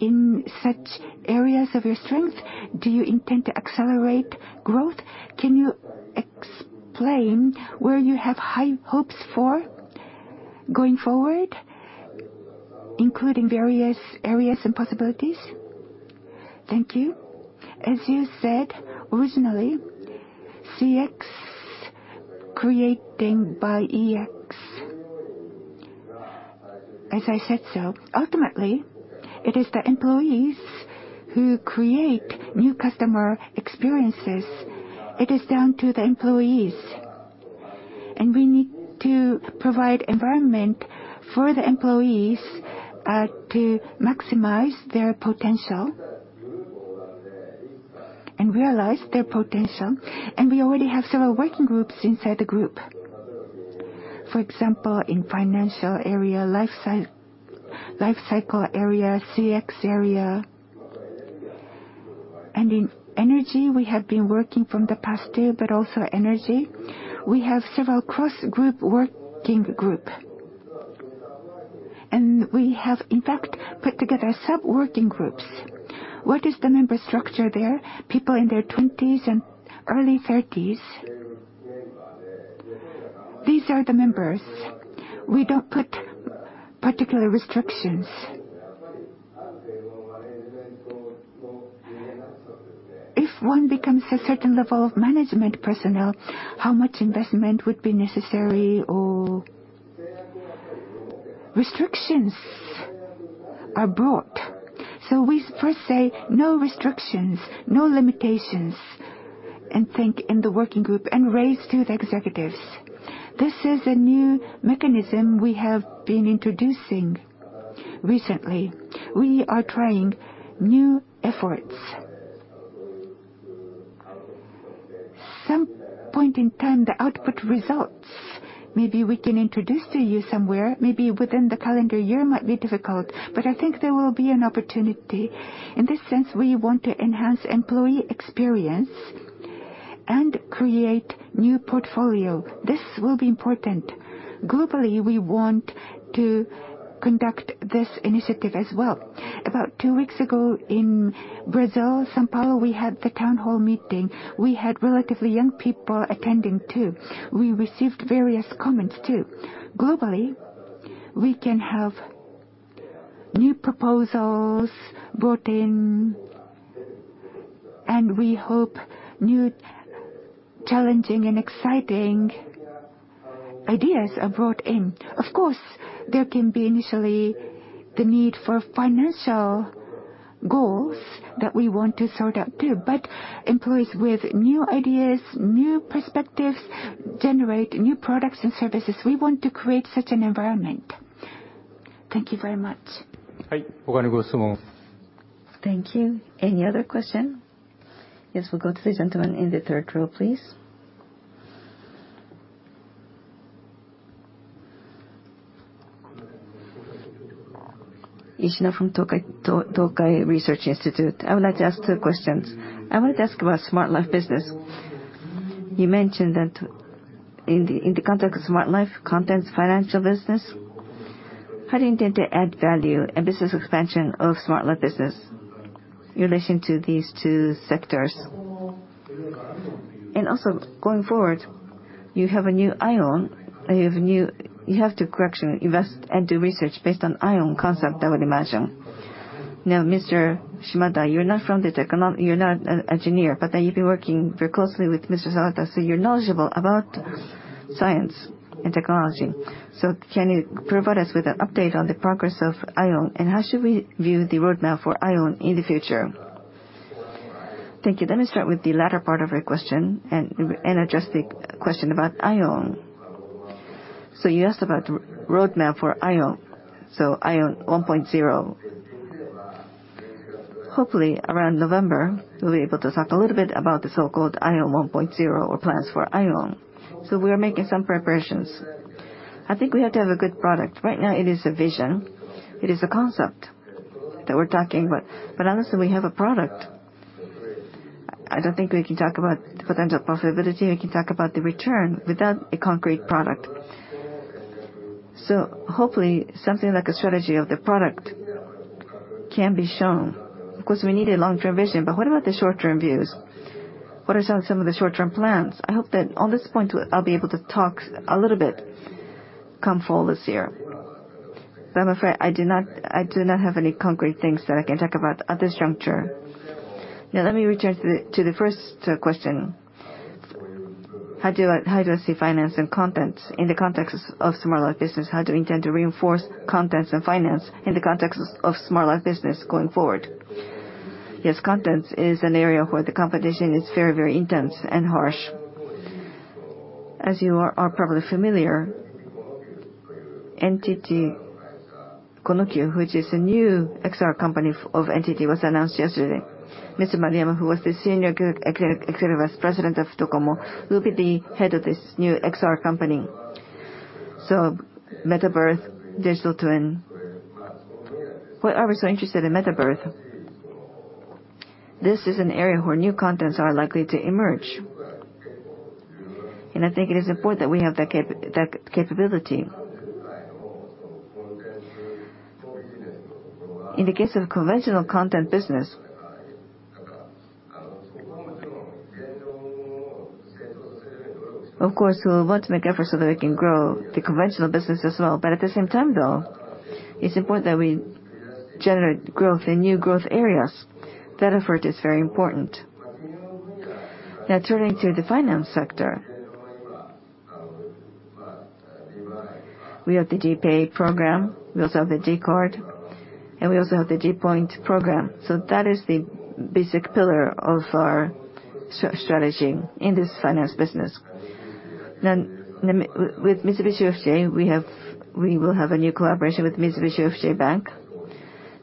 in such areas of your strength. Do you intend to accelerate growth? Can you explain where you have high hopes for going forward, including various areas and possibilities? Thank you. As you said originally, CX created by EX. As I said so, ultimately, it is the employees who create new customer experiences. It is down to the employees. We need to provide environment for the employees to maximize their potential and realize their potential. We already have several working groups within the group. For example, in financial area, life cycle area, CX area. In energy, we have been working for the past year, but also energy. We have several cross-group working groups. We have, in fact, put together sub-working groups. What is the member structure there? People in their twenties and early thirties. These are the members. We don't put particular restrictions. If one becomes a certain level of management personnel, how much investment would be necessary or restrictions are brought. We first say, "No restrictions, no limitations," and think in the working group and raise to the executives. This is a new mechanism we have been introducing recently. We are trying new efforts. Some point in time, the output results, maybe we can introduce to you somewhere, maybe within the calendar year might be difficult, but I think there will be an opportunity. In this sense, we want to enhance employee experience and create new portfolio. This will be important. Globally, we want to conduct this initiative as well. About two weeks ago in Brazil, São Paulo, we had the town hall meeting. We had relatively young people attending too. We received various comments too. Globally, we can have new proposals brought in. We hope new challenging and exciting ideas are brought in. Of course, there can be initially the need for financial goals that we want to sort out too, but employees with new ideas, new perspectives, generate new products and services. We want to create such an environment. Thank you very much. Thank you. Any other question? Yes, we'll go to the gentleman in the third row, please. From Tokai Tokyo Research Center. I would like to ask two questions. I would like to ask about smart life business. You mentioned that in the context of smart life contents financial business, how do you intend to add value and business expansion of smart life business in relation to these two sectors? Going forward, you have a new IOWN, and you have to invest and do research based on IOWN concept, I would imagine. Now, Mr. Shimada, you're not from the technol-- you're not an engineer, but you've been working very closely with Mr. Sawada, so you're knowledgeable about science and technology. Can you provide us with an update on the progress of IOWN, and how should we view the roadmap for IOWN in the future? Thank you. Let me start with the latter part of your question and address the question about IOWN. You asked about roadmap for IOWN, so IOWN 1.0. Hopefully around November, we'll be able to talk a little bit about the so-called IOWN 1.0 or plans for IOWN. We are making some preparations. I think we have to have a good product. Right now it is a vision, it is a concept that we're talking about. Unless we have a product, I don't think we can talk about potential profitability, we can talk about the return without a concrete product. Hopefully something like a strategy of the product can be shown. Of course, we need a long-term vision, but what about the short-term views? What are some of the short-term plans? I hope that on this point I'll be able to talk a little bit come fall this year. I'm afraid I do not have any concrete things that I can talk about at this juncture. Now let me return to the first question. How do I see finance and contents in the context of smart life business? How do we intend to reinforce contents and finance in the context of Smart Life business going forward? Yes, contents is an area where the competition is very, very intense and harsh. As you are probably familiar, NTT QONOQ, which is a new XR company of NTT, was announced yesterday. Mr. Maruyama, who was the senior executive vice president of Docomo, will be the head of this new XR company. Metaverse, digital twin. Why are we so interested in metaverse? This is an area where new contents are likely to emerge, and I think it is important that we have that capability. In the case of conventional content business, of course, we'll want to make efforts so that we can grow the conventional business as well. At the same time though, it's important that we generate growth in new growth areas. That effort is very important. Now turning to the finance sector, we have the d払い program, we also have the d Card, and we also have the d POINT program, so that is the basic pillar of our strategy in this finance business. With Mitsubishi UFJ, we will have a new collaboration with Mitsubishi UFJ Bank.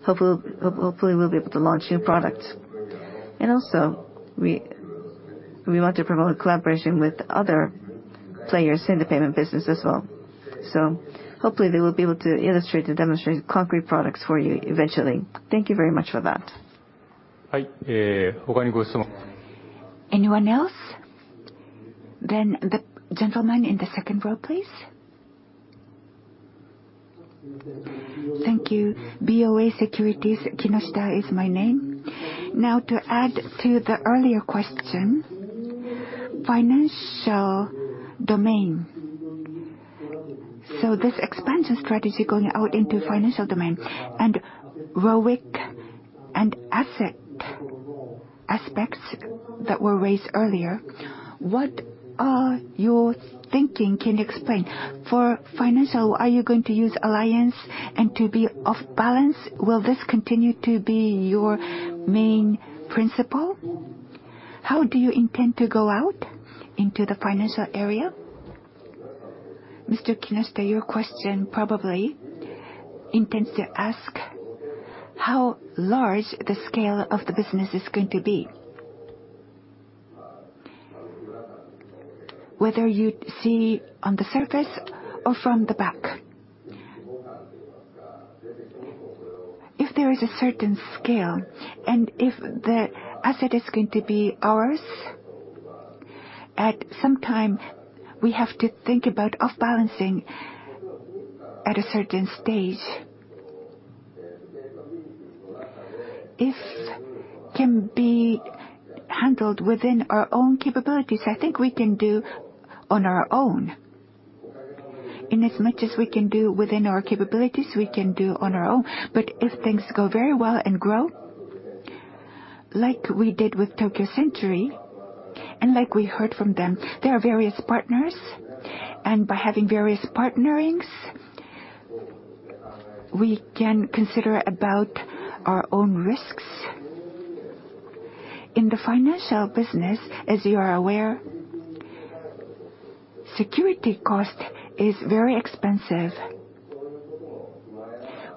Hopefully, we'll be able to launch new products. We want to promote collaboration with other players in the payment business as well. Hopefully we will be able to illustrate and demonstrate concrete products for you eventually. Thank you very much for that. Anyone else? The gentleman in the second row, please. Thank you. BofA Securities. Kinoshita is my name. Now, to add to the earlier question, financial domain. This expansion strategy going out into financial domain and ROIC and asset aspects that were raised earlier, what are you thinking? Can you explain? For financial, are you going to use alliance and to be off-balance-sheet? Will this continue to be your main principle? How do you intend to go out into the financial area? Mr. Kinoshita, your question probably intends to ask how large the scale of the business is going to be. Whether you see on the surface or from the back. If there is a certain scale, and if the asset is going to be ours, at some time we have to think about off balancing at a certain stage. If can be handled within our own capabilities, I think we can do on our own. Inasmuch as we can do within our capabilities, we can do on our own. If things go very well and grow, like we did with Tokyo Century, and like we heard from them, there are various partners, and by having various partnerings, we can consider about our own risks. In the financial business, as you are aware, security cost is very expensive.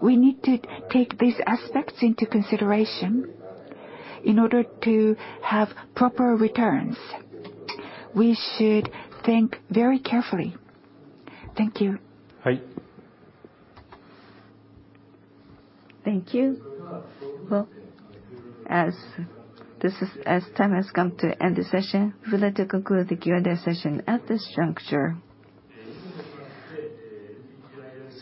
We need to take these aspects into consideration in order to have proper returns. We should think very carefully. Thank you. Thank you. Well, as time has come to end the session, we would like to conclude the Q&A session at this juncture.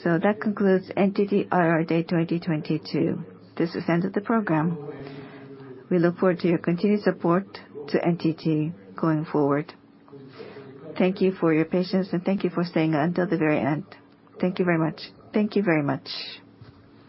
So that concludes NTT IR Day 2022. This has ended the program. We look forward to your continued support to NTT going forward. Thank you for your patience, and thank you for staying until the very end. Thank you very much. Thank you very much.